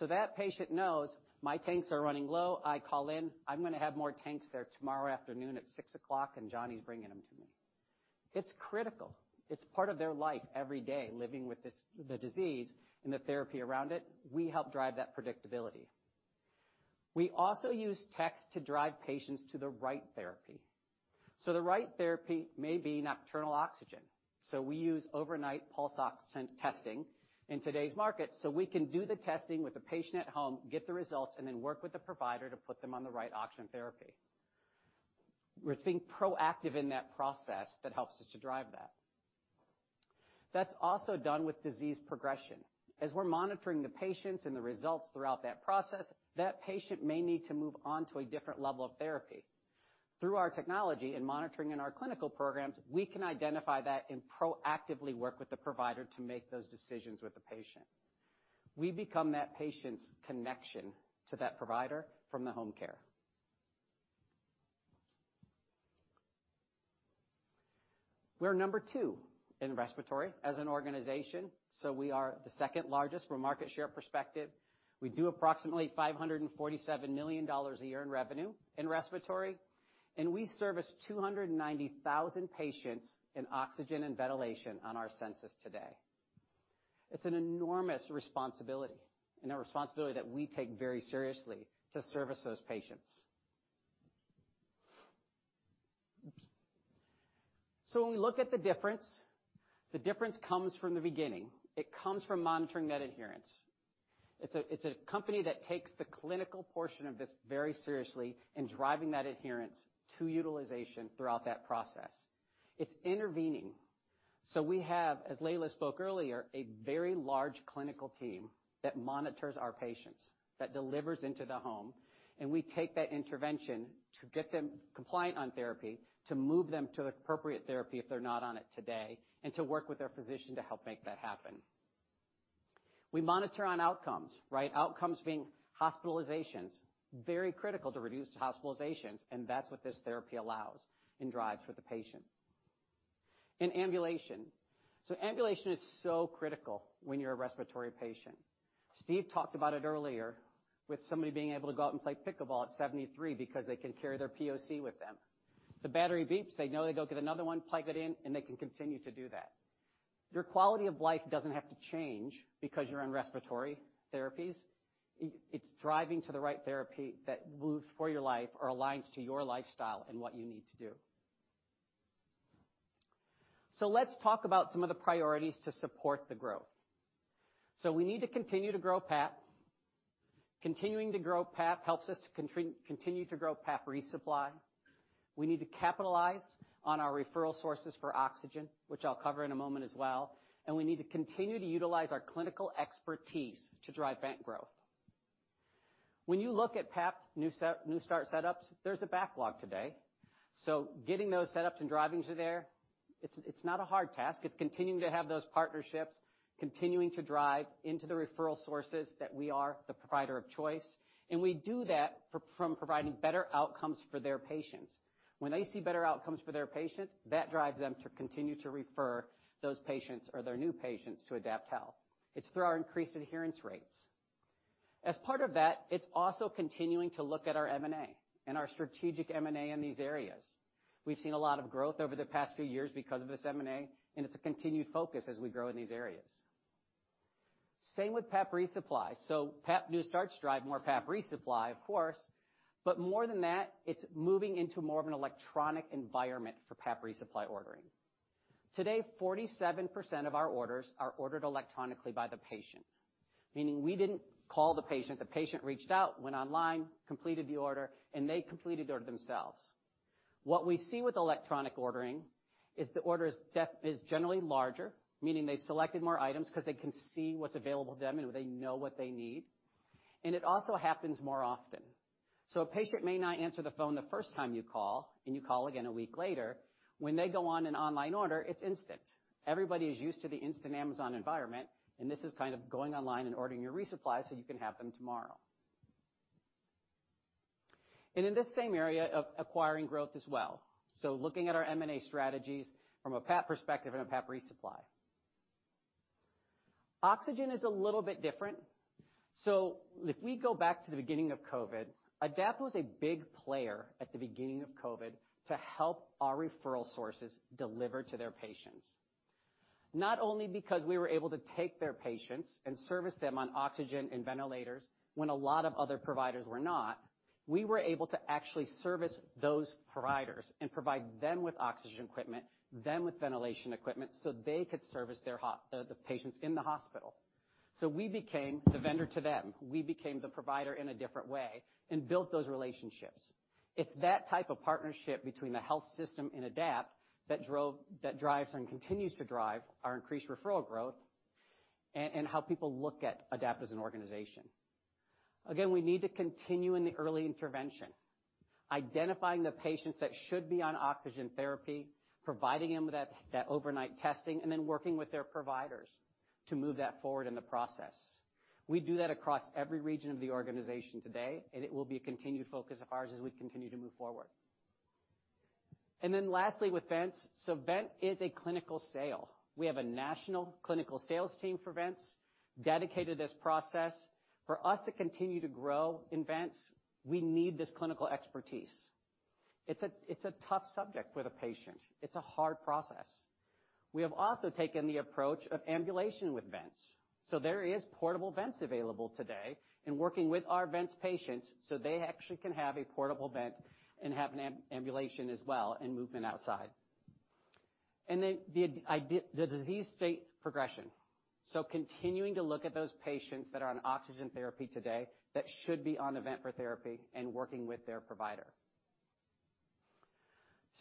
That patient knows my tanks are running low, I call in, I'm gonna have more tanks there tomorrow afternoon at 6:00 P.M., and Johnny's bringing them to me. It's critical. It's part of their life every day, living with the disease and the therapy around it. We help drive that predictability. We also use tech to drive patients to the right therapy. The right therapy may be nocturnal oxygen. We use overnight pulse oximetry testing in today's market, so we can do the testing with the patient at home, get the results, and then work with the provider to put them on the right oxygen therapy. We're thinking proactively in that process that helps us to drive that. That's also done with disease progression. As we're monitoring the patients and the results throughout that process, that patient may need to move on to a different level of therapy. Through our technology and monitoring in our clinical programs, we can identify that and proactively work with the provider to make those decisions with the patient. We become that patient's connection to that provider from the home care. We're number two in respiratory as an organization, so we are the second largest from a market share perspective. We do approximately $547 million a year in revenue in respiratory, and we service 290,000 patients in oxygen and ventilation on our census today. It's an enormous responsibility and a responsibility that we take very seriously to service those patients. When we look at the difference, the difference comes from the beginning. It comes from monitoring that adherence. It's a, it's a company that takes the clinical portion of this very seriously and driving that adherence to utilization throughout that process. It's intervening. We have, as Leila spoke earlier, a very large clinical team that monitors our patients, that delivers into the home, and we take that intervention to get them compliant on therapy, to move them to the appropriate therapy if they're not on it today, and to work with their physician to help make that happen. We monitor on outcomes, right? Outcomes being hospitalizations, very critical to reduce hospitalizations, and that's what this therapy allows and drives for the patient. In ambulation. Ambulation is so critical when you're a respiratory patient. Steve talked about it earlier with somebody being able to go out and play pickleball at 73 because they can carry their POC with them. The battery beeps, they know they go get another one, plug it in, and they can continue to do that. Your quality of life doesn't have to change because you're on respiratory therapies. It's providing the right therapy that moves for your life or aligns to your lifestyle and what you need to do. Let's talk about some of the priorities to support the growth. We need to continue to grow PAP. Continuing to grow PAP helps us to continue to grow PAP resupply. We need to capitalize on our referral sources for oxygen, which I'll cover in a moment as well. We need to continue to utilize our clinical expertise to drive that growth. When you look at PAP new start setups, there's a backlog today. Getting those setups and driving to there, it's not a hard task. It's continuing to have those partnerships, continuing to drive into the referral sources that we are the provider of choice, and we do that from providing better outcomes for their patients. When they see better outcomes for their patients, that drives them to continue to refer those patients or their new patients to AdaptHealth. It's through our increased adherence rates. As part of that, it's also continuing to look at our M&A and our strategic M&A in these areas. We've seen a lot of growth over the past few years because of this M&A, and it's a continued focus as we grow in these areas. Same with PAP resupply. PAP new starts drive more PAP resupply, of course, but more than that, it's moving into more of an electronic environment for PAP resupply ordering. Today, 47% of our orders are ordered electronically by the patient, meaning we didn't call the patient. The patient reached out, went online, completed the order, and they completed the order themselves. What we see with electronic ordering is the order is generally larger, meaning they've selected more items because they can see what's available to them, and they know what they need. It also happens more often. A patient may not answer the phone the first time you call, and you call again a week later. When they go on an online order, it's instant. Everybody is used to the instant Amazon environment, and this is kind of going online and ordering your resupply so you can have them tomorrow. In this same area of acquiring growth as well. Looking at our M&A strategies from a PAP perspective and a PAP resupply. Oxygen is a little bit different. If we go back to the beginning of COVID, Adapt was a big player at the beginning of COVID to help our referral sources deliver to their patients. Not only because we were able to take their patients and service them on oxygen and ventilators when a lot of other providers were not, we were able to actually service those providers and provide them with oxygen equipment, them with ventilation equipment, so they could service the patients in the hospital. We became the vendor to them. We became the provider in a different way and built those relationships. It's that type of partnership between the health system and Adapt that drives and continues to drive our increased referral growth and how people look at Adapt as an organization. Again, we need to continue in the early intervention, identifying the patients that should be on oxygen therapy, providing them with that overnight testing, and then working with their providers to move that forward in the process. We do that across every region of the organization today, and it will be a continued focus of ours as we continue to move forward. Then lastly, with vents. Vent is a clinical sale. We have a national clinical sales team for vents dedicated to this process. For us to continue to grow in vents, we need this clinical expertise. It's a, it's a tough subject with a patient. It's a hard process. We have also taken the approach of ambulation with vents, so there is portable vents available today in working with our vents patients, so they actually can have a portable vent and have an ambulation as well and movement outside. Then the disease state progression, so continuing to look at those patients that are on oxygen therapy today that should be on a vent for therapy and working with their provider.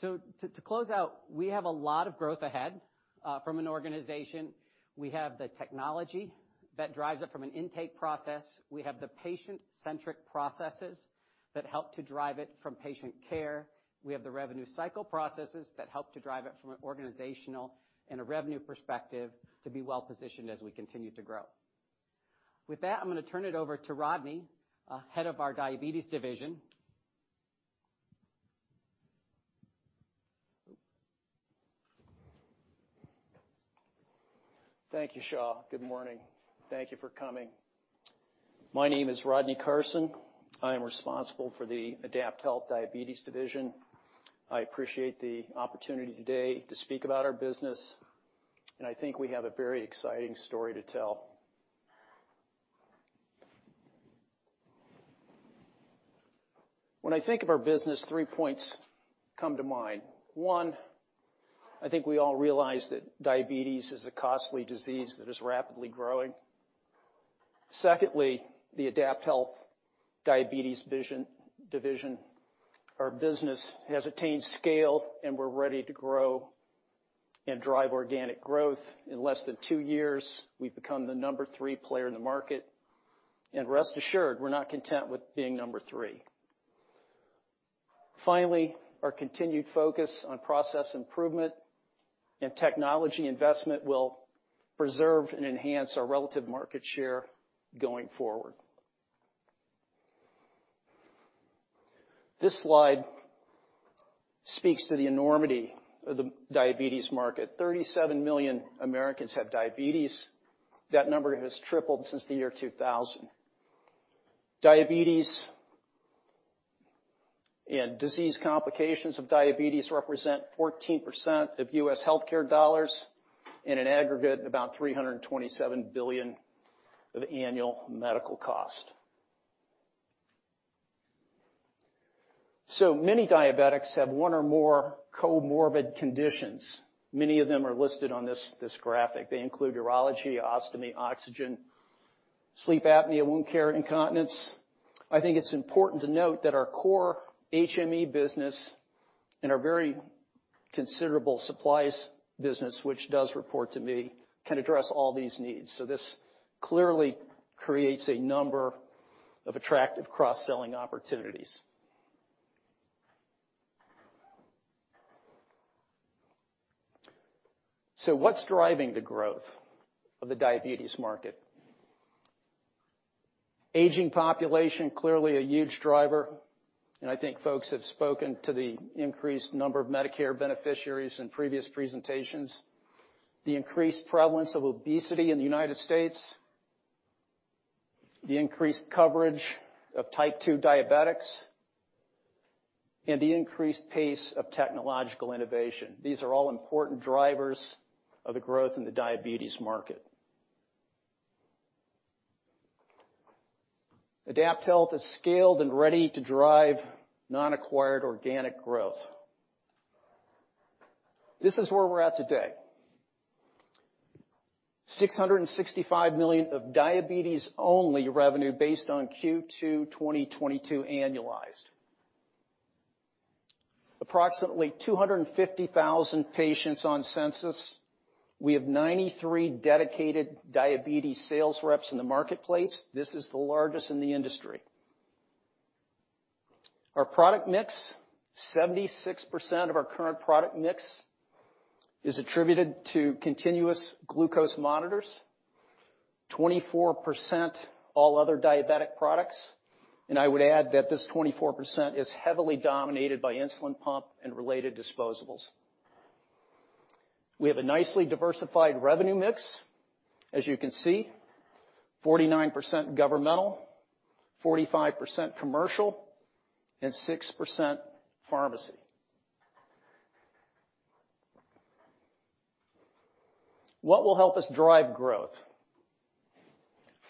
To close out, we have a lot of growth ahead from an organization. We have the technology that drives it from an intake process. We have the patient-centric processes that help to drive it from patient care. We have the revenue cycle processes that help to drive it from an organizational and a revenue perspective to be well positioned as we continue to grow. With that, I'm gonna turn it over to Rodney, head of our diabetes division. Oops. Thank you, Shaw. Good morning. Thank you for coming. My name is Rodney Carson. I am responsible for the AdaptHealth Diabetes Division. I appreciate the opportunity today to speak about our business, and I think we have a very exciting story to tell. When I think of our business, 3 points come to mind. One, I think we all realize that diabetes is a costly disease that is rapidly growing. Secondly, the AdaptHealth Diabetes Division, our business, has attained scale, and we're ready to grow and drive organic growth. In less than 2 years, we've become the number 3 player in the market. Rest assured, we're not content with being number 3. Finally, our continued focus on process improvement and technology investment will preserve and enhance our relative market share going forward. This slide speaks to the enormity of the diabetes market. 37 million Americans have diabetes. That number has tripled since the year 2000. Diabetes and disease complications of diabetes represent 14% of U.S. healthcare dollars in an aggregate about $327 billion of annual medical cost. Many diabetics have one or more comorbid conditions. Many of them are listed on this graphic. They include urology, ostomy, oxygen, sleep apnea, wound care, incontinence. I think it's important to note that our core HME business and our very considerable supplies business, which does report to me, can address all these needs. This clearly creates a number of attractive cross-selling opportunities. What's driving the growth of the diabetes market? Aging population, clearly a huge driver, and I think folks have spoken to the increased number of Medicare beneficiaries in previous presentations. The increased prevalence of obesity in the United States, the increased coverage of Type 2 diabetics, and the increased pace of technological innovation. These are all important drivers of the growth in the diabetes market. AdaptHealth is scaled and ready to drive non-acquired organic growth. This is where we're at today. $665 million of diabetes-only revenue based on Q2 2022 annualized. Approximately 250,000 patients on census. We have 93 dedicated diabetes sales reps in the marketplace. This is the largest in the industry. Our product mix, 76% of our current product mix is attributed to continuous glucose monitors, 24% all other diabetic products, and I would add that this 24% is heavily dominated by insulin pump and related disposables. We have a nicely diversified revenue mix, as you can see. 49% governmental, 45% commercial, and 6% pharmacy. What will help us drive growth?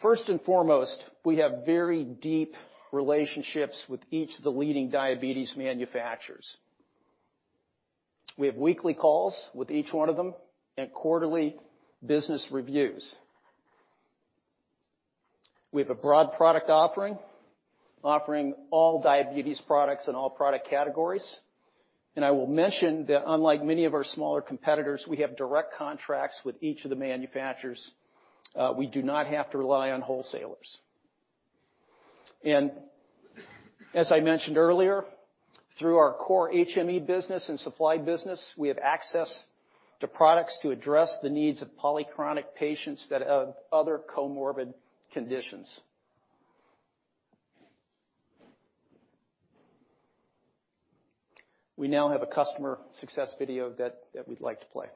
First and foremost, we have very deep relationships with each of the leading diabetes manufacturers. We have weekly calls with each one of them and quarterly business reviews. We have a broad product offering all diabetes products in all product categories. I will mention that unlike many of our smaller competitors, we have direct contracts with each of the manufacturers. We do not have to rely on wholesalers. As I mentioned earlier, through our core HME business and supply business, we have access to products to address the needs of polychronic patients that have other comorbid conditions. We now have a customer success video that we'd like to play.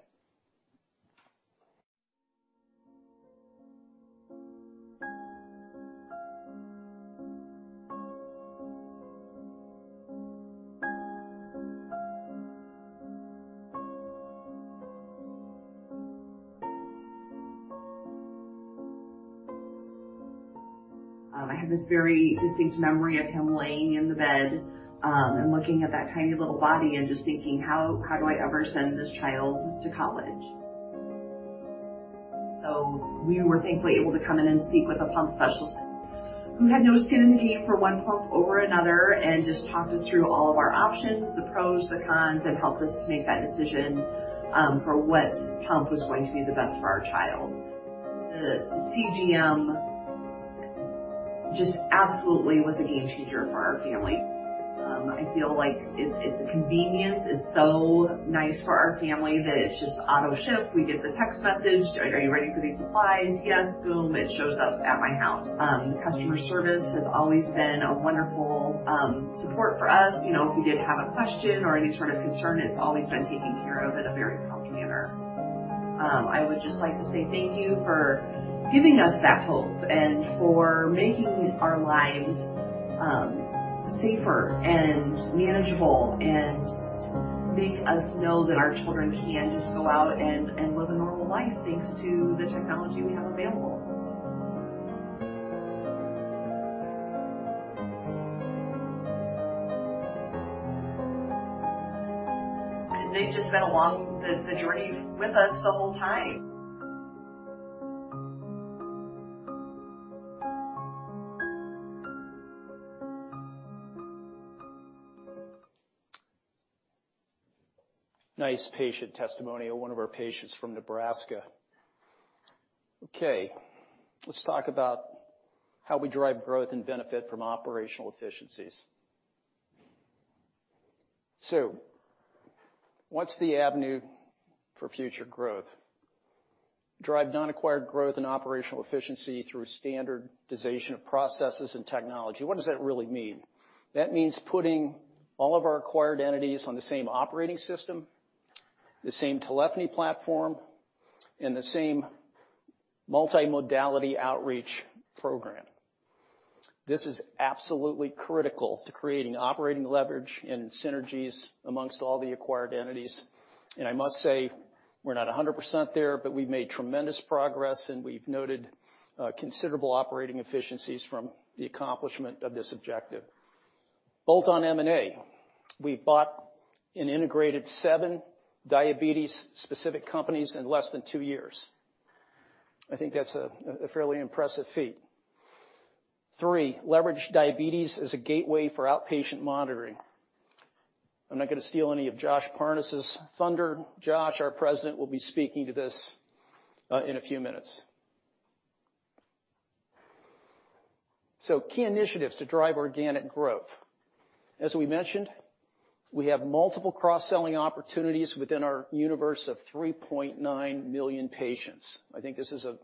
I have this very distinct memory of him laying in the bed and looking at that tiny little body and just thinking, "How do I ever send this child to college?" We were thankfully able to come in and speak with a pump specialist who had no skin in the game for one pump over another and just talked us through all of our options, the pros, the cons, and helped us to make that decision for what pump was going to be the best for our child. The CGM just absolutely was a game changer for our family. I feel like it's a convenience. It's so nice for our family that it's just auto-ship. We get the text message, "Are you ready for these supplies?" "Yes." Boom, it shows up at my house. The customer service has always been a wonderful support for us. You know, if we did have a question or any sort of concern, it's always been taken care of in a very prompt manner. I would just like to say thank you for giving us that hope and for making our lives safer and manageable and to make us know that our children can just go out and live a normal life, thanks to the technology we have available. They've just been along the journey with us the whole time. Nice patient testimonial, one of our patients from Nebraska. Okay, let's talk about how we drive growth and benefit from operational efficiencies. What's the avenue for future growth? Drive non-acquired growth and operational efficiency through standardization of processes and technology. What does that really mean? That means putting all of our acquired entities on the same operating system, the same telephony platform, and the same multimodality outreach program. This is absolutely critical to creating operating leverage and synergies amongst all the acquired entities. I must say, we're not 100% there, but we've made tremendous progress, and we've noted considerable operating efficiencies from the accomplishment of this objective. Both on M&A, we bought and integrated 7 diabetes-specific companies in less than 2 years. I think that's a fairly impressive feat. Three, leverage diabetes as a gateway for outpatient monitoring. I'm not gonna steal any of Josh Parnes's thunder. Josh, our president, will be speaking to this in a few minutes. Key initiatives to drive organic growth. As we mentioned, we have multiple cross-selling opportunities within our universe of 3.9 million patients. I think this is a...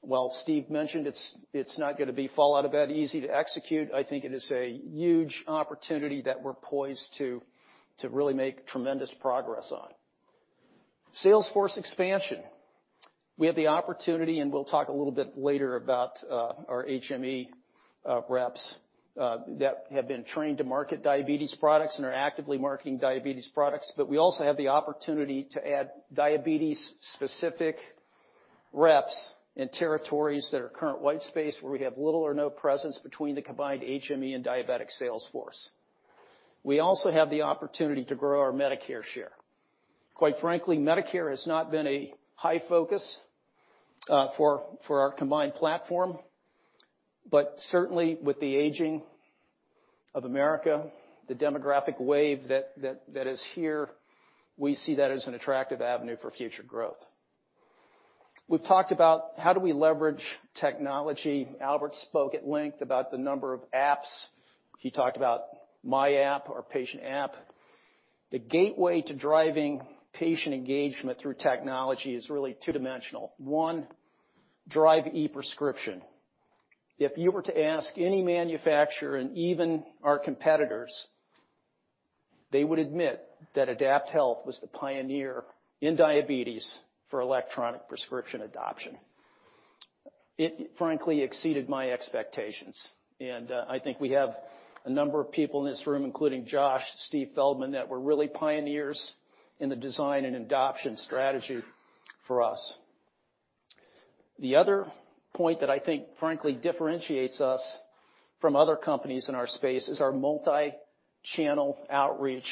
While Steve mentioned it's not gonna be fall out of bed easy to execute, I think it is a huge opportunity that we're poised to really make tremendous progress on. Salesforce expansion. We have the opportunity, and we'll talk a little bit later about our HME reps that have been trained to market diabetes products and are actively marketing diabetes products. But we also have the opportunity to add diabetes-specific reps in territories that are current white space, where we have little or no presence between the combined HME and diabetic sales force. We also have the opportunity to grow our Medicare share. Quite frankly, Medicare has not been a high focus for our combined platform. Certainly with the aging of America, the demographic wave that is here, we see that as an attractive avenue for future growth. We've talked about how do we leverage technology. Albert spoke at length about the number of apps. He talked about myAPP, our patient app. The gateway to driving patient engagement through technology is really two-dimensional. One, drive e-Prescribe. If you were to ask any manufacturer and even our competitors, they would admit that AdaptHealth was the pioneer in diabetes for electronic prescription adoption. It frankly exceeded my expectations. I think we have a number of people in this room, including Josh, Steve Feldman, that were really pioneers in the design and adoption strategy for us. The other point that I think frankly differentiates us from other companies in our space is our multi-channel outreach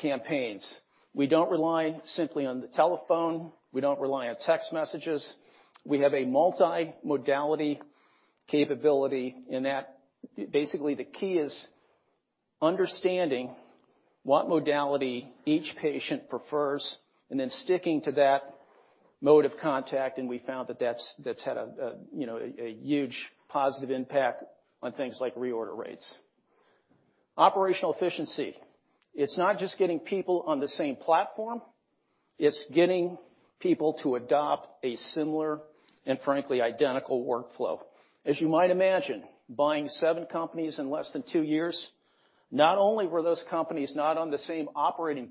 campaigns. We don't rely simply on the telephone. We don't rely on text messages. We have a multimodality capability in that basically the key is understanding what modality each patient prefers and then sticking to that mode of contact, and we found that that's had a, you know, huge positive impact on things like reorder rates. Operational efficiency. It's not just getting people on the same platform, it's getting people to adopt a similar and frankly identical workflow. As you might imagine, buying seven companies in less than two years, not only were those companies not on the same operating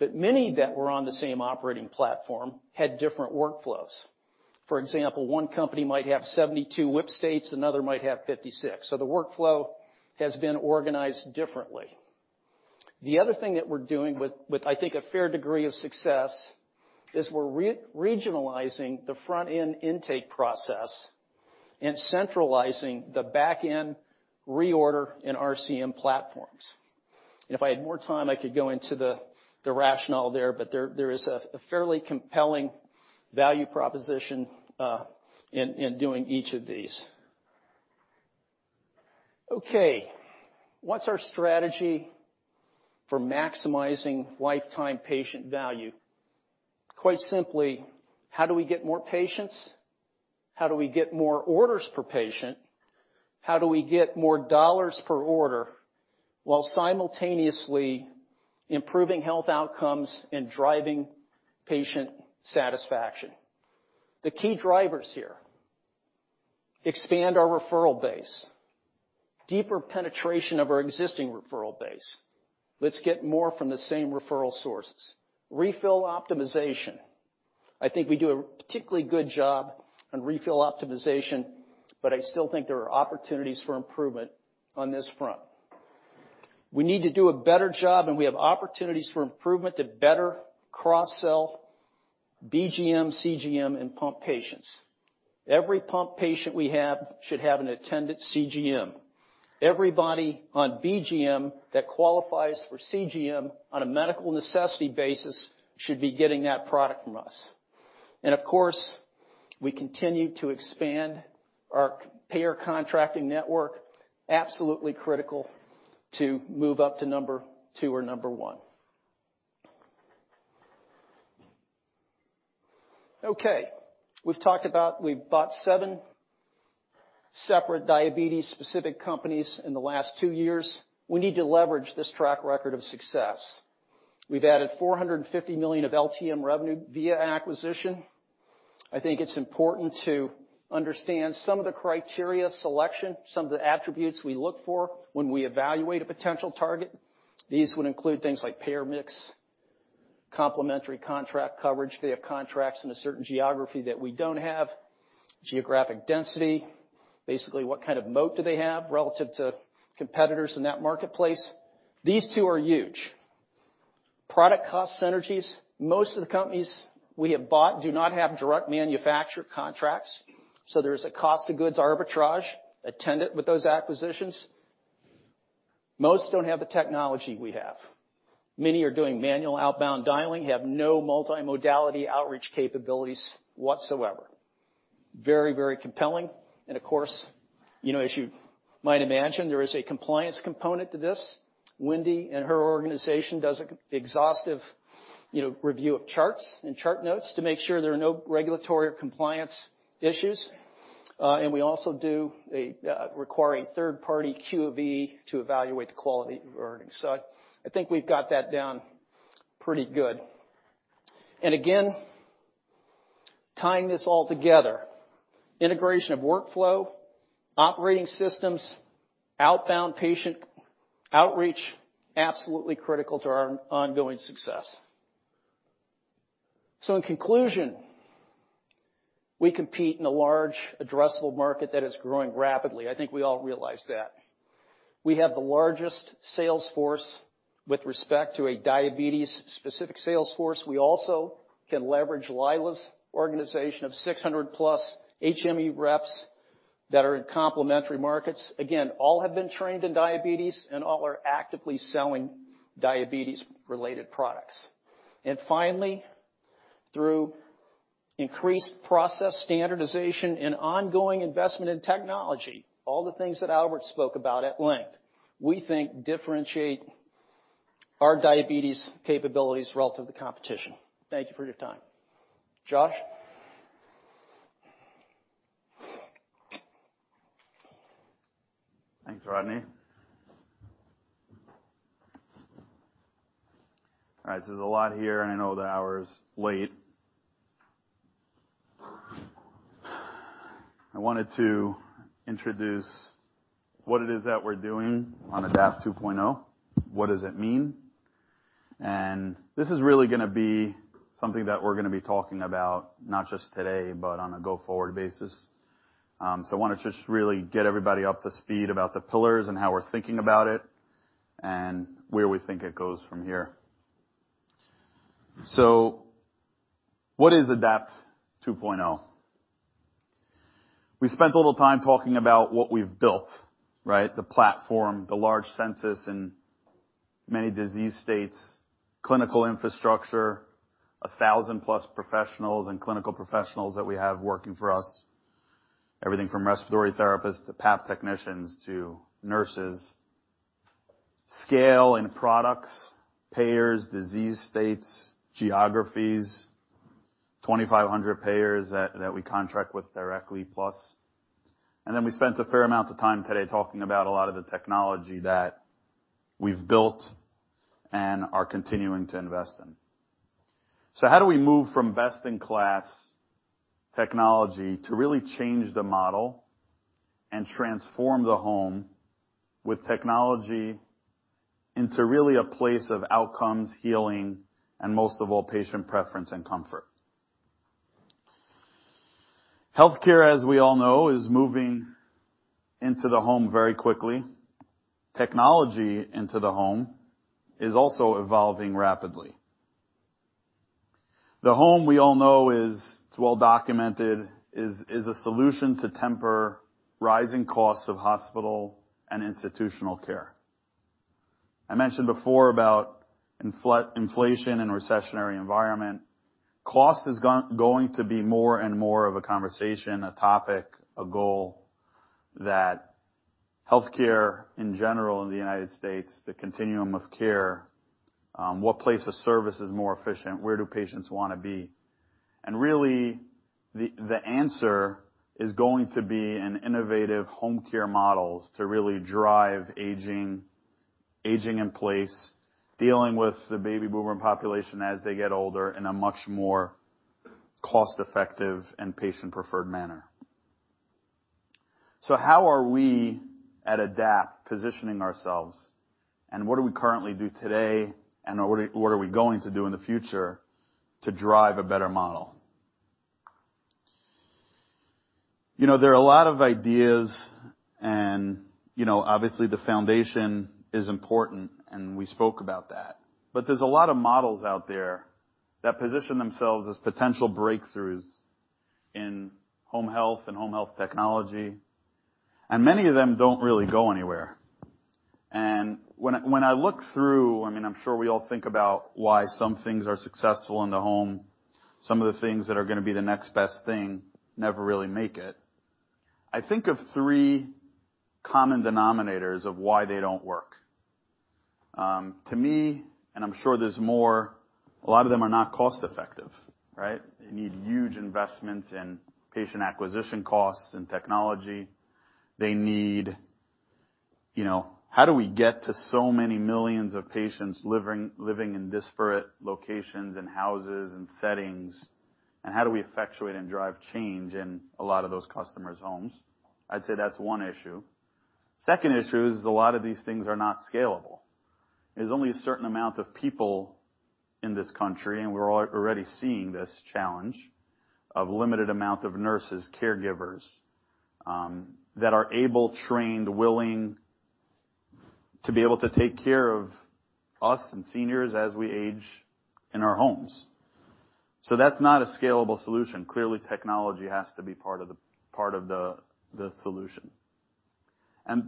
platform, but many that were on the same operating platform had different workflows. For example, one company might have 72 WIP states, another might have 56, so the workflow has been organized differently. The other thing that we're doing with, I think a fair degree of success, is we're re-regionalizing the front-end intake process and centralizing the back-end reorder in RCM platforms. If I had more time, I could go into the rationale there, but there is a fairly compelling value proposition in doing each of these. Okay. What's our strategy for maximizing lifetime patient value? Quite simply, how do we get more patients? How do we get more orders per patient? How do we get more dollars per order while simultaneously improving health outcomes and driving patient satisfaction? The key drivers here, expand our referral base, deeper penetration of our existing referral base. Let's get more from the same referral sources. Refill optimization. I think we do a particularly good job on refill optimization, but I still think there are opportunities for improvement on this front. We need to do a better job, and we have opportunities for improvement to better cross-sell BGM, CGM, and pump patients. Every pump patient we have should have an attendant CGM. Everybody on BGM that qualifies for CGM on a medical necessity basis should be getting that product from us. Of course, we continue to expand our payer contracting network. Absolutely critical to move up to number two or number one. Okay. We've talked about. We've bought seven separate diabetes-specific companies in the last two years. We need to leverage this track record of success. We've added $450 million of LTM revenue via acquisition. I think it's important to understand some of the criteria selection, some of the attributes we look for when we evaluate a potential target. These would include things like payer mix, complementary contract coverage. Do they have contracts in a certain geography that we don't have? Geographic density. Basically, what kind of moat do they have relative to competitors in that marketplace? These two are huge. Product cost synergies. Most of the companies we have bought do not have direct manufacturer contracts, so there's a cost of goods arbitrage attendant with those acquisitions. Most don't have the technology we have. Many are doing manual outbound dialing, have no multimodality outreach capabilities whatsoever. Very, very compelling. Of course, you know, as you might imagine, there is a compliance component to this. Wendy and her organization does an exhaustive, you know, review of charts and chart notes to make sure there are no regulatory or compliance issues. We also require a third-party QOE to evaluate the quality of earnings. I think we've got that down pretty good. Tying this all together, integration of workflow, operating systems, outbound patient outreach, absolutely critical to our ongoing success. In conclusion, we compete in a large addressable market that is growing rapidly. I think we all realize that. We have the largest sales force with respect to a diabetes-specific sales force. We also can leverage Leila's organization of 600+ HME reps that are in complementary markets. Again, all have been trained in diabetes and all are actively selling diabetes-related products. Finally, through increased process standardization and ongoing investment in technology, all the things that Albert spoke about at length, we think differentiate our diabetes capabilities relative to competition. Thank you for your time. Josh? Thanks, Rodney. All right. There's a lot here, and I know the hour is late. I wanted to introduce what it is that we're doing on AdaptHealth 2.0, what does it mean? This is really gonna be something that we're gonna be talking about, not just today, but on a go-forward basis. I wanna just really get everybody up to speed about the pillars and how we're thinking about it, and where we think it goes from here. What is AdaptHealth 2.0? We spent a little time talking about what we've built, right? The platform, the large presence in many disease states, clinical infrastructure, 1,000+ professionals and clinical professionals that we have working for us. Everything from respiratory therapists to path technicians to nurses. Scale and products, payers, disease states, geographies, 2,500 payers that we contract with directly plus. We spent a fair amount of time today talking about a lot of the technology that we've built and are continuing to invest in. How do we move from best-in-class technology to really change the model and transform the home with technology into really a place of outcomes, healing, and most of all, patient preference and comfort? Healthcare, as we all know, is moving into the home very quickly. Technology into the home is also evolving rapidly. The home, we all know is, it's well documented, is a solution to temper rising costs of hospital and institutional care. I mentioned before about inflation and recessionary environment. Cost is going to be more and more of a conversation, a topic, a goal that healthcare in general in the United States, the continuum of care, what place of service is more efficient, where do patients wanna be? Really, the answer is going to be in innovative home care models to really drive aging in place, dealing with the baby boomer population as they get older in a much more cost-effective and patient-preferred manner. How are we at Adapt positioning ourselves, and what do we currently do today, and what are we going to do in the future to drive a better model? You know, there are a lot of ideas and, you know, obviously the foundation is important, and we spoke about that. There's a lot of models out there that position themselves as potential breakthroughs in home health and home health technology, and many of them don't really go anywhere. When I look through, I mean, I'm sure we all think about why some things are successful in the home. Some of the things that are gonna be the next best thing never really make it. I think of three common denominators of why they don't work. To me, and I'm sure there's more, a lot of them are not cost-effective, right? They need huge investments in patient acquisition costs and technology. They need, you know, how do we get to so many millions of patients living in disparate locations and houses and settings, and how do we effectuate and drive change in a lot of those customers' homes? I'd say that's one issue. Second issue is a lot of these things are not scalable. There's only a certain amount of people in this country, and we're already seeing this challenge, of limited amount of nurses, caregivers, that are able, trained, willing to be able to take care of us and seniors as we age in our homes. That's not a scalable solution. Clearly, technology has to be part of the solution.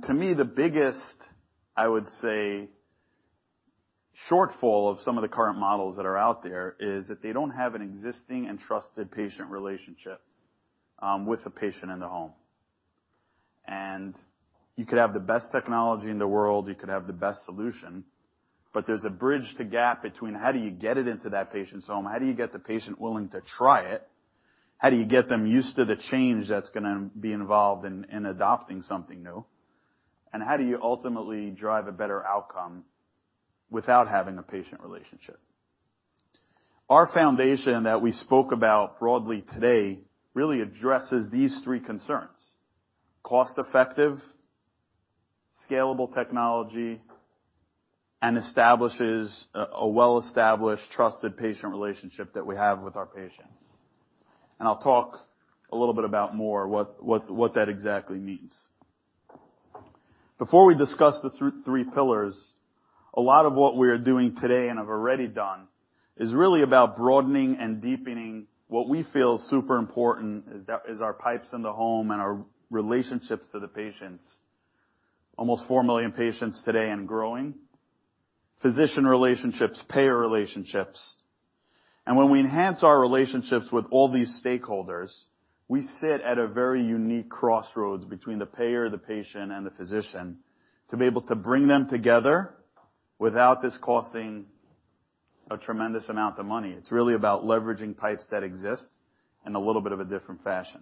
To me, the biggest, I would say, shortfall of some of the current models that are out there is that they don't have an existing and trusted patient relationship, with the patient in the home. You could have the best technology in the world, you could have the best solution, but there's a bridge the gap between how do you get it into that patient's home? How do you get the patient willing to try it? How do you get them used to the change that's gonna be involved in adopting something new? How do you ultimately drive a better outcome without having a patient relationship? Our foundation that we spoke about broadly today really addresses these three concerns. Cost-effective, scalable technology, and establishes a well-established, trusted patient relationship that we have with our patients. I'll talk a little bit about more what that exactly means. Before we discuss the three pillars, a lot of what we're doing today and have already done is really about broadening and deepening what we feel is super important is our pipes in the home and our relationships to the patients. Almost 4 million patients today and growing. Physician relationships, payer relationships. When we enhance our relationships with all these stakeholders, we sit at a very unique crossroads between the payer, the patient, and the physician to be able to bring them together without this costing a tremendous amount of money. It's really about leveraging pipes that exist in a little bit of a different fashion.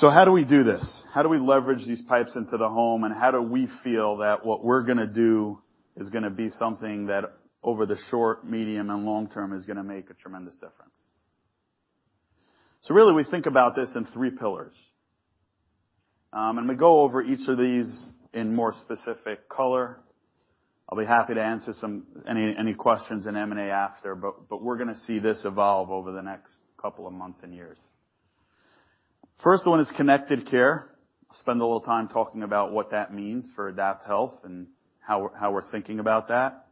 How do we do this? How do we leverage these pipes into the home, and how do we feel that what we're gonna do is gonna be something that over the short, medium, and long term is gonna make a tremendous difference? Really we think about this in three pillars. We go over each of these in more specific color. I'll be happy to answer any questions in M&A after, but we're gonna see this evolve over the next couple of months and years. First one is connected care. Spend a little time talking about what that means for AdaptHealth and how we're thinking about that,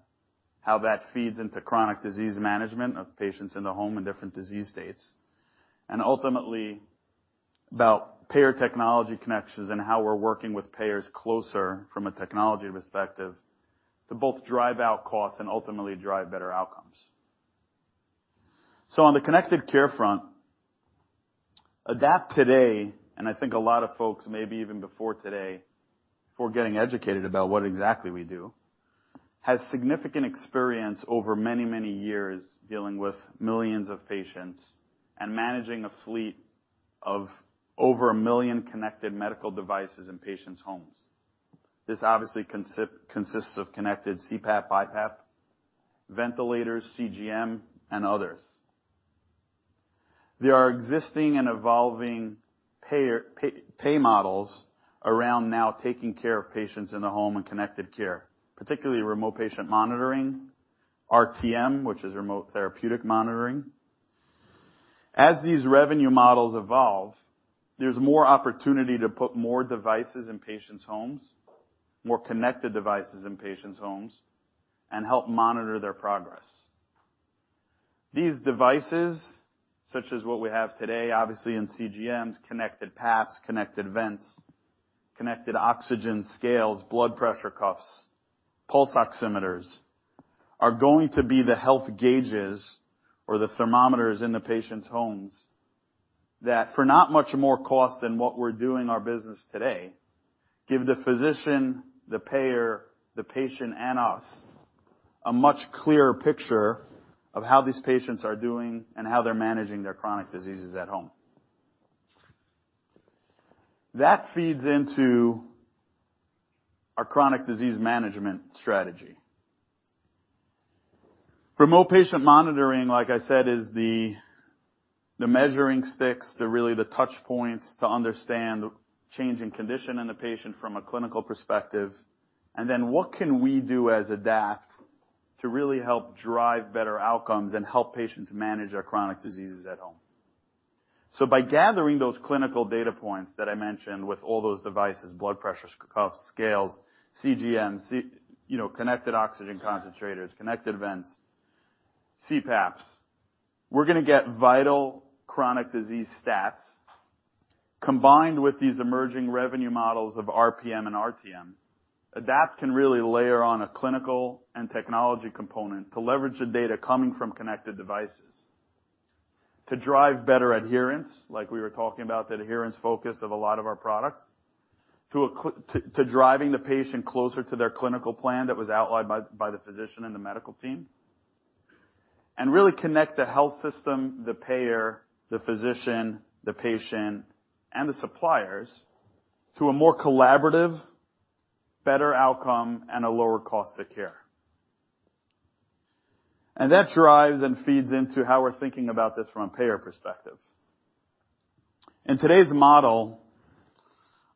how that feeds into chronic disease management of patients in the home in different disease states. Ultimately, about payer technology connections and how we're working with payers closer from a technology perspective to both drive out costs and ultimately drive better outcomes. On the connected care front, AdaptHealth today, and I think a lot of folks, maybe even before today, before getting educated about what exactly we do, has significant experience over many, many years dealing with millions of patients and managing a fleet of over a million connected medical devices in patients' homes. This obviously consists of connected CPAP, BiPAP, ventilators, CGM, and others. There are existing and evolving payer-pay models around now taking care of patients in the home and connected care, particularly remote patient monitoring, RTM, which is Remote Therapeutic Monitoring. As these revenue models evolve, there's more opportunity to put more devices in patients' homes, more connected devices in patients' homes, and help monitor their progress. These devices, such as what we have today, obviously in CGMs, connected PAPs, connected vents, connected oxygen scales, blood pressure cuffs, pulse oximeters, are going to be the health gauges or the thermometers in the patients' homes that, for not much more cost than what we're doing our business today, give the physician, the payer, the patient, and us a much clearer picture of how these patients are doing and how they're managing their chronic diseases at home. That feeds into our chronic disease management strategy. Remote patient monitoring, like I said, is the measuring sticks, really the touch points to understand change in condition in the patient from a clinical perspective, and then what can we do as Adapt to really help drive better outcomes and help patients manage their chronic diseases at home. By gathering those clinical data points that I mentioned with all those devices, blood pressure cuffs, scales, CGMs, you know, connected oxygen concentrators, connected vents, CPAPs, we're gonna get vital chronic disease stats combined with these emerging revenue models of RPM and RTM. Adapt can really layer on a clinical and technology component to leverage the data coming from connected devices. To drive better adherence, like we were talking about, the adherence focus of a lot of our products, to driving the patient closer to their clinical plan that was outlined by the physician and the medical team, and really connect the health system, the payer, the physician, the patient, and the suppliers to a more collaborative, better outcome and a lower cost of care. That drives and feeds into how we're thinking about this from a payer perspective. In today's model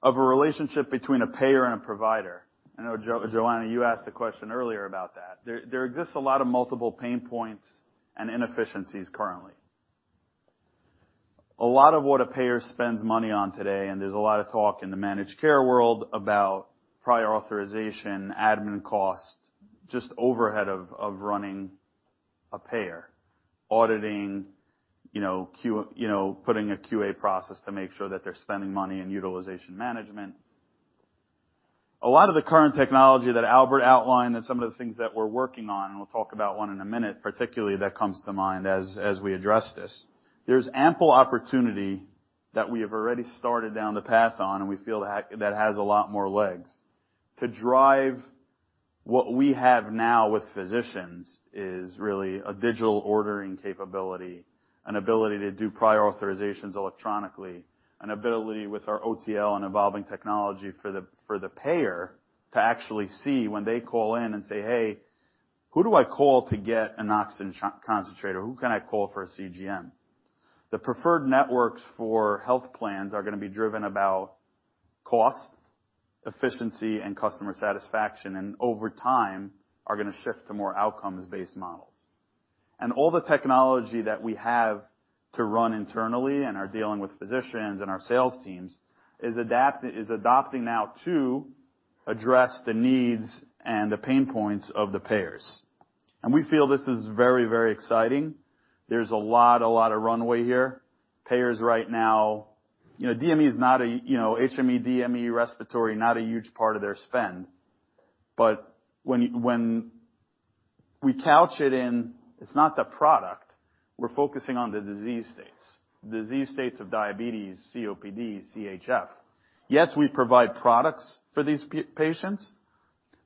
of a relationship between a payer and a provider, I know Joanna, you asked a question earlier about that, there exists a lot of multiple pain points and inefficiencies currently. A lot of what a payer spends money on today, and there's a lot of talk in the managed care world about prior authorization, admin cost, just overhead of running a payer, auditing, you know, putting a QA process to make sure that they're spending money on utilization management. A lot of the current technology that Albert outlined and some of the things that we're working on, and we'll talk about one in a minute, particularly that comes to mind as we address this. There's ample opportunity that we have already started down the path on, and we feel that that has a lot more legs to drive what we have now with physicians. It's really a digital ordering capability, an ability to do prior authorizations electronically, an ability with our OTL and evolving technology for the payer to actually see when they call in and say, "Hey, who do I call to get an oxygen concentrator? Who can I call for a CGM?" The preferred networks for health plans are gonna be driven about cost, efficiency, and customer satisfaction, and over time, are gonna shift to more outcomes-based models. All the technology that we have to run internally and are dealing with physicians and our sales teams is adopting now to address the needs and the pain points of the payers. We feel this is very exciting. There's a lot of runway here. Payers right now, you know, DME is not a, you know, HME, DME, respiratory, not a huge part of their spend. But when we couch it in, it's not the product, we're focusing on the disease states. Disease states of diabetes, COPD, CHF. Yes, we provide products for these patients.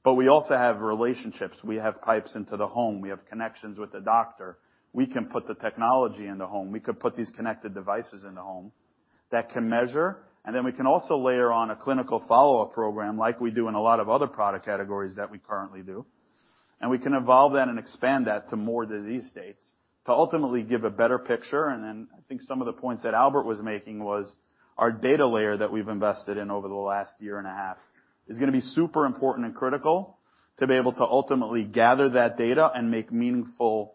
We also have relationships. We have pipes into the home. We have connections with the doctor. We can put the technology in the home. We could put these connected devices in the home that can measure, and then we can also layer on a clinical follow-up program like we do in a lot of other product categories that we currently do. We can evolve that and expand that to more disease states to ultimately give a better picture. I think some of the points that Albert was making was our data layer that we've invested in over the last year and a half is gonna be super important and critical to be able to ultimately gather that data and make meaningful decisions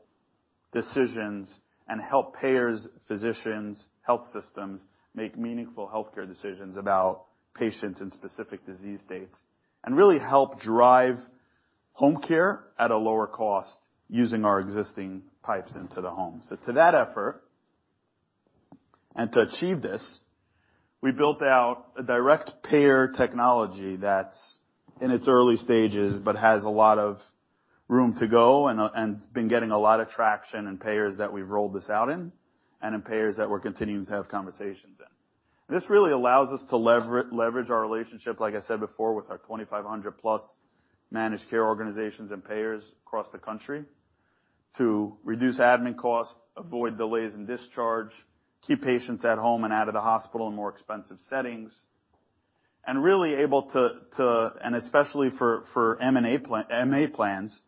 and help payers, physicians, health systems, make meaningful healthcare decisions about patients in specific disease states, and really help drive home care at a lower cost using our existing pipes into the home. To that effort, and to achieve this, we built out a direct payer technology that's in its early stages, but has a lot of room to go and been getting a lot of traction in payers that we've rolled this out in and in payers that we're continuing to have conversations in. This really allows us to leverage our relationship, like I said before, with our 2,500+ managed care organizations and payers across the country to reduce admin costs, avoid delays in discharge, keep patients at home and out of the hospital in more expensive settings. Especially for MA plans,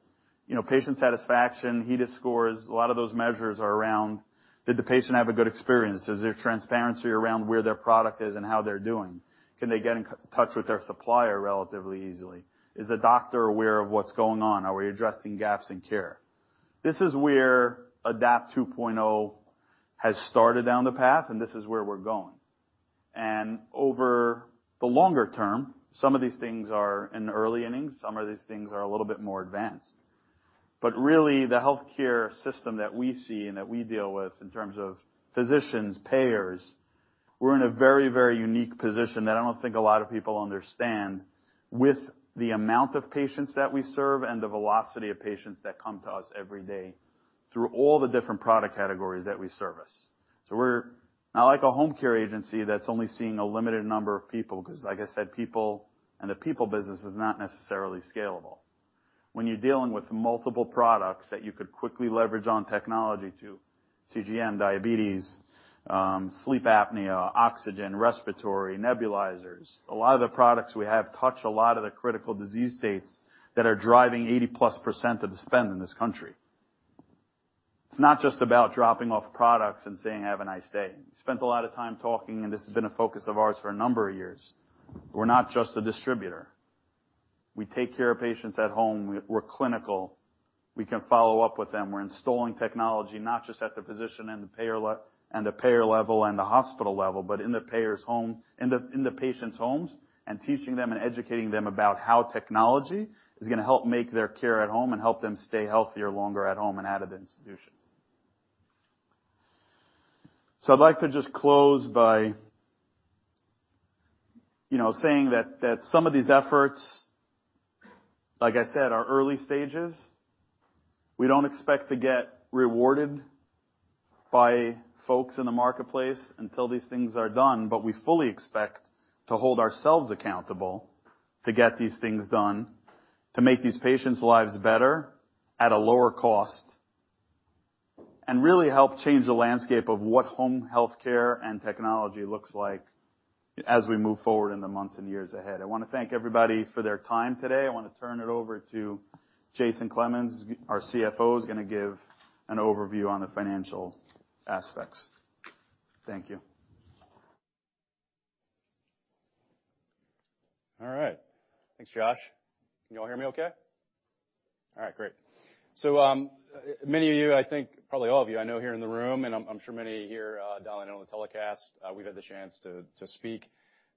you know, patient satisfaction, HEDIS scores, a lot of those measures are around, did the patient have a good experience? Is there transparency around where their product is and how they're doing? Can they get in touch with their supplier relatively easily? Is the doctor aware of what's going on? Are we addressing gaps in care? This is where AdaptHealth 2.0 has started down the path, and this is where we're going. Over the longer term, some of these things are in the early innings, some of these things are a little bit more advanced. Really, the healthcare system that we see and that we deal with in terms of physicians, payers, we're in a very, very unique position that I don't think a lot of people understand with the amount of patients that we serve and the velocity of patients that come to us every day through all the different product categories that we service. We're not like a home care agency that's only seeing a limited number of people, 'cause like I said, people and the people business is not necessarily scalable. When you're dealing with multiple products that you could quickly leverage on technology to CGM, diabetes, sleep apnea, oxygen, respiratory, nebulizers, a lot of the products we have touch a lot of the critical disease states that are driving 80%+ of the spend in this country. It's not just about dropping off products and saying, "Have a nice day." We spent a lot of time talking, and this has been a focus of ours for a number of years. We're not just a distributor. We take care of patients at home. We're clinical. We can follow up with them. We're installing technology not just at the physician and the payer level and the hospital level, but in the patient's homes, and teaching them and educating them about how technology is gonna help make their care at home and help them stay healthier longer at home and out of the institution. I'd like to just close by, you know, saying that some of these efforts, like I said, are early stages. We don't expect to get rewarded by folks in the marketplace until these things are done, but we fully expect to hold ourselves accountable to get these things done, to make these patients' lives better at a lower cost, and really help change the landscape of what home healthcare and technology looks like as we move forward in the months and years ahead. I wanna thank everybody for their time today. I wanna turn it over to Jason Clemens. Our CFO is gonna give an overview on the financial aspects. Thank you. All right. Thanks, Josh. Can you all hear me okay? All right, great. Many of you, I think probably all of you I know here in the room, and I'm sure many here dialing in on the telecast, we've had the chance to speak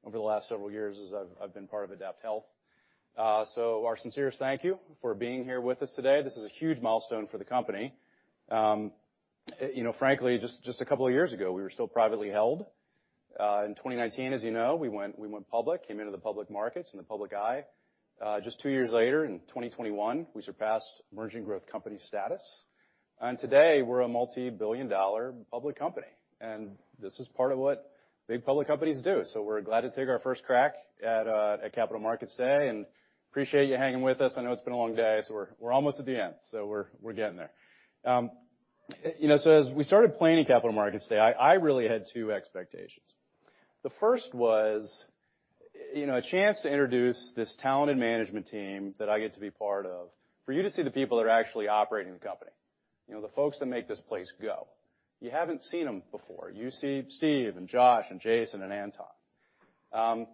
over the last several years as I've been part of AdaptHealth. So our sincerest thank you for being here with us today. This is a huge milestone for the company. You know, frankly, just a couple of years ago, we were still privately held. In 2019, as you know, we went public, came into the public markets and the public eye. Just two years later, in 2021, we surpassed emerging growth company status. Today, we're a multi-billion-dollar public company, and this is part of what big public companies do. We're glad to take our first crack at Capital Markets Day, and appreciate you hanging with us. I know it's been a long day, we're almost at the end. We're getting there. You know, as we started planning Capital Markets Day, I really had two expectations. The first was, you know, a chance to introduce this talented management team that I get to be part of, for you to see the people that are actually operating the company. You know, the folks that make this place go. You haven't seen them before. You see Steve and Josh and Jason and Anton.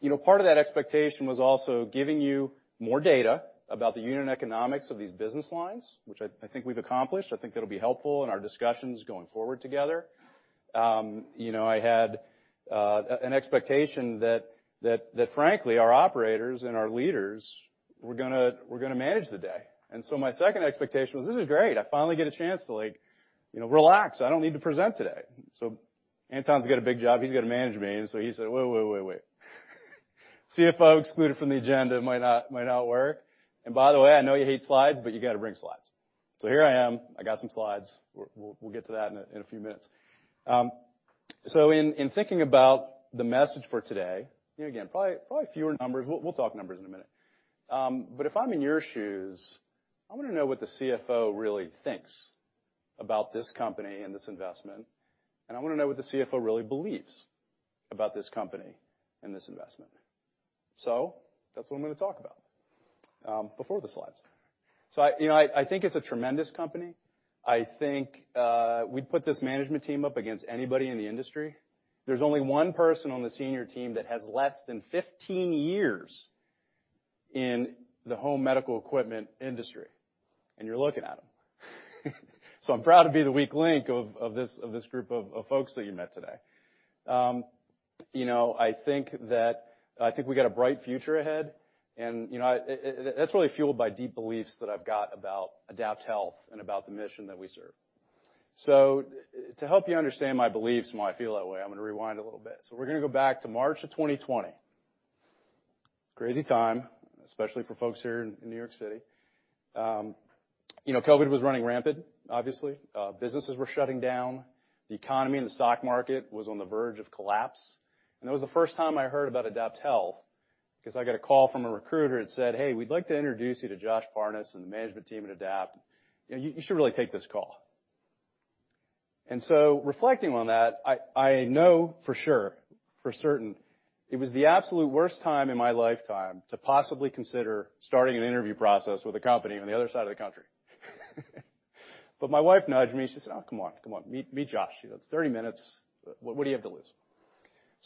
You know, part of that expectation was also giving you more data about the unit economics of these business lines, which I think we've accomplished. I think it'll be helpful in our discussions going forward together. You know, I had an expectation that frankly, our operators and our leaders were gonna manage the day. My second expectation was, this is great. I finally get a chance to like, you know, relax. I don't need to present today. Anton's got a big job. He's got to manage me. He said, "Wait, wait, wait. CFO excluded from the agenda might not work. By the way, I know you hate slides, but you gotta bring slides." Here I am. I got some slides. We'll get to that in a few minutes. In thinking about the message for today, you know, again, probably fewer numbers. We'll talk numbers in a minute. If I'm in your shoes, I wanna know what the CFO really thinks about this company and this investment, and I wanna know what the CFO really believes about this company and this investment. That's what I'm gonna talk about before the slides. You know, I think it's a tremendous company. I think we'd put this management team up against anybody in the industry. There's only one person on the senior team that has less than 15 years in the home medical equipment industry, and you're looking at him. I'm proud to be the weak link of this group of folks that you met today. You know, I think that. I think we've got a bright future ahead, and, you know, that's really fueled by deep beliefs that I've got about AdaptHealth and about the mission that we serve. To help you understand my beliefs and why I feel that way, I'm gonna rewind a little bit. We're gonna go back to March of 2020. Crazy time, especially for folks here in New York City. You know, COVID was running rampant, obviously. Businesses were shutting down. The economy and the stock market was on the verge of collapse. That was the first time I heard about AdaptHealth, 'cause I got a call from a recruiter that said, "Hey, we'd like to introduce you to Josh Parnes and the management team at AdaptHealth. You know, you should really take this call." Reflecting on that, I know for sure, for certain, it was the absolute worst time in my lifetime to possibly consider starting an interview process with a company on the other side of the country. My wife nudged me. She said, "Oh, come on. Meet Josh. You know, it's 30 minutes. What do you have to lose?"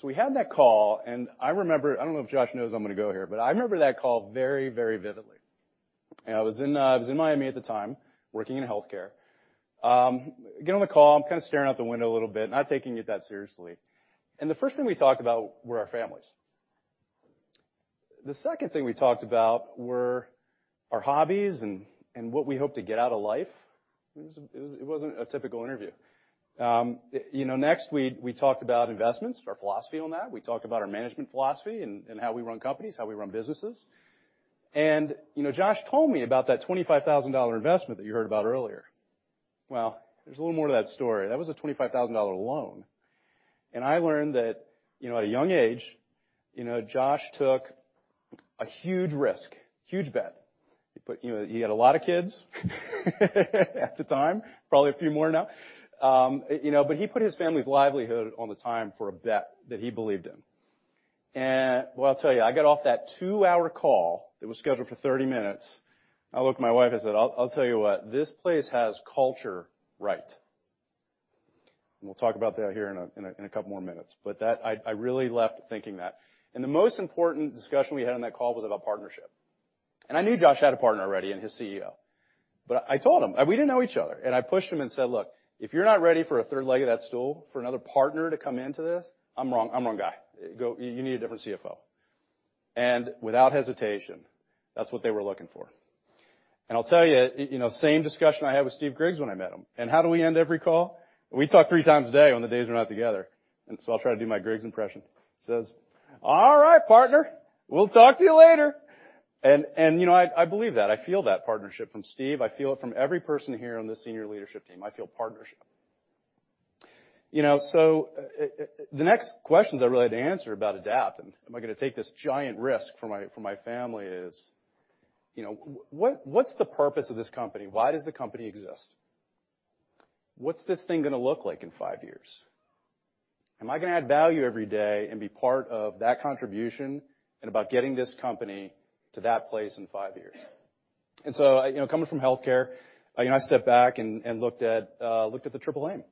We had that call, and I remember. I don't know if Josh knows I'm gonna go here, but I remember that call very, very vividly. I was in Miami at the time, working in healthcare. Get on the call. I'm kinda staring out the window a little bit, not taking it that seriously. The first thing we talked about were our families. The second thing we talked about were our hobbies and what we hope to get out of life. It wasn't a typical interview. You know, next we talked about investments, our philosophy on that. We talked about our management philosophy and how we run companies, how we run businesses. You know, Josh told me about that $25,000 investment that you heard about earlier. Well, there's a little more to that story. That was a $25,000 loan. I learned that, you know, at a young age, you know, Josh took a huge risk, huge bet. You know, he had a lot of kids at the time, probably a few more now. You know, he put his family's livelihood on the line for a bet that he believed in. Well, I'll tell you, I got off that 2-hour call that was scheduled for 30 minutes. I looked at my wife and said, "I'll tell you what, this place has culture right." We'll talk about that here in a couple more minutes. I really left thinking that. The most important discussion we had on that call was about partnership. I knew Josh had a partner already in his CEO, but I told him. We didn't know each other, and I pushed him and said, "Look, if you're not ready for a third leg of that stool, for another partner to come into this, I'm the wrong guy. You need a different CFO." Without hesitation, that's what they were looking for. I'll tell you know, same discussion I had with Steve Griggs when I met him. How do we end every call? We talk 3x a day when the days we're not together. I'll try to do my Griggs impression. Says, "All right, partner, we'll talk to you later." You know, I believe that. I feel that partnership from Steve. I feel it from every person here on the senior leadership team. I feel partnership. You know, the next questions I really had to answer about Adapt, and am I gonna take this giant risk for my family is, you know, what's the purpose of this company? Why does the company exist? What's this thing gonna look like in five years? Am I gonna add value every day and be part of that contribution and about getting this company to that place in five years? You know, coming from healthcare, you know, I stepped back and looked at the Triple Aim.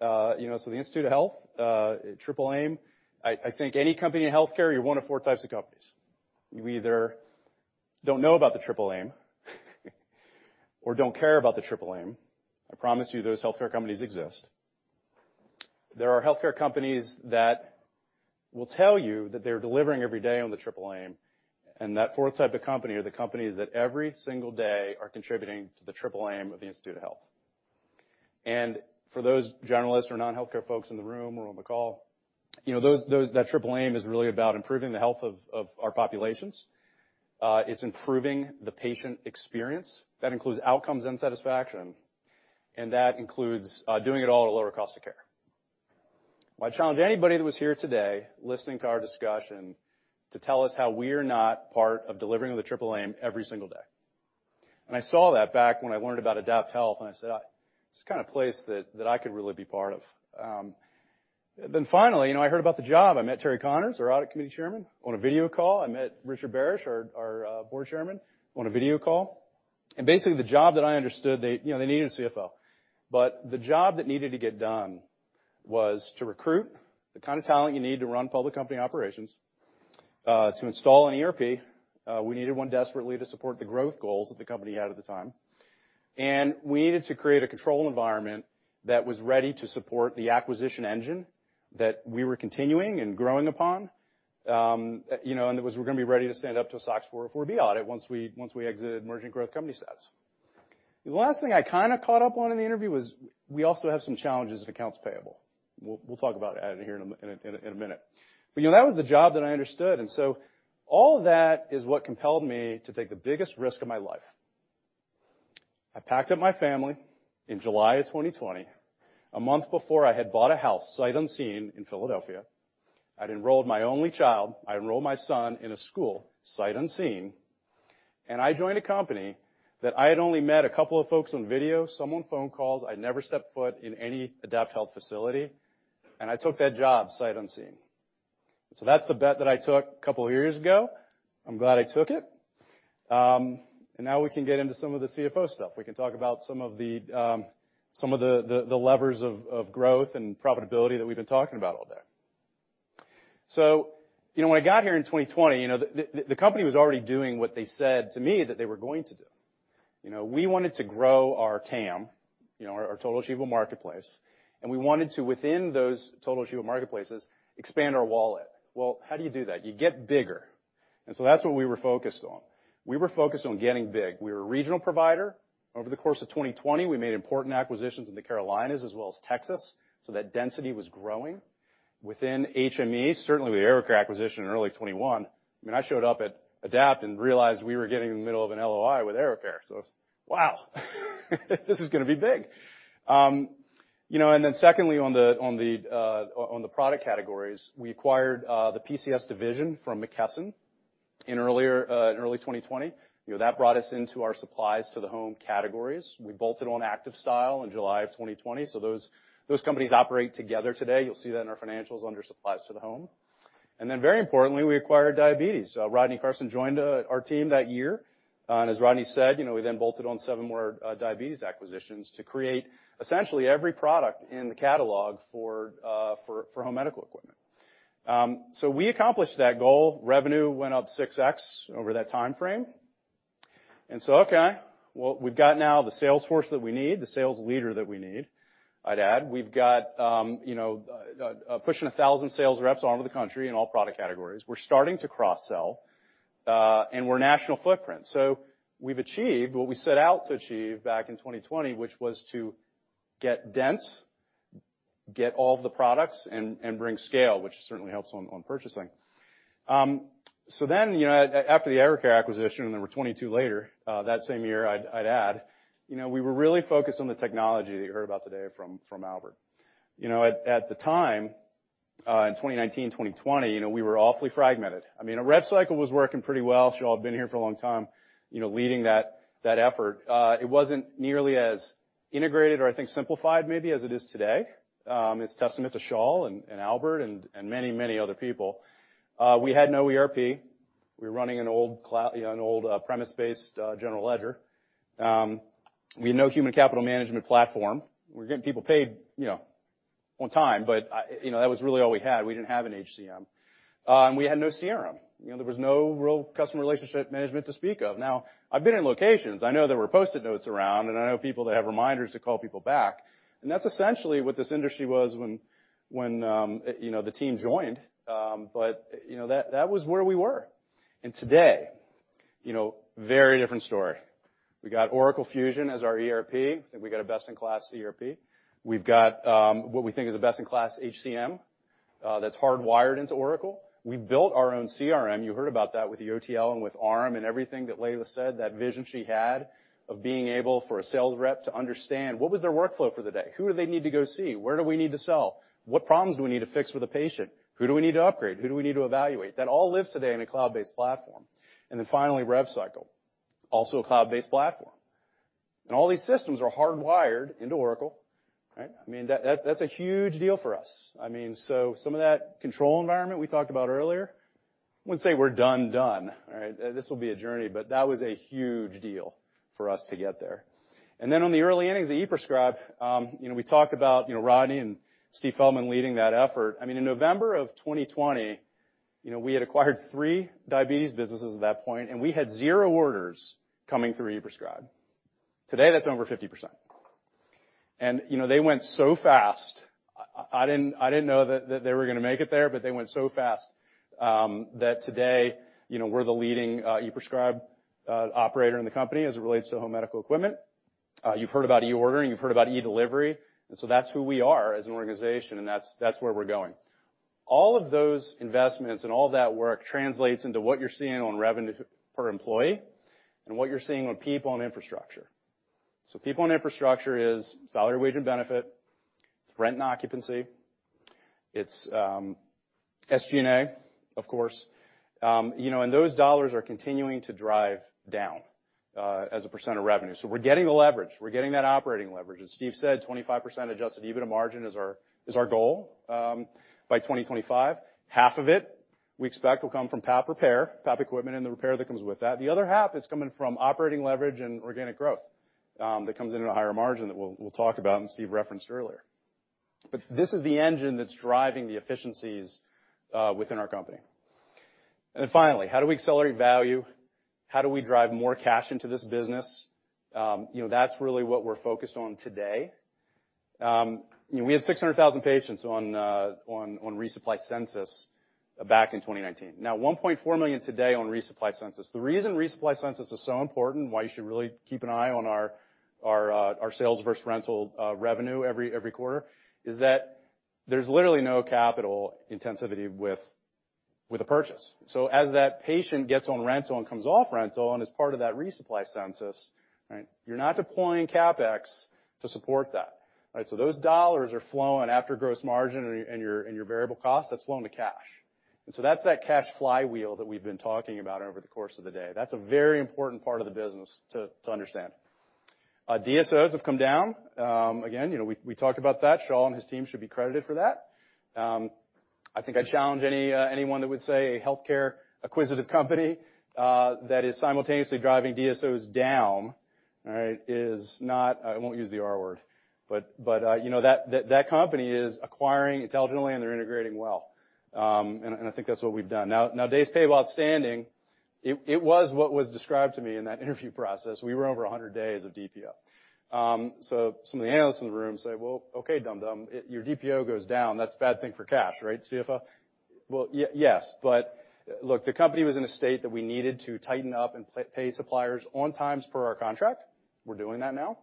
You know, so the Institute for Healthcare Improvement, Triple Aim, I think any company in healthcare, you're one of four types of companies. You either don't know about the Triple Aim or don't care about the Triple Aim. I promise you those healthcare companies exist. There are healthcare companies that will tell you that they're delivering every day on the Triple Aim, and that fourth type of company are the companies that every single day are contributing to the Triple Aim of the Institute for Healthcare Improvement. For those generalists or non-healthcare folks in the room or on the call, you know, those that triple aim is really about improving the health of our populations. It's improving the patient experience. That includes outcomes and satisfaction, and that includes doing it all at a lower cost of care. I challenge anybody that was here today listening to our discussion to tell us how we're not part of delivering the Triple Aim every single day. I saw that back when I learned about AdaptHealth, and I said, "This is the kind of place that I could really be part of." Finally, you know, I heard about the job. I met Terry Connors, our audit committee chairman, on a video call. I met Richard Barasch, our board chairman, on a video call. Basically, the job that I understood, they, you know, they needed a CFO. The job that needed to get done was to recruit the kind of talent you need to run public company operations, to install an ERP. We needed one desperately to support the growth goals that the company had at the time. We needed to create a control environment that was ready to support the acquisition engine that we were continuing and growing upon. It was we're gonna be ready to stand up to a SOX 404(b) audit once we exited emerging growth company status. The last thing I kinda caught up on in the interview was we also have some challenges with accounts payable. We'll talk about it here in a minute. You know, that was the job that I understood. All of that is what compelled me to take the biggest risk of my life. I packed up my family in July of 2020, a month before I had bought a house, sight unseen, in Philadelphia. I'd enrolled my only child, my son, in a school, sight unseen, and I joined a company that I had only met a couple of folks on video, some on phone calls. I'd never stepped foot in any AdaptHealth facility, and I took that job sight unseen. That's the bet that I took a couple of years ago. I'm glad I took it. Now we can get into some of the CFO stuff. We can talk about some of the levers of growth and profitability that we've been talking about all day. You know, when I got here in 2020, you know, the company was already doing what they said to me that they were going to do. You know, we wanted to grow our TAM, you know, our total addressable market, and we wanted to, within those total addressable markets, expand our wallet. Well, how do you do that? You get bigger. That's what we were focused on. We were focused on getting big. We were a regional provider. Over the course of 2020, we made important acquisitions in the Carolinas as well as Texas, so that density was growing. Within HME, certainly with the AeroCare acquisition in early 2021. I mean, I showed up at Adapt and realized we were getting in the middle of an LOI with AeroCare. Wow, this is gonna be big. You know, then secondly, on the product categories, we acquired the PCS division from McKesson in early 2020. You know, that brought us into our supplies to the home categories. We bolted on ActivStyle in July of 2020, so those companies operate together today. You'll see that in our financials under supplies to the home. Then very importantly, we acquired Diabetes. Rodney Carson joined our team that year. As Rodney said, you know, we then bolted on 7 more diabetes acquisitions to create essentially every product in the catalog for home medical equipment. We accomplished that goal. Revenue went up 6x over that timeframe. Okay, well we've got now the sales force that we need, the sales leader that we need, I'd add. We've got you know pushing 1,000 sales reps all over the country in all product categories. We're starting to cross-sell and we're national footprint. We've achieved what we set out to achieve back in 2020, which was to get dense, get all the products, and bring scale, which certainly helps on purchasing. You know after the AeroCare acquisition, and there were 22 later that same year, I'd add, you know, we were really focused on the technology that you heard about today from Albert. You know, at the time, in 2019, 2020, you know, we were awfully fragmented. I mean, our rev cycle was working pretty well. Shaw has been here for a long time, you know, leading that effort. It wasn't nearly as integrated or I think simplified maybe as it is today. It's a testament to Shaw Rietkerk and Albert Prast and many other people. We had no ERP. We were running an old clunky, you know, an old premise-based general ledger. We had no human capital management platform. We're getting people paid, you know, on time, but, you know, that was really all we had. We didn't have an HCM. We had no CRM. You know, there was no real customer relationship management to speak of. Now, I've been in locations. I know there were Post-it notes around, and I know people that have reminders to call people back, and that's essentially what this industry was when you know, the team joined. You know, that was where we were. Today, you know, very different story. We got Oracle Fusion as our ERP. I think we got a best-in-class ERP. We've got what we think is a best-in-class HCM that's hardwired into Oracle. We've built our own CRM. You heard about that with the OTL and with RM and everything that Leila said, that vision she had of being able for a sales rep to understand what was their workflow for the day. Who do they need to go see? Where do we need to sell? What problems do we need to fix with a patient? Who do we need to upgrade? Who do we need to evaluate? That all lives today in a cloud-based platform. Then finally, rev cycle, also a cloud-based platform. All these systems are hardwired into Oracle, right? I mean, that's a huge deal for us. I mean, some of that control environment we talked about earlier, wouldn't say we're done, all right? This will be a journey, but that was a huge deal for us to get there. Then on the early innings of e-Prescribe, you know, we talked about, you know, Rodney and Steve Feldman leading that effort. I mean, in November of 2020, you know, we had acquired 3 diabetes businesses at that point, and we had zero orders coming through e-Prescribe. Today, that's over 50%. They went so fast. I didn't know that they were gonna make it there, but they went so fast that today, you know, we're the leading e-Prescribe operator in the company as it relates to home medical equipment. You've heard about e-Ordering, you've heard about e-Delivery, and so that's who we are as an organization, and that's where we're going. All of those investments and all that work translates into what you're seeing on revenue per employee and what you're seeing on people and infrastructure. People and infrastructure is salary, wage, and benefit. It's rent and occupancy. It's SG&A, of course. You know, and those dollars are continuing to drive down as a percent of revenue. We're getting the leverage. We're getting that operating leverage. As Steve said, 25% Adjusted EBITDA margin is our goal by 2025. Half of it, we expect, will come from PAP repair, PAP equipment and the repair that comes with that. The other half is coming from operating leverage and organic growth that comes in at a higher margin that we'll talk about and Steve referenced earlier. This is the engine that's driving the efficiencies within our company. Then finally, how do we accelerate value? How do we drive more cash into this business? You know, that's really what we're focused on today. You know, we had 600,000 patients on resupply census back in 2019. Now 1.4 million today on resupply census. The reason resupply census is so important, why you should really keep an eye on our sales versus rental revenue every quarter, is that there's literally no capital intensity with a purchase. As that patient gets on rental and comes off rental and as part of that resupply census, right? You're not deploying CapEx to support that, right? Those dollars are flowing after gross margin and your variable cost, that's flowing to cash. That's that cash flywheel that we've been talking about over the course of the day. That's a very important part of the business to understand. DSOs have come down. Again, you know, we talked about that. Shaw and his team should be credited for that. I think I challenge anyone that would say a healthcare acquisitive company that is simultaneously driving DSOs down, all right, is not. I won't use the R word. You know, that company is acquiring intelligently, and they're integrating well. I think that's what we've done. Now, days payable outstanding, it was what was described to me in that interview process. We were over 100 days of DPO. Some of the analysts in the room say, "Well, okay, dum dum, your DPO goes down, that's a bad thing for cash, right, CFO?" Well, yes, but look, the company was in a state that we needed to tighten up and pay suppliers on time as per our contract. We're doing that now.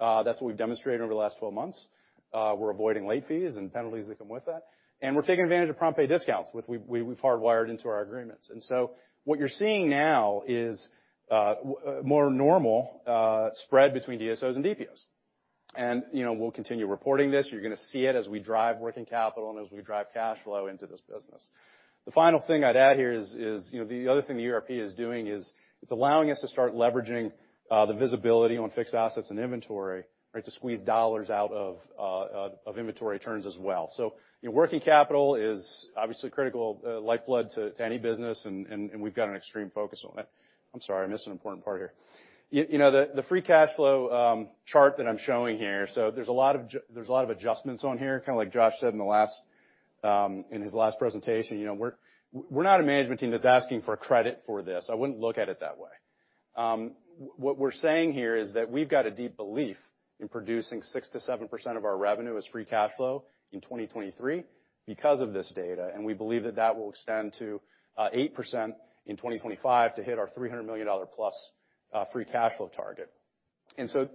That's what we've demonstrated over the last 12 months. We're avoiding late fees and penalties that come with that, and we're taking advantage of prompt pay discounts, which we've hardwired into our agreements. What you're seeing now is more normal spread between DSOs and DPOs. You know, we'll continue reporting this. You're gonna see it as we drive working capital and as we drive cash flow into this business. The final thing I'd add here is, you know, the other thing the ERP is doing is it's allowing us to start leveraging the visibility on fixed assets and inventory, right? To squeeze dollars out of inventory turns as well. Your working capital is obviously critical lifeblood to any business, and we've got an extreme focus on it. I'm sorry, I missed an important part here. You know, the free cash flow chart that I'm showing here, so there's a lot of adjustments on here, kinda like Josh said in his last presentation. You know, we're not a management team that's asking for credit for this. I wouldn't look at it that way. What we're saying here is that we've got a deep belief in producing 6%-7% of our revenue as free cash flow in 2023 because of this data, and we believe that will extend to 8% in 2025 to hit our $300 million+ free cash flow target.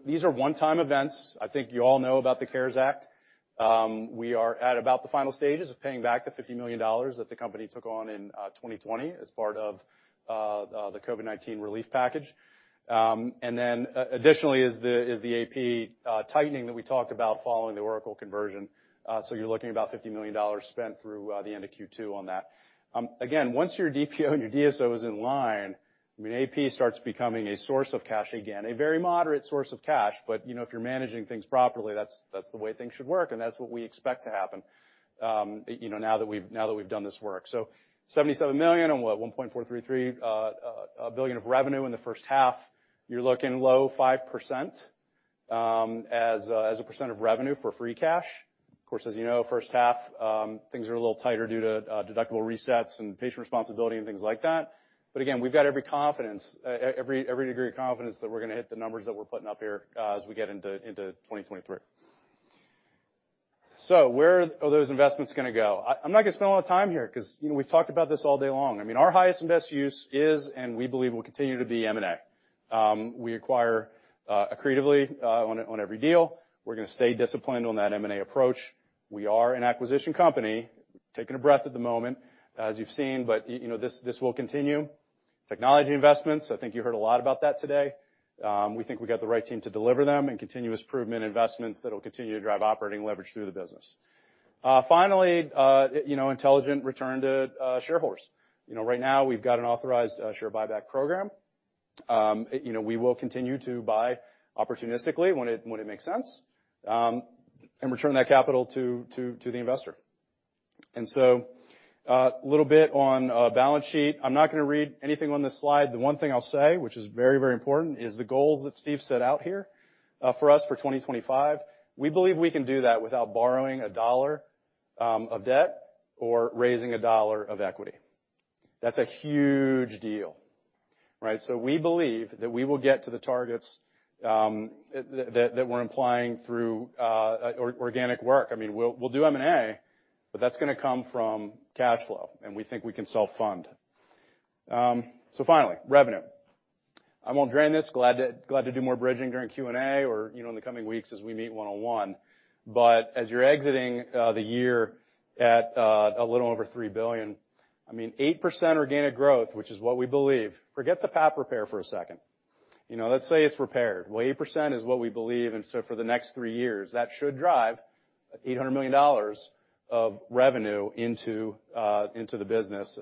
These are one-time events. I think you all know about the CARES Act. We are at about the final stages of paying back the $50 million that the company took on in 2020 as part of the COVID-19 relief package. Then additionally is the AP tightening that we talked about following the Oracle conversion. You're looking at about $50 million spent through the end of Q2 on that. Again, once your DPO and your DSO is in line, I mean, AP starts becoming a source of cash, again, a very moderate source of cash, but you know, if you're managing things properly, that's the way things should work, and that's what we expect to happen, you know, now that we've done this work. $77 million on what? $1.433 billion of revenue in the first half. You're looking low 5%, as a percent of revenue for free cash. Of course, as you know, first half, things are a little tighter due to deductible resets and patient responsibility and things like that. Again, we've got every confidence, every degree of confidence that we're gonna hit the numbers that we're putting up here as we get into 2023. Where are those investments gonna go? I'm not gonna spend a lot of time here 'cause, you know, we've talked about this all day long. I mean, our highest and best use is, and we believe will continue to be M&A. We acquire accretively on every deal. We're gonna stay disciplined on that M&A approach. We are an acquisition company, taking a breath at the moment, as you've seen, but you know, this will continue. Technology investments, I think you heard a lot about that today. We think we got the right team to deliver them and continuous improvement investments that will continue to drive operating leverage through the business. Finally, you know, intelligent return to shareholders. You know, right now, we've got an authorized share buyback program. You know, we will continue to buy opportunistically when it makes sense, and return that capital to the investor. A little bit on balance sheet. I'm not gonna read anything on this slide. The one thing I'll say, which is very, very important, is the goals that Steve set out here for us for 2025, we believe we can do that without borrowing a dollar of debt or raising a dollar of equity. That's a huge deal, right? We believe that we will get to the targets that we're implying through organic work. I mean, we'll do M&A, but that's gonna come from cash flow, and we think we can self-fund. Finally, revenue. I won't drain this. Glad to do more bridging during Q&A or, you know, in the coming weeks as we meet one-on-one. As you're exiting the year at a little over $3 billion, I mean, 8% organic growth, which is what we believe. Forget the PAP repair for a second. You know, let's say it's repaired. Well, 8% is what we believe, and for the next three years, that should drive $800 million of revenue into the business,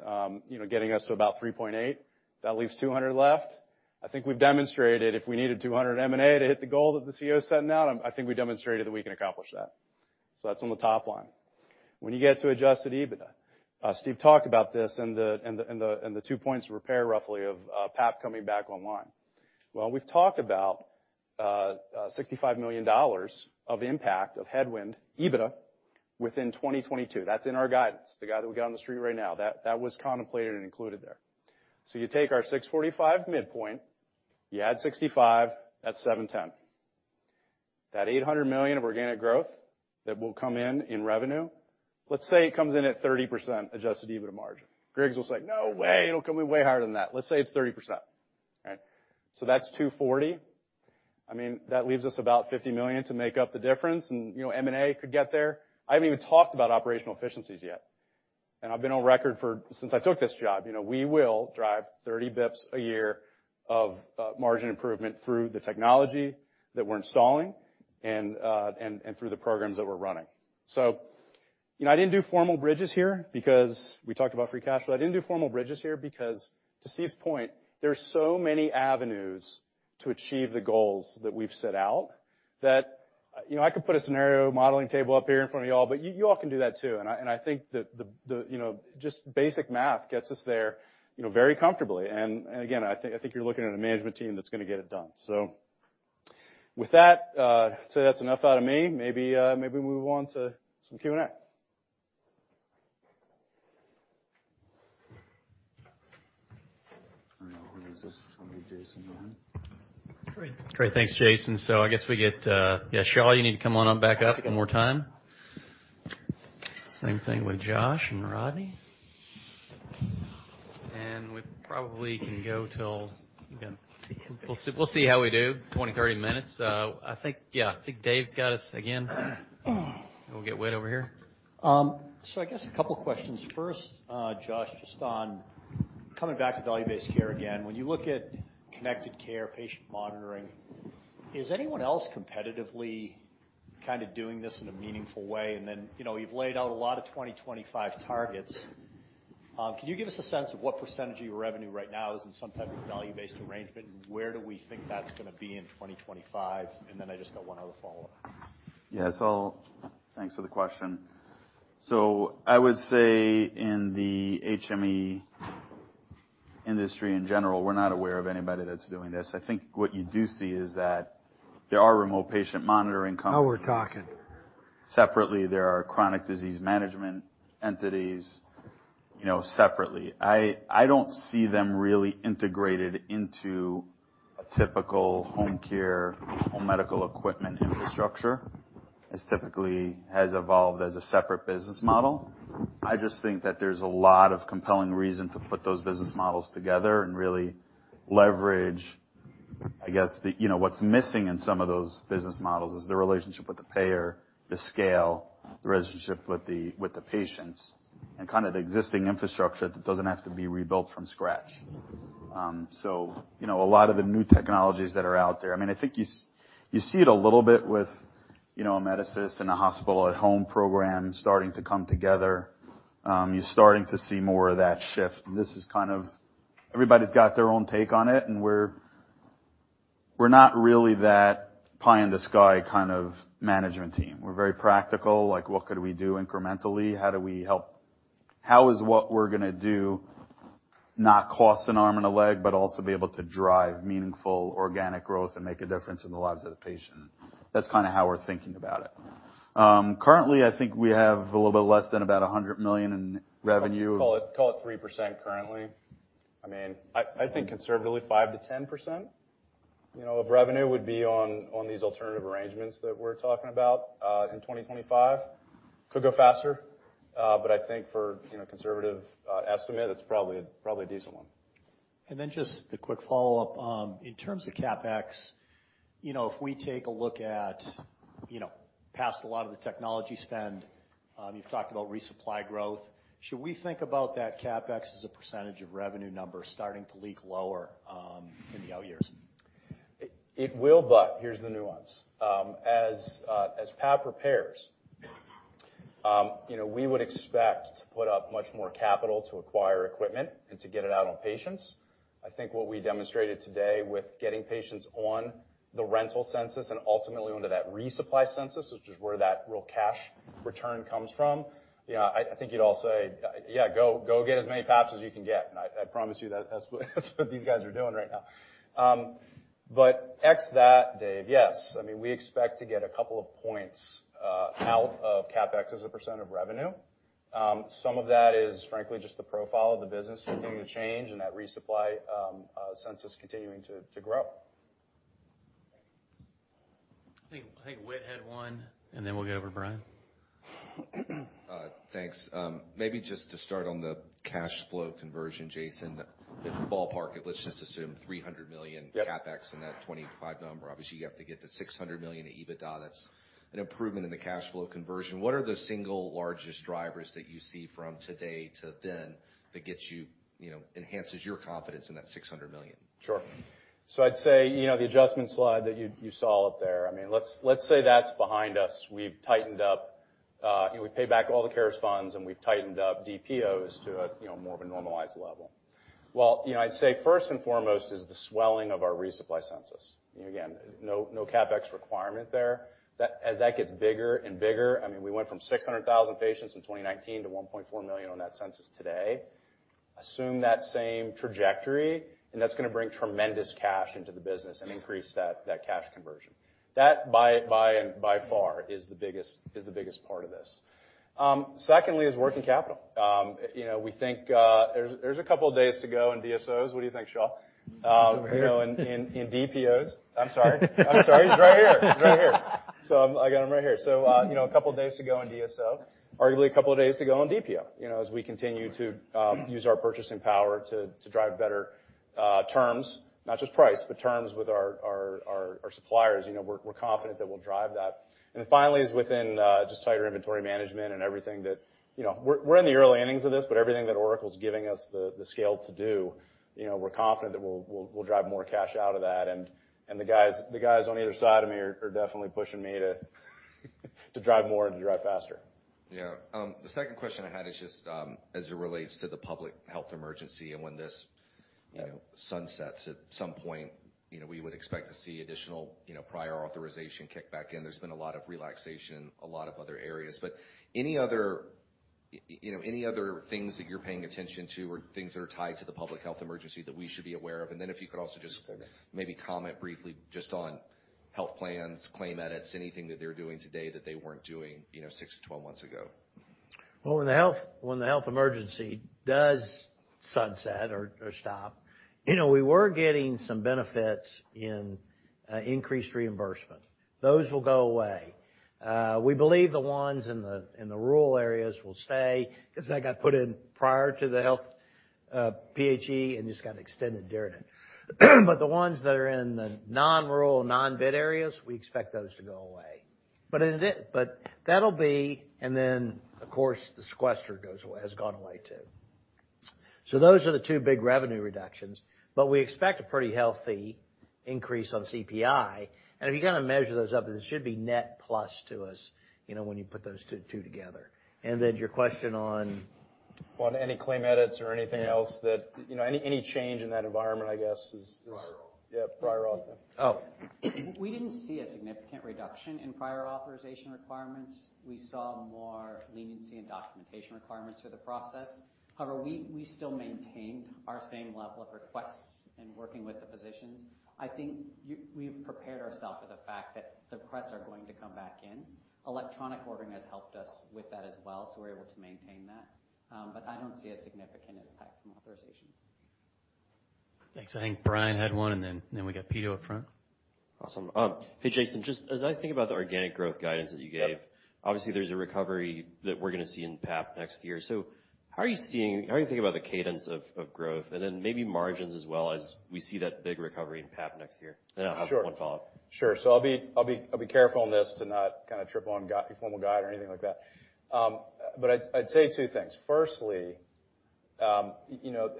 you know, getting us to about $3.8 billion. That leaves $200 million left. I think we've demonstrated if we needed 200 M&A to hit the goal that the CEO is setting out. I think we demonstrated that we can accomplish that. That's on the top line. When you get to Adjusted EBITDA, Steve talked about this and the two points of repair roughly of PAP coming back online. Well, we've talked about $65 million of impact of headwind EBITDA within 2022. That's in our guidance, the guide that we got on the street right now. That was contemplated and included there. You take our $645 midpoint, you add 65, that's 710. That $800 million of organic growth that will come in in revenue, let's say it comes in at 30% Adjusted EBITDA margin. Griggs was like, "No way. It'll come in way higher than that. Let's say it's 30%, right? So that's $240 million. I mean, that leaves us about $50 million to make up the difference, and, you know, M&A could get there. I haven't even talked about operational efficiencies yet, and I've been on record since I took this job, you know, we will drive 30 basis points a year of margin improvement through the technology that we're installing and through the programs that we're running. So, you know, I didn't do formal bridges here because we talked about free cash flow. I didn't do formal bridges here because to Steve's point, there's so many avenues to achieve the goals that we've set out that, you know, I could put a scenario modeling table up here in front of you all, but you all can do that too. I think that just basic math gets us there, you know, very comfortably. Again, I think you're looking at a management team that's gonna get it done. With that, I'd say that's enough out of me. Maybe we'll move on to some Q&A. I don't know who this is. Somebody Jason behind. Great. Thanks, Jason. I guess we get Shaw, you need to come on up back up one more time. Same thing with Josh and Rodney. We probably can go till we'll see how we do, 20, 30 minutes. I think Dave's got us again. We'll get Whit over here. I guess a couple of questions first, Josh, just on coming back to value-based care again. When you look at connected care patient monitoring, is anyone else competitively kind of doing this in a meaningful way? You know, you've laid out a lot of 2025 targets. Can you give us a sense of what percentage of your revenue right now is in some type of value-based arrangement? Where do we think that's gonna be in 2025? I just got one other follow-up. Yes. Thanks for the question. I would say in the HME industry in general, we're not aware of anybody that's doing this. I think what you do see is that there are remote patient monitoring companies. Now we're talking. Separately, there are chronic disease management entities, you know, separately. I don't see them really integrated into a typical home care, home medical equipment infrastructure. It's typically has evolved as a separate business model. I just think that there's a lot of compelling reason to put those business models together and really leverage, I guess, the, you know, what's missing in some of those business models is the relationship with the payer, the scale, the relationship with the patients, and kind of the existing infrastructure that doesn't have to be rebuilt from scratch. You know, a lot of the new technologies that are out there, I mean, I think you see it a little bit with, you know, a Medassist and a hospital at home program starting to come together. You're starting to see more of that shift. This is kind of everybody's got their own take on it, and we're not really that pie in the sky kind of management team. We're very practical, like, what could we do incrementally? How do we help? How is what we're gonna do not cost an arm and a leg, but also be able to drive meaningful organic growth and make a difference in the lives of the patient? That's kinda how we're thinking about it. Currently, I think we have a little bit less than about $100 million in revenue. Call it 3% currently. I mean, I think conservatively 5%-10%, you know, of revenue would be on these alternative arrangements that we're talking about in 2025. Could go faster, but I think for you know conservative estimate, it's probably a decent one. Just the quick follow-up, in terms of CapEx, you know, if we take a look at, you know, past a lot of the technology spend, you've talked about resupply growth. Should we think about that CapEx as a percentage of revenue numbers starting to leak lower, in the out years? It will, but here's the nuance. As PAP repairs, we would expect to put up much more capital to acquire equipment and to get it out on patients. I think what we demonstrated today with getting patients on the rental census and ultimately onto that resupply census, which is where that real cash return comes from. I think you'd all say, "Yeah, go get as many PAPs as you can get." I promise you that that's what these guys are doing right now. Except that, Dave, yes. I mean, we expect to get a couple of points out of CapEx as a percent of revenue. Some of that is, frankly, just the profile of the business beginning to change and that resupply census continuing to grow. I think Whit had one, and then we'll get over to Brian. Thanks. Maybe just to start on the cash flow conversion, Jason. If you ballpark it, let's just assume $300 million. Yep. CapEx in that 25 number. Obviously, you have to get to $600 million EBITDA. That's an improvement in the cash flow conversion. What are the single largest drivers that you see from today to then that gets you know, enhances your confidence in that $600 million? Sure. I'd say the adjustment slide that you saw up there, let's say that's behind us. We've tightened up, we paid back all the CARES funds, and we've tightened up DPOs to a more of a normalized level. I'd say first and foremost is the swelling of our resupply census. Again, no CapEx requirement there. As that gets bigger and bigger, we went from 600,000 patients in 2019 to 1.4 million on that census today. Assume that same trajectory, and that's gonna bring tremendous cash into the business and increase that cash conversion. That by far is the biggest part of this. Secondly, is working capital. You know, we think there's a couple of days to go in DSOs. What do you think, Shaw? You know, in DPOs. I'm sorry. He's right here. So, I got him right here. So, you know, a couple of days to go in DSO, arguably a couple of days to go on DPO, you know, as we continue to use our purchasing power to drive better terms, not just price, but terms with our suppliers. You know, we're confident that we'll drive that. Then finally is within just tighter inventory management and everything that. You know, we're in the early innings of this, but everything that Oracle is giving us the scale to do, you know, we're confident that we'll drive more cash out of that. The guys on either side of me are definitely pushing me to drive more and to drive faster. Yeah. The second question I had is just as it relates to the public health emergency and when this, you know, sunsets at some point, you know, we would expect to see additional, you know, prior authorization kick back in. There's been a lot of relaxation, a lot of other areas. But any other, you know, any other things that you're paying attention to or things that are tied to the public health emergency that we should be aware of? And then if you could also just maybe comment briefly just on health plans, claim edits, anything that they're doing today that they weren't doing, you know, 6-12 months ago. Well, when the health emergency does sunset or stop, you know, we were getting some benefits in increased reimbursement. Those will go away. We believe the ones in the rural areas will stay 'cause that got put in prior to the health PHE and just got extended during it. The ones that are in the non-rural, non-bid areas, we expect those to go away. That'll be. Of course, the sequester has gone away too. Those are the two big revenue reductions. We expect a pretty healthy increase on CPI. If you kinda measure those up, it should be net plus to us, you know, when you put those two together. Your question on- On any claim edits or anything else that, you know, any change in that environment, I guess, is. Prior auth. Yeah, prior auth. Oh. We didn't see a significant reduction in prior authorization requirements. We saw more leniency in documentation requirements for the process. However, we still maintained our same level of requests in working with the physicians. I think we've prepared ourselves for the fact that the pressures are going to come back in. Electronic ordering has helped us with that as well, so we're able to maintain that. But I don't see a significant impact from authorizations. Thanks. I think Brian had one, and then we got Pito up front. Awesome. Hey, Jason. Just as I think about the organic growth guidance that you gave- Yep. Obviously, there's a recovery that we're gonna see in PAP next year. How are you thinking about the cadence of growth and then maybe margins as well as we see that big recovery in PAP next year? Then I'll- Sure. Have one follow-up. Sure. I'll be careful on this to not kinda trip on formal guidance or anything like that. I'd say two things. Firstly, you know,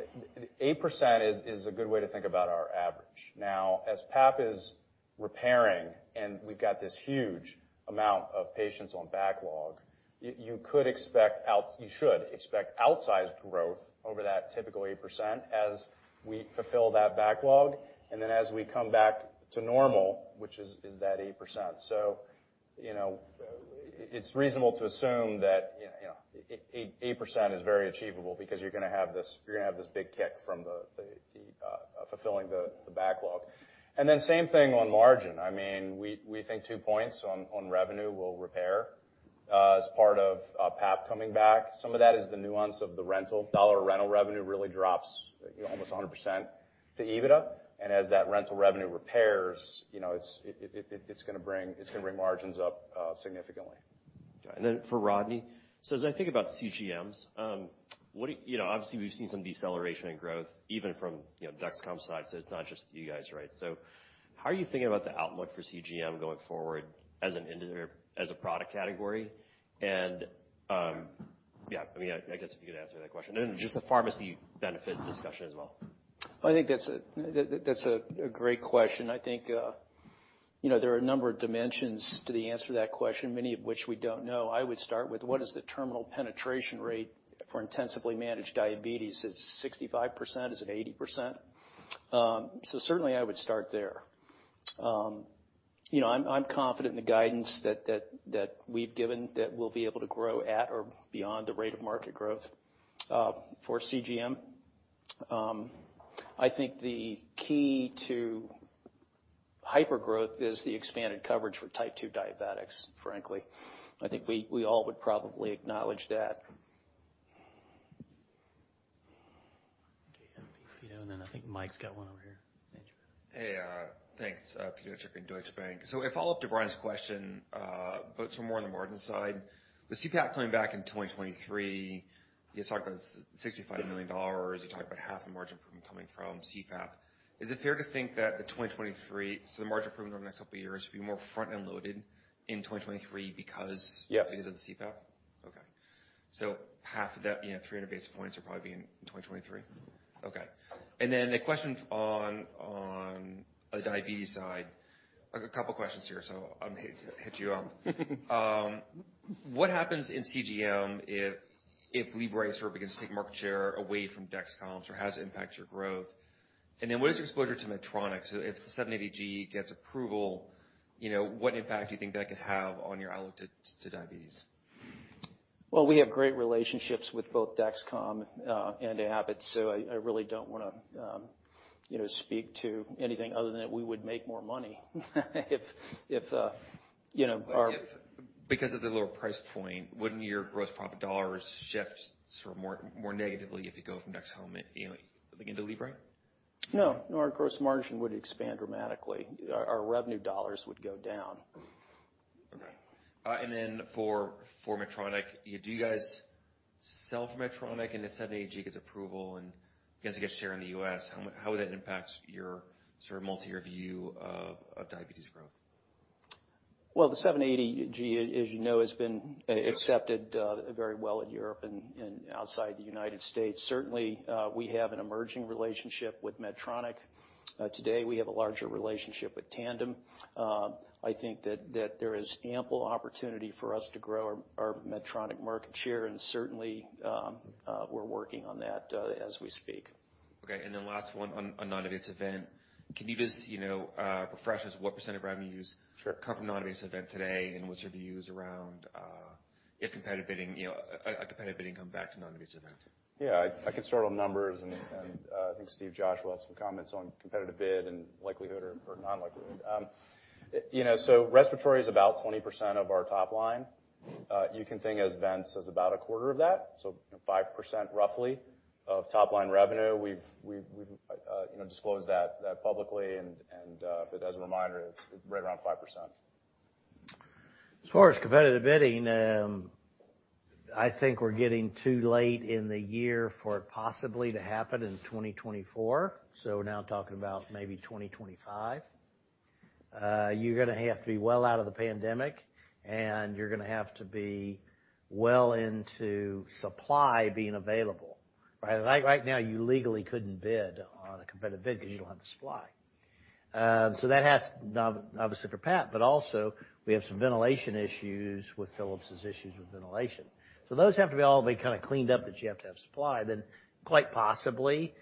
8% is a good way to think about our average. Now, as PAP is repairing, and we've got this huge amount of patients on backlog, you should expect outsized growth over that typical 8% as we fulfill that backlog and then as we come back to normal, which is that 8%. You know, it's reasonable to assume that, you know, 8% is very achievable because you're gonna have this big kick from fulfilling the backlog. Then same thing on margin. I mean, we think two points on revenue will repair as part of PAP coming back. Some of that is the nuance of the rental. Dollar rental revenue really drops, you know, almost 100% to EBITDA. As that rental revenue repairs, you know, it's gonna bring margins up significantly. Got it. For Rodney. As I think about CGMs, you know, obviously, we've seen some deceleration in growth even from, you know, Dexcom's side, so it's not just you guys, right? How are you thinking about the outlook for CGM going forward as a product category? Yeah, I mean, I guess if you could answer that question. Just the pharmacy benefit discussion as well. I think that's a great question. I think, you know, there are a number of dimensions to the answer to that question, many of which we don't know. I would start with what is the terminal penetration rate for intensively managed diabetes? Is it 65%? Is it 80%? Certainly I would start there. You know, I'm confident in the guidance that we've given that we'll be able to grow at or beyond the rate of market growth for CGM. I think the key to hypergrowth is the expanded coverage for Type 2 diabetics, frankly. I think we all would probably acknowledge that. Okay. Pito, and then I think Mike's got one over here. Andrew. Hey, thanks. Pito Chickering, Deutsche Bank. A follow-up to Brian's question, but it's more on the margin side. With CPAP coming back in 2023, you talked about $65 million, you talked about half the margin coming from CPAP. Is it fair to think that the margin improvement over the next couple of years will be more front-end loaded in 2023 because- Yes. Because of the CPAP? Okay. Half of that, you know, 300 basis points will probably be in 2023. Mm-hmm. Okay. Then a question on the diabetes side. A couple questions here, so I'm gonna hit you. What happens in CGM if Libre begins to take market share away from Dexcom's or has it impacted your growth? Then what is your exposure to Medtronic? If the 780G gets approval, you know, what impact do you think that could have on your outlook to diabetes? Well, we have great relationships with both Dexcom and Abbott, so I really don't wanna, you know, speak to anything other than that we would make more money if you know, our- Because of the lower price point, wouldn't your gross profit dollars shift sort of more negatively if you go from Dexcom, you know, again, to Libre? No. No, our gross margin would expand dramatically. Our revenue dollars would go down. Okay. For Medtronic, do you guys sell for Medtronic, and if 780G gets approval and begins to get share in the U.S., how would that impact your sort of multi-year view of diabetes growth? Well, the 780G, as you know, has been accepted very well in Europe and outside the United States. Certainly, we have an emerging relationship with Medtronic. Today, we have a larger relationship with Tandem. I think that there is ample opportunity for us to grow our Medtronic market share, and certainly, we're working on that as we speak. Okay. Then last one on non-invasive vent. Can you just, you know, refresh us what percent of revenue you use- Sure. Income from non-invasive vent today, and what's your views around if competitive bidding, a competitive bidding come back to non-invasive vent? Yeah. I can start on numbers, and I think Steve and Josh will have some comments on competitive bidding and likelihood or non-likelihood. You know, respiratory is about 20% of our top line. You can think of vents as about a quarter of that, so 5% roughly of top-line revenue. We've you know, disclosed that publicly, but as a reminder, it's right around 5%. As far as competitive bidding, I think we're getting too late in the year for it possibly to happen in 2024, so we're now talking about maybe 2025. You're gonna have to be well out of the pandemic, and you're gonna have to be well into supply being available, right? Like right now, you legally couldn't bid on a competitive bid because you don't have the supply. So that has not a separate path, but also we have some ventilation issues with Philips' issues with ventilation. So those have to be all be kind of cleaned up that you have to have supply, then quite possibly,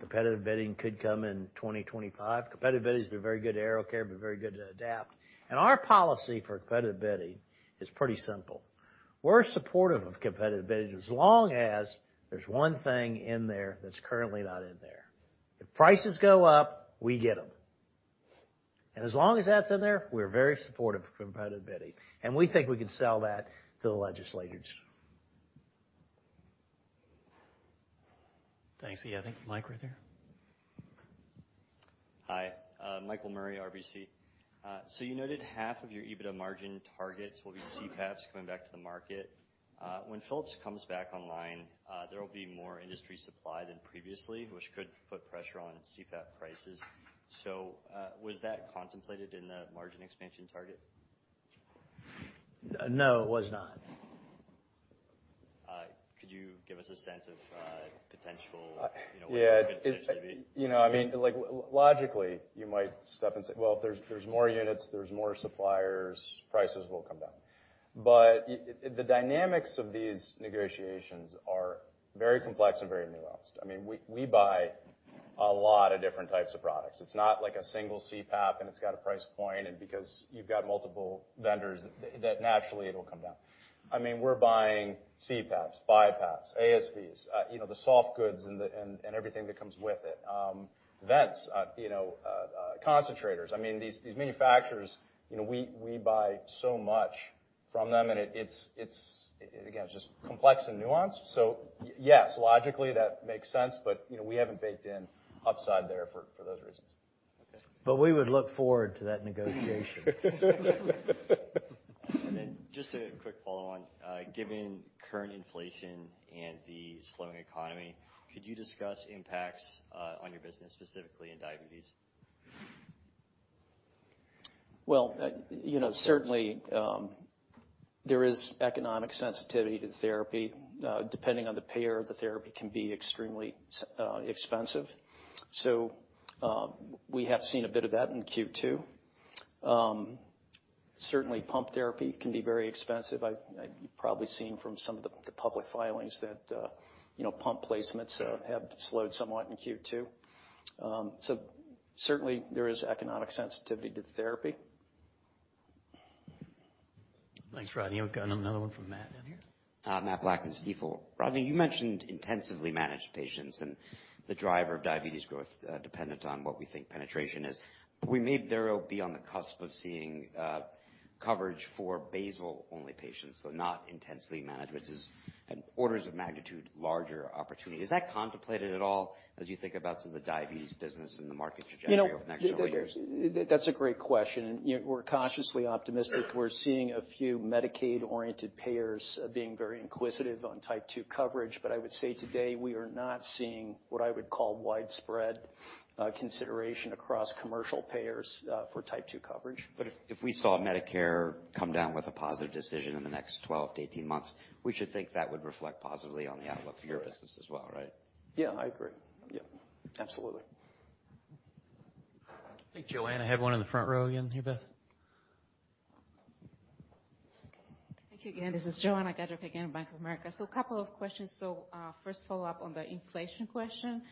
competitive bidding could come in 2025. Competitive bidding's been very good to AeroCare, been very good to Adapt. Our policy for competitive bidding is pretty simple. We're supportive of competitive bidding as long as there's one thing in there that's currently not in there. If prices go up, we get them. As long as that's in there, we're very supportive of competitive bidding, and we think we can sell that to the legislators. Thanks. Yeah, I think Mike right there. Hi, Michael Murray, RBC. You noted half of your EBITDA margin targets will be CPAPs coming back to the market. When Philips comes back online, there will be more industry supply than previously, which could put pressure on CPAP prices. Was that contemplated in the margin expansion target? No, it was not. Could you give us a sense of potential, you know, what it could potentially be? Yeah. It's you know, I mean, like, logically, you might step back and say, "Well, if there's more units, there's more suppliers, prices will come down." The dynamics of these negotiations are very complex and very nuanced. I mean, we buy a lot of different types of products. It's not like a single CPAP, and it's got a price point, and because you've got multiple vendors, that naturally it'll come down. I mean, we're buying CPAPs, BiPAPs, ASVs, you know, the soft goods and everything that comes with it, vents, you know, concentrators. I mean, these manufacturers, you know, we buy so much from them and it's just complex and nuanced. Yes, logically that makes sense, but you know, we haven't baked in upside there for those reasons. Okay. We would look forward to that negotiation. Just a quick follow on, given current inflation and the slowing economy, could you discuss impacts on your business, specifically in diabetes? Well, you know, certainly, there is economic sensitivity to the therapy. Depending on the payer, the therapy can be extremely expensive. We have seen a bit of that in Q2. Certainly pump therapy can be very expensive. I've probably seen from some of the public filings that, you know, pump placements have slowed somewhat in Q2. Certainly there is economic sensitivity to the therapy. Thanks, Rodney. Okay, another one from Matt down here. Mathew Blackman, Stifel. Rodney, you mentioned intensively managed patients and the driver of diabetes growth, dependent on what we think penetration is. We may very well be on the cusp of seeing coverage for basal-only patients, so not intensely managed, which is an orders of magnitude larger opportunity. Is that contemplated at all as you think about some of the diabetes business and the market trajectory over the next several years? You know, that's a great question. You know, we're cautiously optimistic. We're seeing a few Medicaid-oriented payers being very inquisitive on type 2 coverage. But I would say today we are not seeing what I would call widespread consideration across commercial payers for type 2 coverage. If we saw Medicare come down with a positive decision in the next 12-18 months, we should think that would reflect positively on the outlook for your business as well, right? Yeah, I agree. Yeah. Absolutely. I think Joanna had one in the front row again here. Thank you again. This is Joanna Gajuk again, Bank of America. A couple of questions. First follow-up on the inflation question.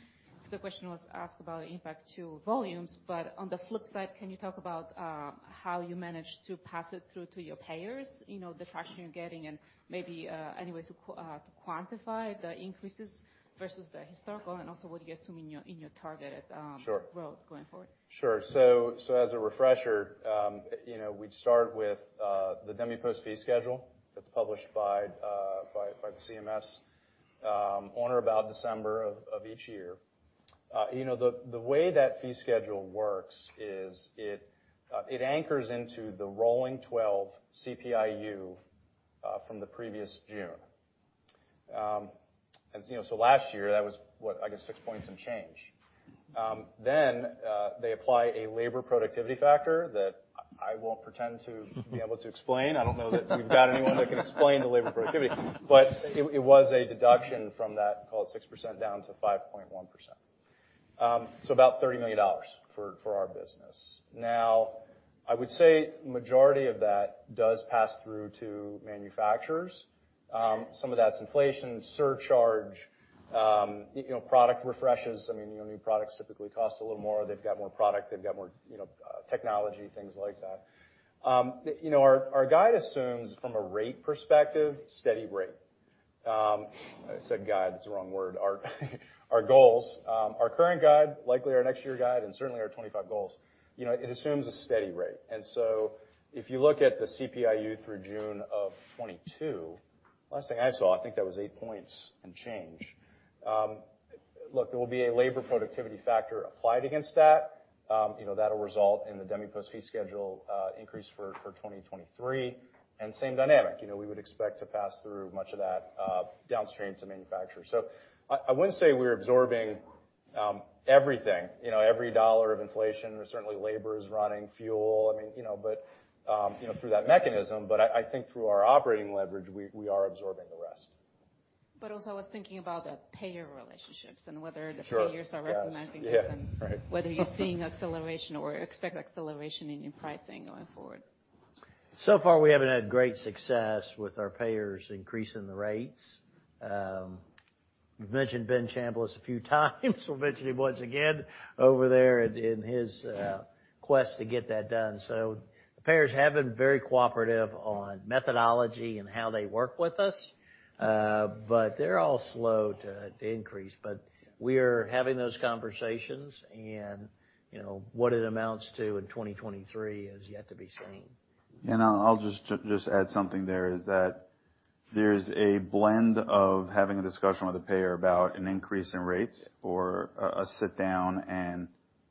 The question was asked about impact to volumes, but on the flip side, can you talk about how you managed to pass it through to your payers? You know, the traction you're getting and maybe any way to quantify the increases versus the historical and also what you assume in your target. Sure. growth going forward. Sure. As a refresher, you know, we'd start with the DMEPOS fee schedule that's published by the CMS on or about December of each year. You know, the way that fee schedule works is it anchors into the rolling 12 CPI-U from the previous June. As you know, last year, that was what? I guess 6 points and change. They apply a labor productivity factor that I won't pretend to be able to explain. I don't know that we've got anyone that can explain the labor productivity, but it was a deduction from that, call it 6% down to 5.1%. About $30 million for our business. Now, I would say majority of that does pass through to manufacturers. Some of that's inflation surcharge, you know, product refreshes. I mean, you know, new products typically cost a little more. They've got more product, they've got more, you know, technology, things like that. You know, our guide assumes from a rate perspective, steady rate. I said guide, that's the wrong word. Our goals, our current guide, likely our next year guide, and certainly our 25 goals, you know, it assumes a steady rate. If you look at the CPI-U through June of 2022, last thing I saw, I think that was 8 points and change. Look, there will be a labor productivity factor applied against that. You know, that'll result in the DMEPOS fee schedule increase for 2023. Same dynamic, you know, we would expect to pass through much of that, downstream to manufacturers. I wouldn't say we're absorbing, everything, you know, every dollar of inflation or certainly labor is running fuel. I mean, you know, through that mechanism. I think through our operating leverage, we are absorbing the rest. I was thinking about the payer relationships and whether the Sure. Payers are recognizing this. Yes. Yeah. Right. whether you're seeing acceleration or expect acceleration in your pricing going forward. So far, we haven't had great success with our payers increasing the rates. We've mentioned Ben Chambliss a few times. We'll mention him once again over there in his quest to get that done. The payers have been very cooperative on methodology and how they work with us, but they're all slow to increase. We are having those conversations and, you know, what it amounts to in 2023 is yet to be seen. I'll just add something there, is that there's a blend of having a discussion with a payer about an increase in rates or a sit down and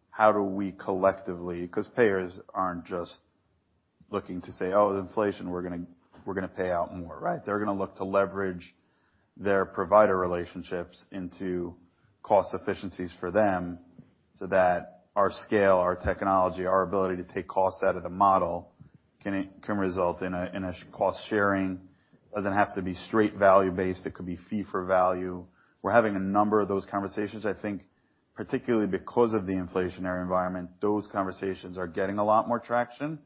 how do we collectively, 'cause payers aren't just looking to say, "Oh, the inflation, we're gonna pay out more," right? They're gonna look to leverage their provider relationships into cost efficiencies for them so that our scale, our technology, our ability to take costs out of the model can result in a cost sharing. Doesn't have to be straight value based, it could be fee for value. We're having a number of those conversations, I think particularly because of the inflationary environment, those conversations are getting a lot more traction.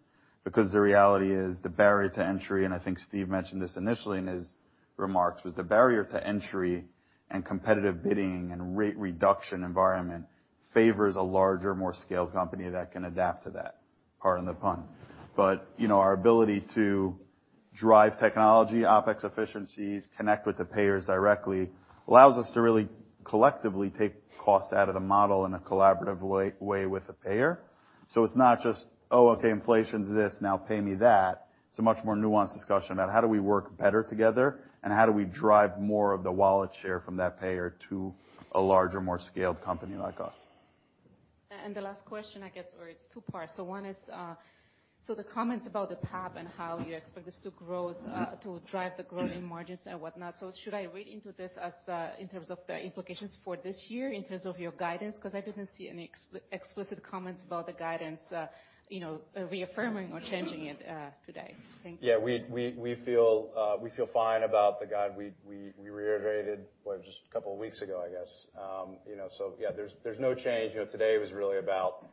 Because the reality is the barrier to entry, and I think Steve mentioned this initially in his remarks, was the barrier to entry and competitive bidding and rate reduction environment favors a larger, more scaled company that can adapt to that. Pardon the pun. But, you know, our ability to drive technology, OpEx efficiencies, connect with the payers directly, allows us to really collectively take cost out of the model in a collaborative way with a payer. So it's not just, "Oh, okay, inflation's this, now pay me that." It's a much more nuanced discussion about how do we work better together, and how do we drive more of the wallet share from that payer to a larger, more scaled company like us. The last question, I guess, or it's two parts. One is, the comments about the PAP and how you expect this to grow to drive the growth in margins and whatnot. Should I read into this as, in terms of the implications for this year, in terms of your guidance? Because I didn't see any explicit comments about the guidance, you know, reaffirming or changing it, today. Thank you. Yeah, we feel fine about the guide. We reiterated just a couple of weeks ago, I guess. You know, yeah, there's no change. You know, today was really about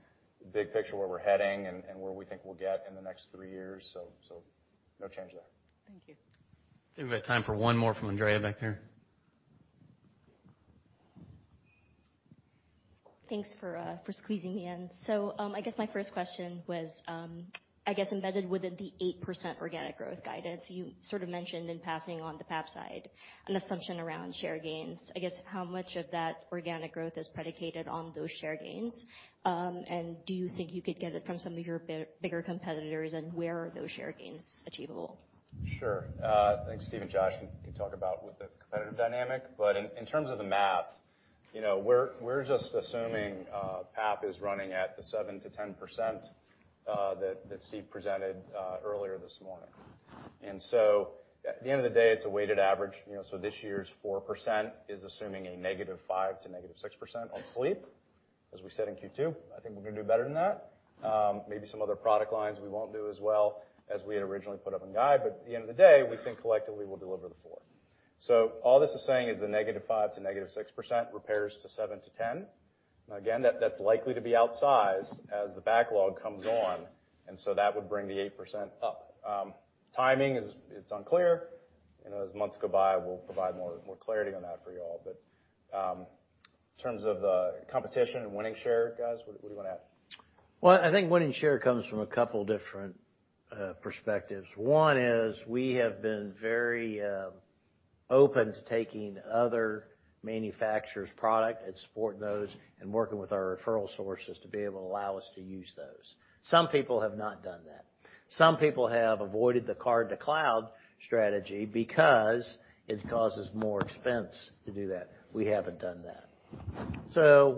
the big picture, where we're heading and where we think we'll get in the next three years. No change there. Thank you. I think we've got time for one more from Andrea back there. Thanks for squeezing me in. I guess my first question was, I guess embedded within the 8% organic growth guidance, you sort of mentioned in passing on the PAP side an assumption around share gains. I guess how much of that organic growth is predicated on those share gains? And do you think you could get it from some of your bigger competitors, and where are those share gains achievable? Sure. I think Steve and Josh can talk about with the competitive dynamic. In terms of the math, you know, we're just assuming PAP is running at the 7%-10% that Steve presented earlier this morning. At the end of the day, it's a weighted average. You know, this year's 4% is assuming a -5% to -6% on sleep. As we said in Q2, I think we're gonna do better than that. Maybe some other product lines we won't do as well as we had originally put up in the guide. At the end of the day, we think collectively we'll deliver the 4%. All this is saying is the -5% to -6% relates to 7%-10%. Now, again, that's likely to be outsized as the backlog comes on, and so that would bring the 8% up. Timing is, it's unclear. You know, as months go by, we'll provide more clarity on that for you all. In terms of the competition and winning share, guys, what do you wanna add? Well, I think winning share comes from a couple different perspectives. One is we have been very open to taking other manufacturers' product and supporting those and working with our referral sources to be able to allow us to use those. Some people have not done that. Some people have avoided the card to cloud strategy because it causes more expense to do that. We haven't done that.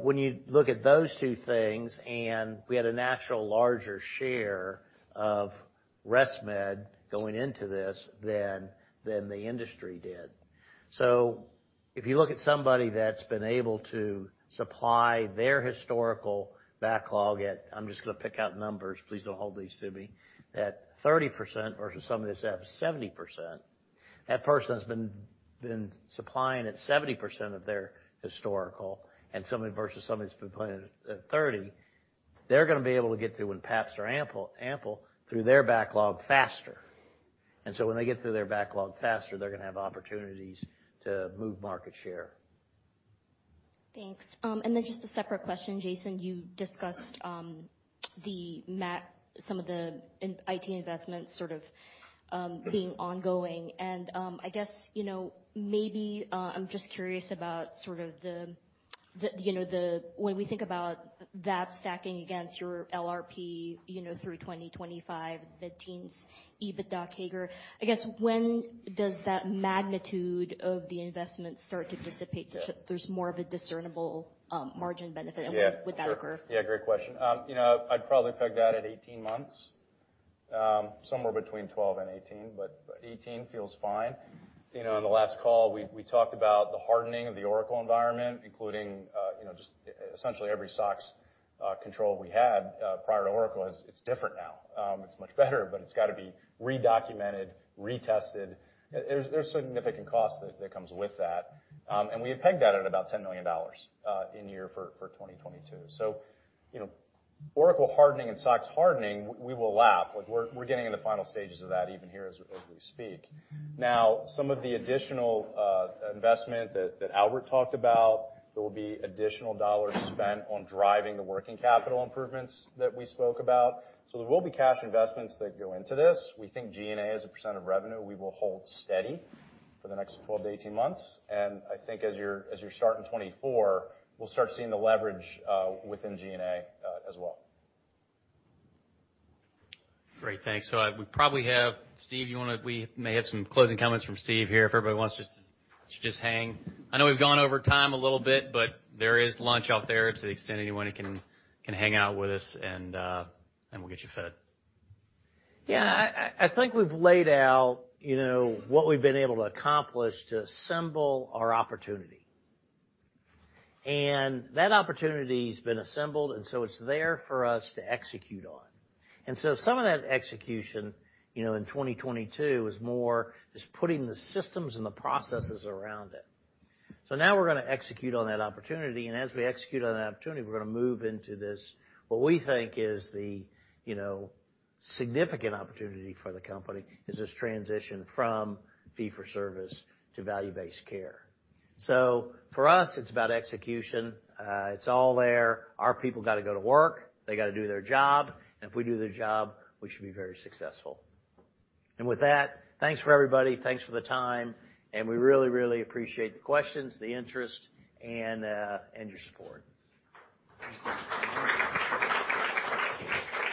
When you look at those two things, and we had a natural larger share of ResMed going into this than the industry did. If you look at somebody that's been able to supply their historical backlog at, I'm just gonna pick out numbers, please don't hold these to me, at 30% versus somebody that's at 70%, that person has been supplying at 70% of their historical and somebody versus somebody's been planning at 30%, they're gonna be able to get to when PAPs are ample through their backlog faster. When they get through their backlog faster, they're gonna have opportunities to move market share. Thanks. Then just a separate question, Jason. You discussed some of the IT investments sort of being ongoing. I guess, you know, maybe I'm just curious about sort of the when we think about that stacking against your LRP, you know, through 2025, mid-teens EBITDA CAGR. I guess, when does that magnitude of the investment start to dissipate so there's more of a discernible margin benefit? When would that occur? Yeah, great question. You know, I'd probably peg that at 18 months, somewhere between 12 and 18, but 18 feels fine. You know, on the last call, we talked about the hardening of the Oracle environment, including just essentially every SOX control we had prior to Oracle. It's different now. It's much better, but it's gotta be redocumented, retested. There's significant cost that comes with that. We had pegged that at about $10 million in year for 2022. You know, Oracle hardening and SOX hardening, we will lap. Like, we're getting in the final stages of that, even here as we speak. Now, some of the additional investment that Albert talked about, there will be additional dollars spent on driving the working capital improvements that we spoke about. There will be cash investments that go into this. We think G&A, as a percent of revenue, we will hold steady for the next 12-18 months. I think as you're starting 2024, we'll start seeing the leverage within G&A as well. Great. Thanks. We probably have Steve, you wanna. We may have some closing comments from Steve here, if everybody wants just to hang. I know we've gone over time a little bit, but there is lunch out there to the extent anyone can hang out with us and we'll get you fed. Yeah. I think we've laid out, you know, what we've been able to accomplish to assemble our opportunity. That opportunity's been assembled, and so it's there for us to execute on. Some of that execution, you know, in 2022 is more just putting the systems and the processes around it. Now we're gonna execute on that opportunity, and as we execute on that opportunity, we're gonna move into this, what we think is the, you know, significant opportunity for the company, is this transition from fee for service to value-based care. For us, it's about execution. It's all there. Our people gotta go to work. They gotta do their job. If we do their job, we should be very successful. With that, thanks, everybody, thanks for the time, and we really, really appreciate the questions, the interest, and your support.